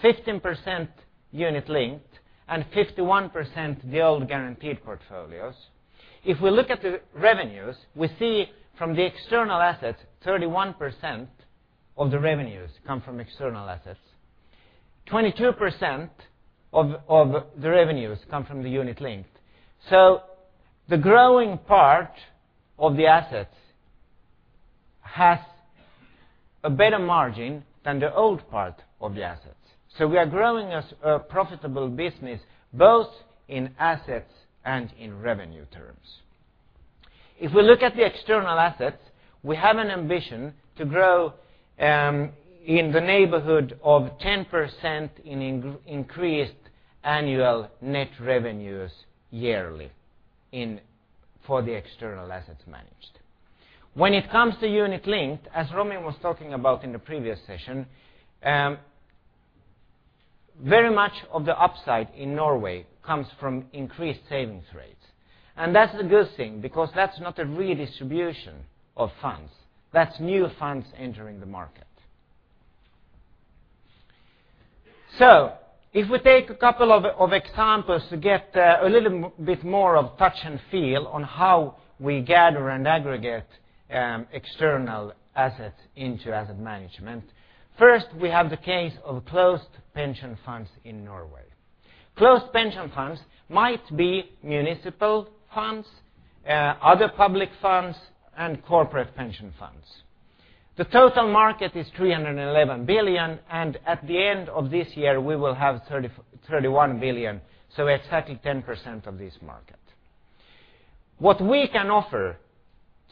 15% unit-linked, and 51% the old guaranteed portfolios. If we look at the revenues, we see from the external assets, 31% of the revenues come from external assets. 22% of the revenues come from the unit-linked. So the growing part of the assets has a better margin than the old part of the assets. So we are growing as a profitable business, both in assets and in revenue terms. If we look at the external assets, we have an ambition to grow in the neighborhood of 10% in increased annual net revenues yearly for the external assets managed. When it comes to unit-linked, as Robin was talking about in the previous session, very much of the upside in Norway comes from increased savings rates. And that's a good thing because that's not a redistribution of funds, that's new funds entering the market. So if we take a couple of examples to get a little bit more of touch and feel on how we gather and aggregate external assets into asset management, first, we have the case of closed pension funds in Norway. Closed pension funds might be municipal funds, other public funds, and corporate pension funds. The total market is 311 billion, and at the end of this year, we will have 31 billion, so exactly 10% of this market. What we can offer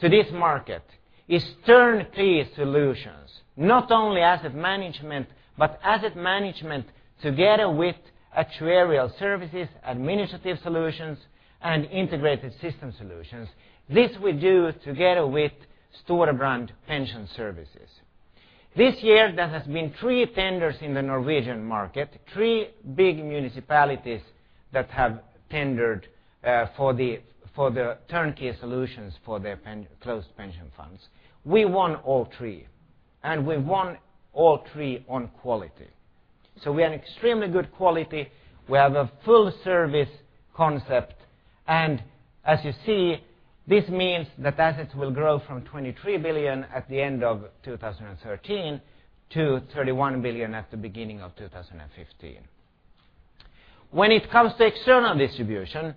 to this market is turnkey solutions, not only asset management, but asset management together with actuarial services, administrative solutions, and integrated system solutions. This we do together with Storebrand Pension Services. This year, there have been three tenders in the Norwegian market, three big municipalities that have tendered for the turnkey solutions for their closed pension funds. We won all three, and we won all three on quality. We are extremely good quality, we have a full service concept, and as you see, this means that assets will grow from 23 billion at the end of 2013 to 31 billion at the beginning of 2015. When it comes to external distribution,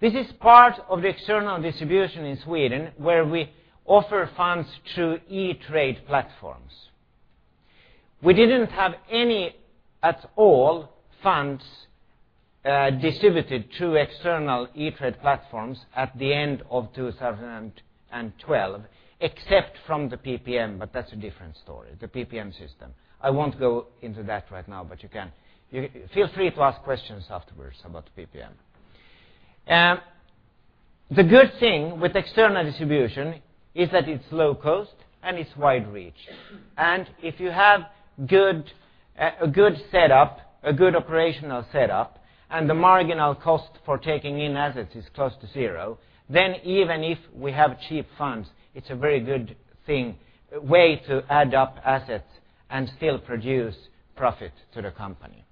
this is part of the external distribution in Sweden, where we offer funds through e-trade platforms. We didn't have any at all funds distributed through external e-trade platforms at the end of 2012, except from the PPM, but that's a different story, the PPM system. I won't go into that right now, but you can feel free to ask questions afterwards about the PPM. The good thing with external distribution is that it's low cost and it's wide reach. If you have good, a good setup, a good operational setup, and the marginal cost for taking in assets is close to zero, then even if we have cheap funds, it's a very good thing, way to add up assets and still produce profit to the company.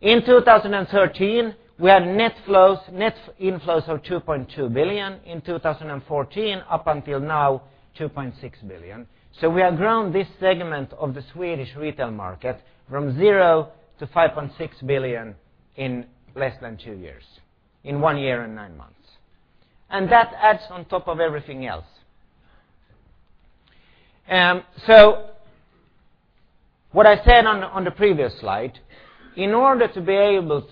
In 2013, we had net flows, net inflows of 2.2 billion. In 2014, up until now, 2.6 billion. So we have grown this segment of the Swedish retail market from zero to 5.6 billion in less than two years, in one year and nine months. That adds on top of everything else. So what I said on the previous slide, in order to be able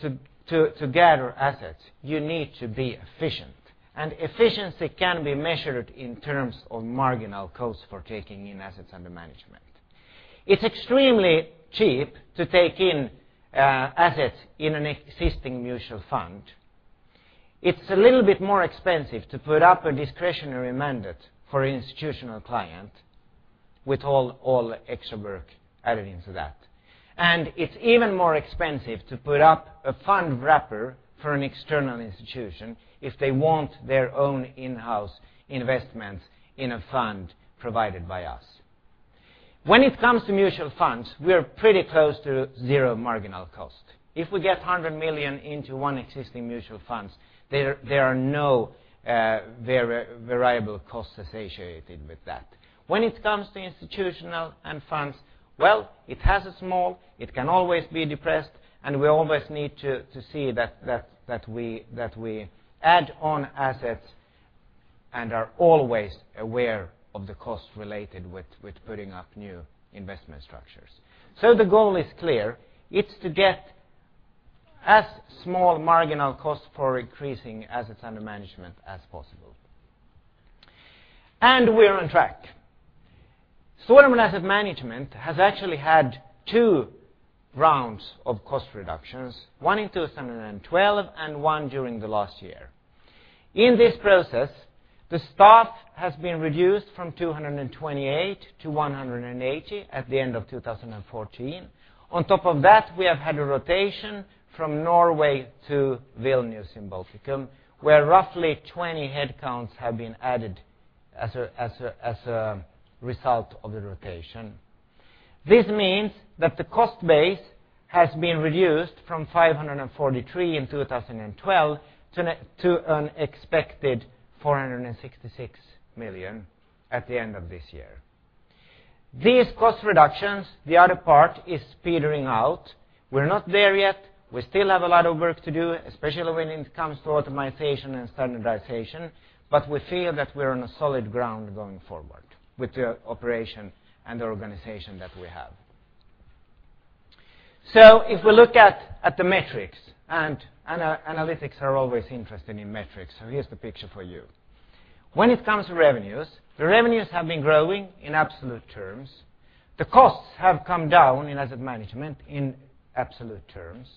to gather assets, you need to be efficient, and efficiency can be measured in terms of marginal costs for taking in assets under management. It's extremely cheap to take in assets in an existing mutual fund. It's a little bit more expensive to put up a discretionary mandate for an institutional client with all the extra work added into that. It's even more expensive to put up a fund wrapper for an external institution if they want their own in-house investments in a fund provided by us. When it comes to mutual funds, we are pretty close to zero marginal cost. If we get 100 million into one existing mutual funds, there are no variable costs associated with that. When it comes to institutional and funds, well, it has a small, it can always be depressed, and we always need to see that we add on assets and are always aware of the costs related with putting up new investment structures. So the goal is clear. It's to get as small marginal cost for increasing assets under management as possible. And we are on track. Storebrand Asset Management has actually had two rounds of cost reductions, one in 2012, and one during the last year. In this process, the staff has been reduced from 228 to 180 at the end of 2014. On top of that, we have had a rotation from Norway to Vilnius in the Baltics, where roughly 20 headcounts have been added as a result of the rotation. This means that the cost base has been reduced from 543 million in 2012, to an expected 466 million at the end of this year. These cost reductions, the other part, is petering out. We're not there yet. We still have a lot of work to do, especially when it comes to optimization and standardization, but we feel that we're on a solid ground going forward with the operation and the organization that we have. So if we look at the metrics, and analytics are always interesting in metrics, so here's the picture for you. When it comes to revenues, the revenues have been growing in absolute terms. The costs have come down in asset management in absolute terms.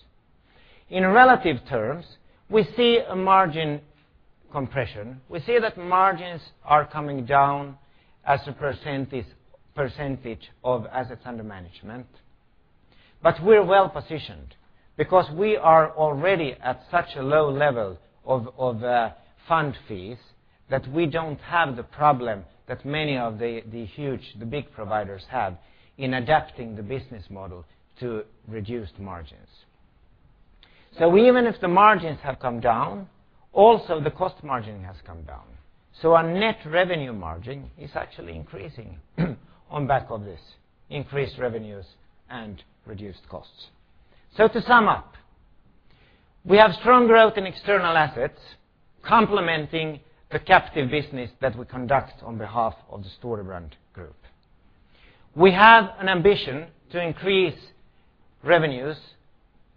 In relative terms, we see a margin compression. We see that margins are coming down as a percentage of assets under management. But we're well positioned because we are already at such a low level of fund fees that we don't have the problem that many of the huge, the big providers have in adapting the business model to reduced margins. So even if the margins have come down, also the cost margin has come down, so our net revenue margin is actually increasing on back of this increased revenues and reduced costs. So to sum up, we have strong growth in external assets, complementing the captive business that we conduct on behalf of the Storebrand Group. We have an ambition to increase revenues,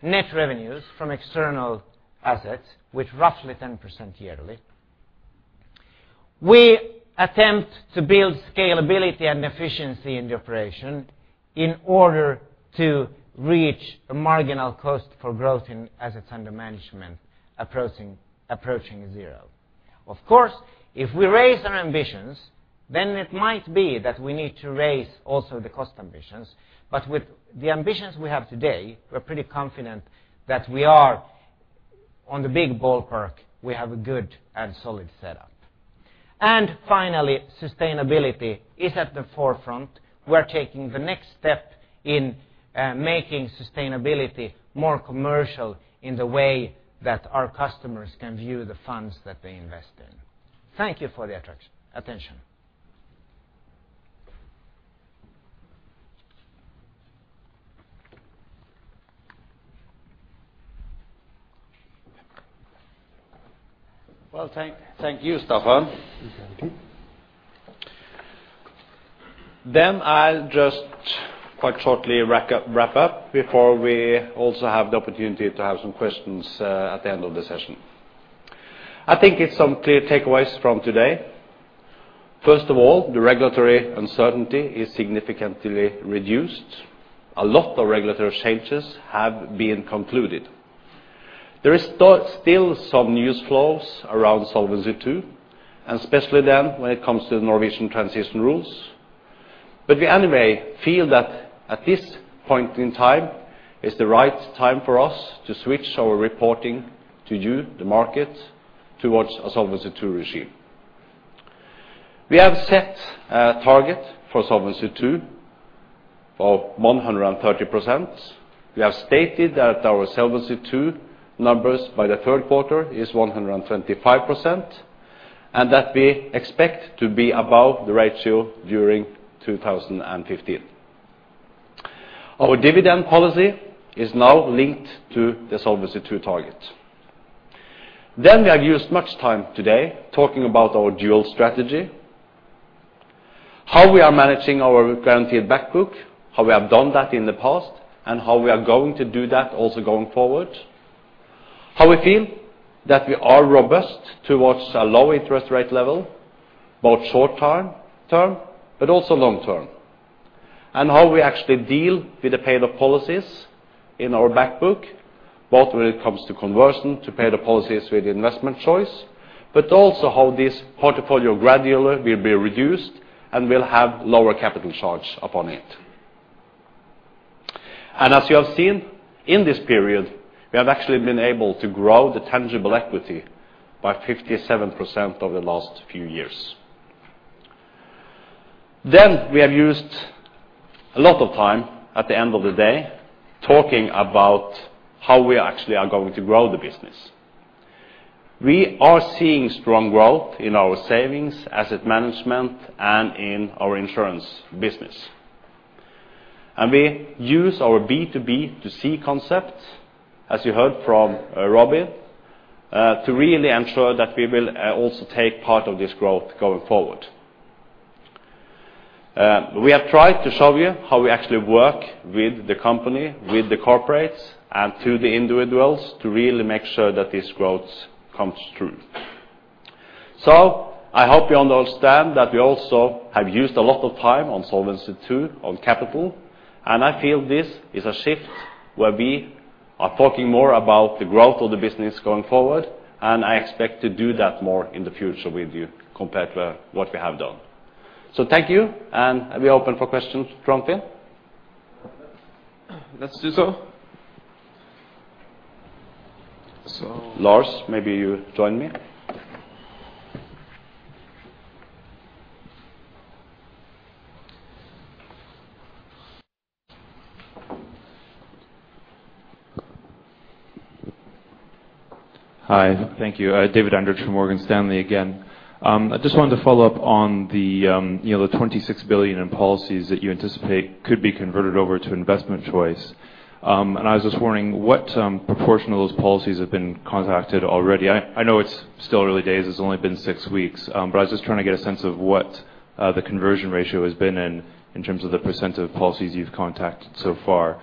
net revenues from external assets, with roughly 10% yearly. We attempt to build scalability and efficiency in the operation in order to reach a marginal cost for growth in assets under management, approaching zero. Of course, if we raise our ambitions, then it might be that we need to raise also the cost ambitions. But with the ambitions we have today, we're pretty confident that we are on the big ballpark, we have a good and solid setup. Finally, sustainability is at the forefront. We're taking the next step in making sustainability more commercial in the way that our customers can view the funds that they invest in. Thank you for the attention. Well, thank you, Staffan. Thank you. Then I'll just quite shortly wrap up, wrap up before we also have the opportunity to have some questions at the end of the session. I think it's some clear takeaways from today. First of all, the regulatory uncertainty is significantly reduced. A lot of regulatory changes have been concluded. There is still, still some news flows around Solvency II, and especially then when it comes to the Norwegian transition rules. But we anyway feel that at this point in time, is the right time for us to switch our reporting to you, the market, towards a Solvency II regime. We have set a target for Solvency II of 130%. We have stated that our Solvency II numbers by the Q3 is 125%, and that we expect to be above the ratio during 2015. Our dividend policy is now linked to the Solvency II target. Then we have used much time today talking about our dual strategy, how we are managing our guaranteed back book, how we have done that in the past, and how we are going to do that also going forward. How we feel that we are robust towards a low interest rate level, both short term, term, but also long term. And how we actually deal with the paid-up policies in our back book, both when it comes to conversion to paid-up policies with investment choice, but also how this portfolio gradually will be reduced and will have lower capital charge upon it. And as you have seen, in this period, we have actually been able to grow the tangible equity by 57% over the last few years. Then we have used a lot of time at the end of the day, talking about how we actually are going to grow the business. We are seeing strong growth in our savings, asset management, and in our insurance business. And we use our B2B2C concept, as you heard from Robin, to really ensure that we will also take part of this growth going forward. We have tried to show you how we actually work with the company, with the corporates, and to the individuals, to really make sure that this growth comes through. I hope you understand that we also have used a lot of time on solvency, too, on capital, and I feel this is a shift where we are talking more about the growth of the business going forward, and I expect to do that more in the future with you, compared to what we have done. Thank you, and are we open for questions from here? Let's do so. Lars, maybe you join me. Hi. Thank you. David Andrich from Morgan Stanley again. I just wanted to follow up on the, you know, the 26 billion in policies that you anticipate could be converted over to investment choice. And I was just wondering what proportion of those policies have been contacted already? I know it's still early days, it's only been six weeks, but I was just trying to get a sense of what the conversion ratio has been in, in terms of the % of policies you've contacted so far.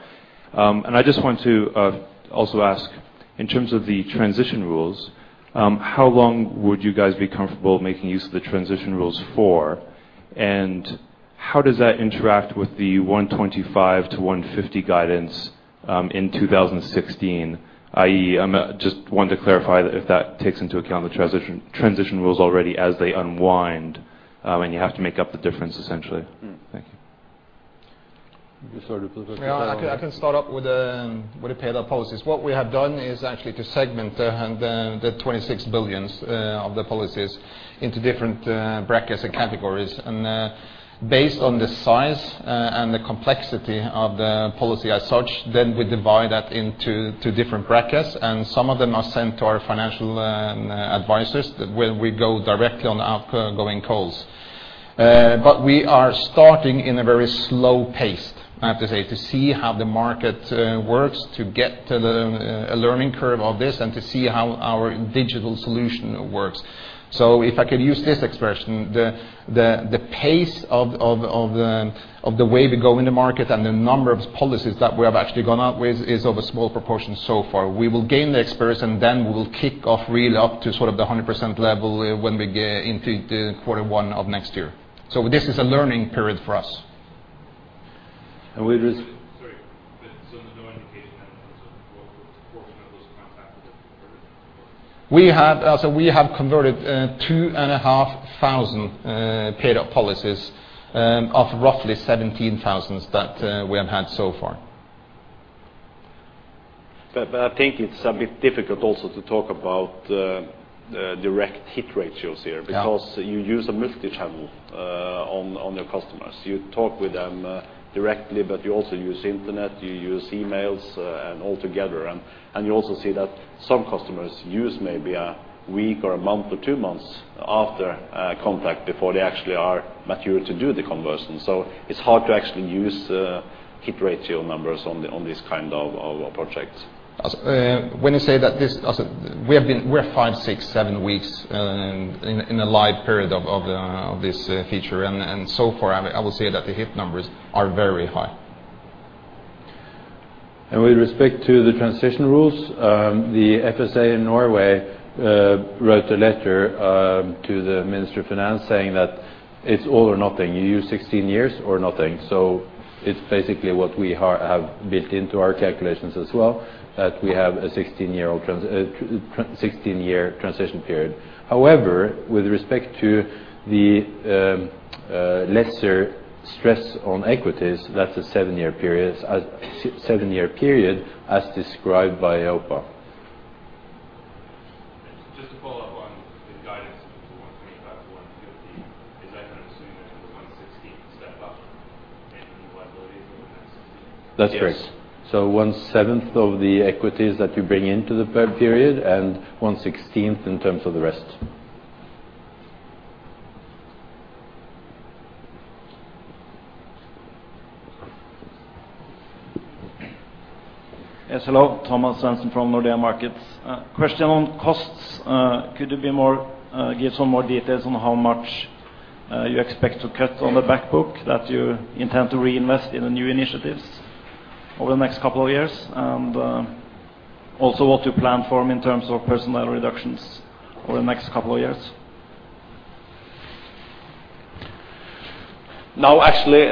And I just want to also ask, in terms of the transition rules, how long would you guys be comfortable making use of the transition rules for? How does that interact with the 125-150 guidance in 2016, i.e., I just want to clarify that if that takes into account the transition transition rules already as they unwind, when you have to make up the difference, essentially. Thank you. You sort of- Yeah, I can start off with the paid-up policies. What we have done is actually to segment the 26 billion of the policies into different brackets and categories. Based on the size and the complexity of the policy as such, then we divide that into two different brackets, and some of them are sent to our financial advisors, where we go directly on outgoing calls. But we are starting in a very slow pace, I have to say, to see how the market works, to get to a learning curve of this, and to see how our digital solution works. If I could use this expression, the pace of the way we go in the market and the number of policies that we have actually gone out with is of a small proportion so far. We will gain the experience, and then we will kick off really up to sort of the 100% level when we get into the quarter one of next year. This is a learning period for us. And we just- Sorry, but so there's no indication then, as to what proportion of those contacts have been converted? We have so we have converted 2,500 paid-up policies of roughly 17,000 that we have had so far. But I think it's a bit difficult also to talk about the direct hit ratios here because you use a multi-channel, on your customers. You talk with them, directly, but you also use internet, you use emails, and altogether, and you also see that some customers use maybe a week or a month or two months after, contact before they actually are mature to do the conversion. So it's hard to actually use the hit ratio numbers on the, on these kind of projects. When you say that this... Also, we are 5, 6, 7 weeks in a live period of this feature, and so far, I will say that the hit numbers are very high. With respect to the transition rules, the FSA in Norway wrote a letter to the Minister of Finance saying that it's all or nothing. You use 16 years or nothing. So it's basically what we have built into our calculations as well, that we have a 16-year transition period. However, with respect to the lesser stress on equities, that's a 7-year period, as described by EIOPA. Just to follow up on the guidance to 125-150, is that I'm assuming that the 1/16 step up in new liabilities over the next two years? That's right. Yes. 1/7 of the equities that you bring into the period, and 1/16 in terms of the rest. Yes, hello, Thomas Nilsson from Nordea Markets. Question on costs. Could you give some more details on how much you expect to cut on the back book that you intend to reinvest in the new initiatives over the next couple of years? And, also, what you plan for in terms of personnel reductions over the next couple of years. Now, actually,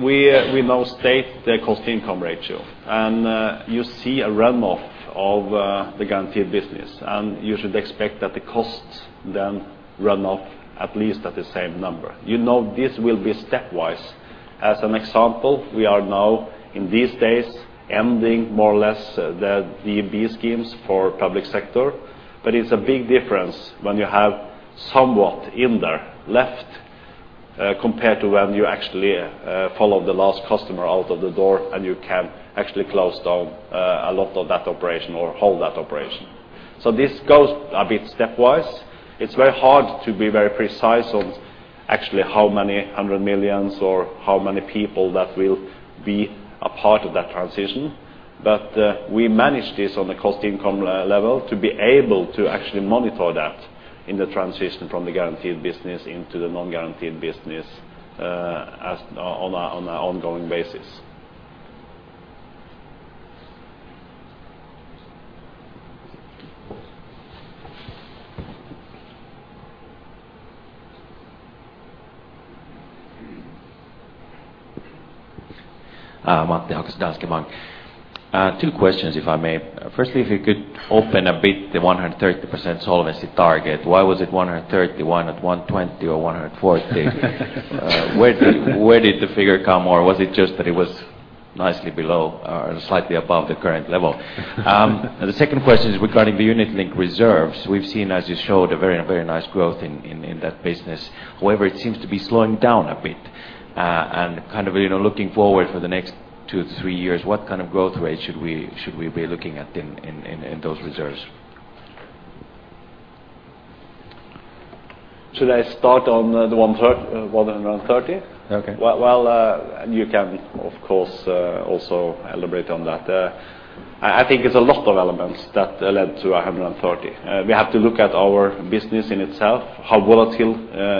we now state the cost income ratio, and you see a run-off of the guaranteed business, and you should expect that the costs then run off at least at the same number. You know, this will be stepwise. As an example, we are now, in these days, ending more or less the EB schemes for public sector. But it's a big difference when you have somewhat in there left compared to when you actually follow the last customer out of the door, and you can actually close down a lot of that operation or hold that operation. So this goes a bit stepwise. It's very hard to be very precise on actually how many hundred millions or how many people that will be a part of that transition.... but, we manage this on the cost income level to be able to actually monitor that in the transition from the guaranteed business into the non-guaranteed business, as on an ongoing basis. Matti Hokkanen, Danske Bank. Two questions, if I may. Firstly, if you could open a bit the 130% solvency target. Why was it 130, why not 120 or 140? Where did, where did the figure come, or was it just that it was nicely below or slightly above the current level? The second question is regarding the unit-linked reserves. We've seen, as you showed, a very, very nice growth in, in, in that business. However, it seems to be slowing down a bit. And kind of, you know, looking forward for the next 2-3 years, what kind of growth rate should we, should we be looking at in, in, in, in those reserves? Should I start on the 130? Okay. Well, well, you can, of course, also elaborate on that. I think it's a lot of elements that led to 130. We have to look at our business in itself. How volatile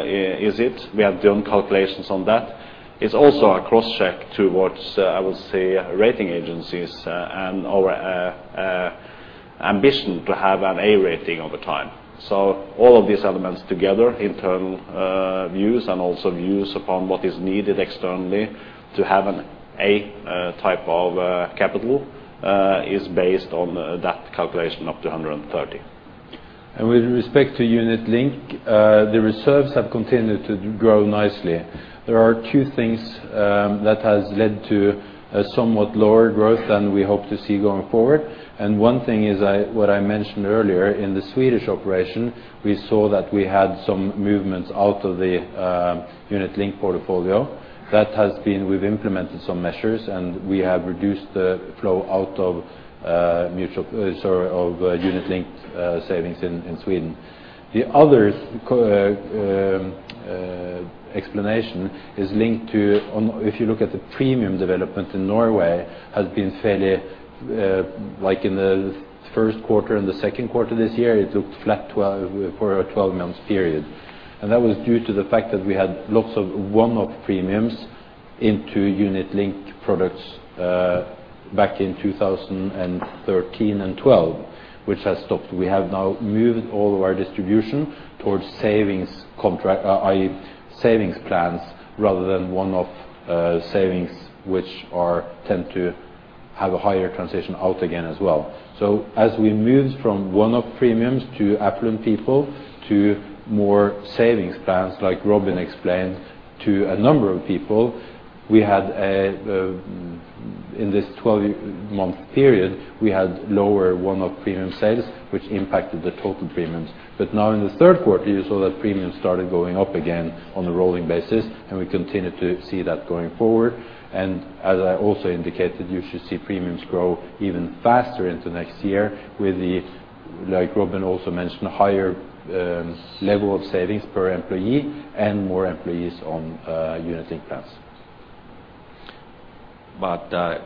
is it? We have done calculations on that. It's also a cross-check towards, I would say, rating agencies, and our ambition to have an A rating all the time. So all of these elements together, internal views, and also views upon what is needed externally to have an A type of capital is based on that calculation up to 130. With respect to unit-linked, the reserves have continued to grow nicely. There are two things that has led to a somewhat lower growth than we hope to see going forward. One thing is what I mentioned earlier, in the Swedish operation, we saw that we had some movements out of the unit-linked portfolio. That has been. We've implemented some measures, and we have reduced the flow out of unit-linked savings in Sweden. The other explanation is linked to. If you look at the premium development in Norway, has been fairly like in the Q1 and the Q2 this year, it looked flat 12 for a 12-month period. That was due to the fact that we had lots of one-off premiums into unit-linked products back in 2013 and 2012, which has stopped. We have now moved all of our distribution towards savings contracts, i.e., savings plans, rather than one-off savings, which tend to have a higher transition out again as well. As we moved from one-off premiums to upland people, to more savings plans, like Robin explained to a number of people, we had, in this 12-month period, lower one-off premium sales, which impacted the total premiums. Now in the Q3, you saw that premiums started going up again on a rolling basis, and we continue to see that going forward. As I also indicated, you should see premiums grow even faster into next year with the, like Robin also mentioned, higher level of savings per employee and more employees on unit-linked plans.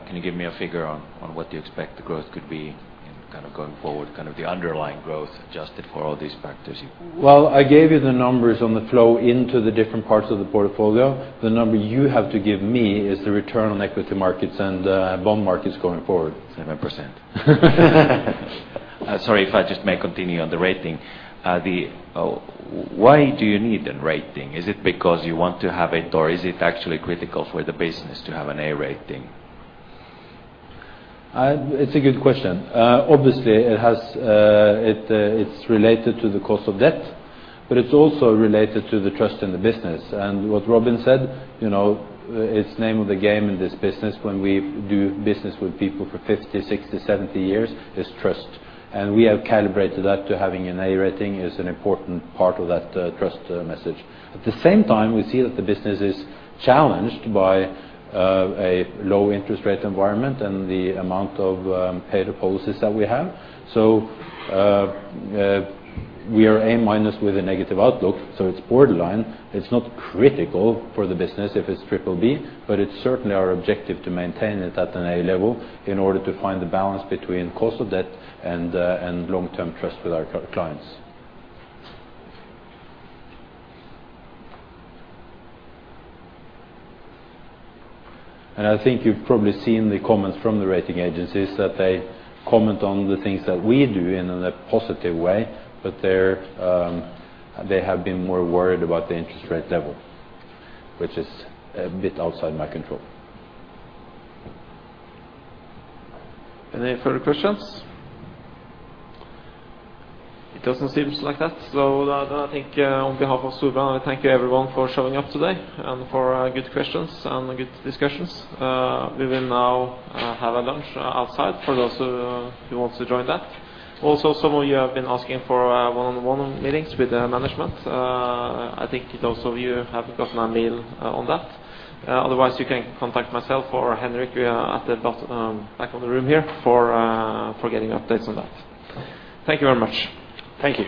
Can you give me a figure on what you expect the growth could be in kind of going forward, kind of the underlying growth, adjusted for all these factors? Well, I gave you the numbers on the flow into the different parts of the portfolio. The number you have to give me is the return on equity markets and bond markets going forward. Seven percent. Sorry, if I just may continue on the rating. Why do you need a rating? Is it because you want to have it, or is it actually critical for the business to have an A rating? It's a good question. Obviously, it has, it, it's related to the cost of debt, but it's also related to the trust in the business. And what Robin said, you know, it's name of the game in this business when we do business with people for 50, 60, 70 years, is trust. And we have calibrated that to having an A rating is an important part of that, trust, message. At the same time, we see that the business is challenged by a low interest rate environment and the amount of paid policies that we have. So, we are A minus with a negative outlook, so it's borderline. It's not critical for the business if it's triple B, but it's certainly our objective to maintain it at an A level in order to find the balance between cost of debt and long-term trust with our clients. And I think you've probably seen the comments from the rating agencies, that they comment on the things that we do in a positive way, but they're they have been more worried about the interest rate level, which is a bit outside my control. Any further questions? It doesn't seem like that. So then I think, on behalf of Storebrand, I thank you everyone for showing up today and for good questions and good discussions. We will now have a lunch outside for those of you who want to join that. Also, some of you have been asking for one-on-one meetings with the management. I think those of you have gotten a mail on that. Otherwise, you can contact myself or Henrik, we are at the bottom back of the room here, for getting updates on that. Thank you very much. Thank you.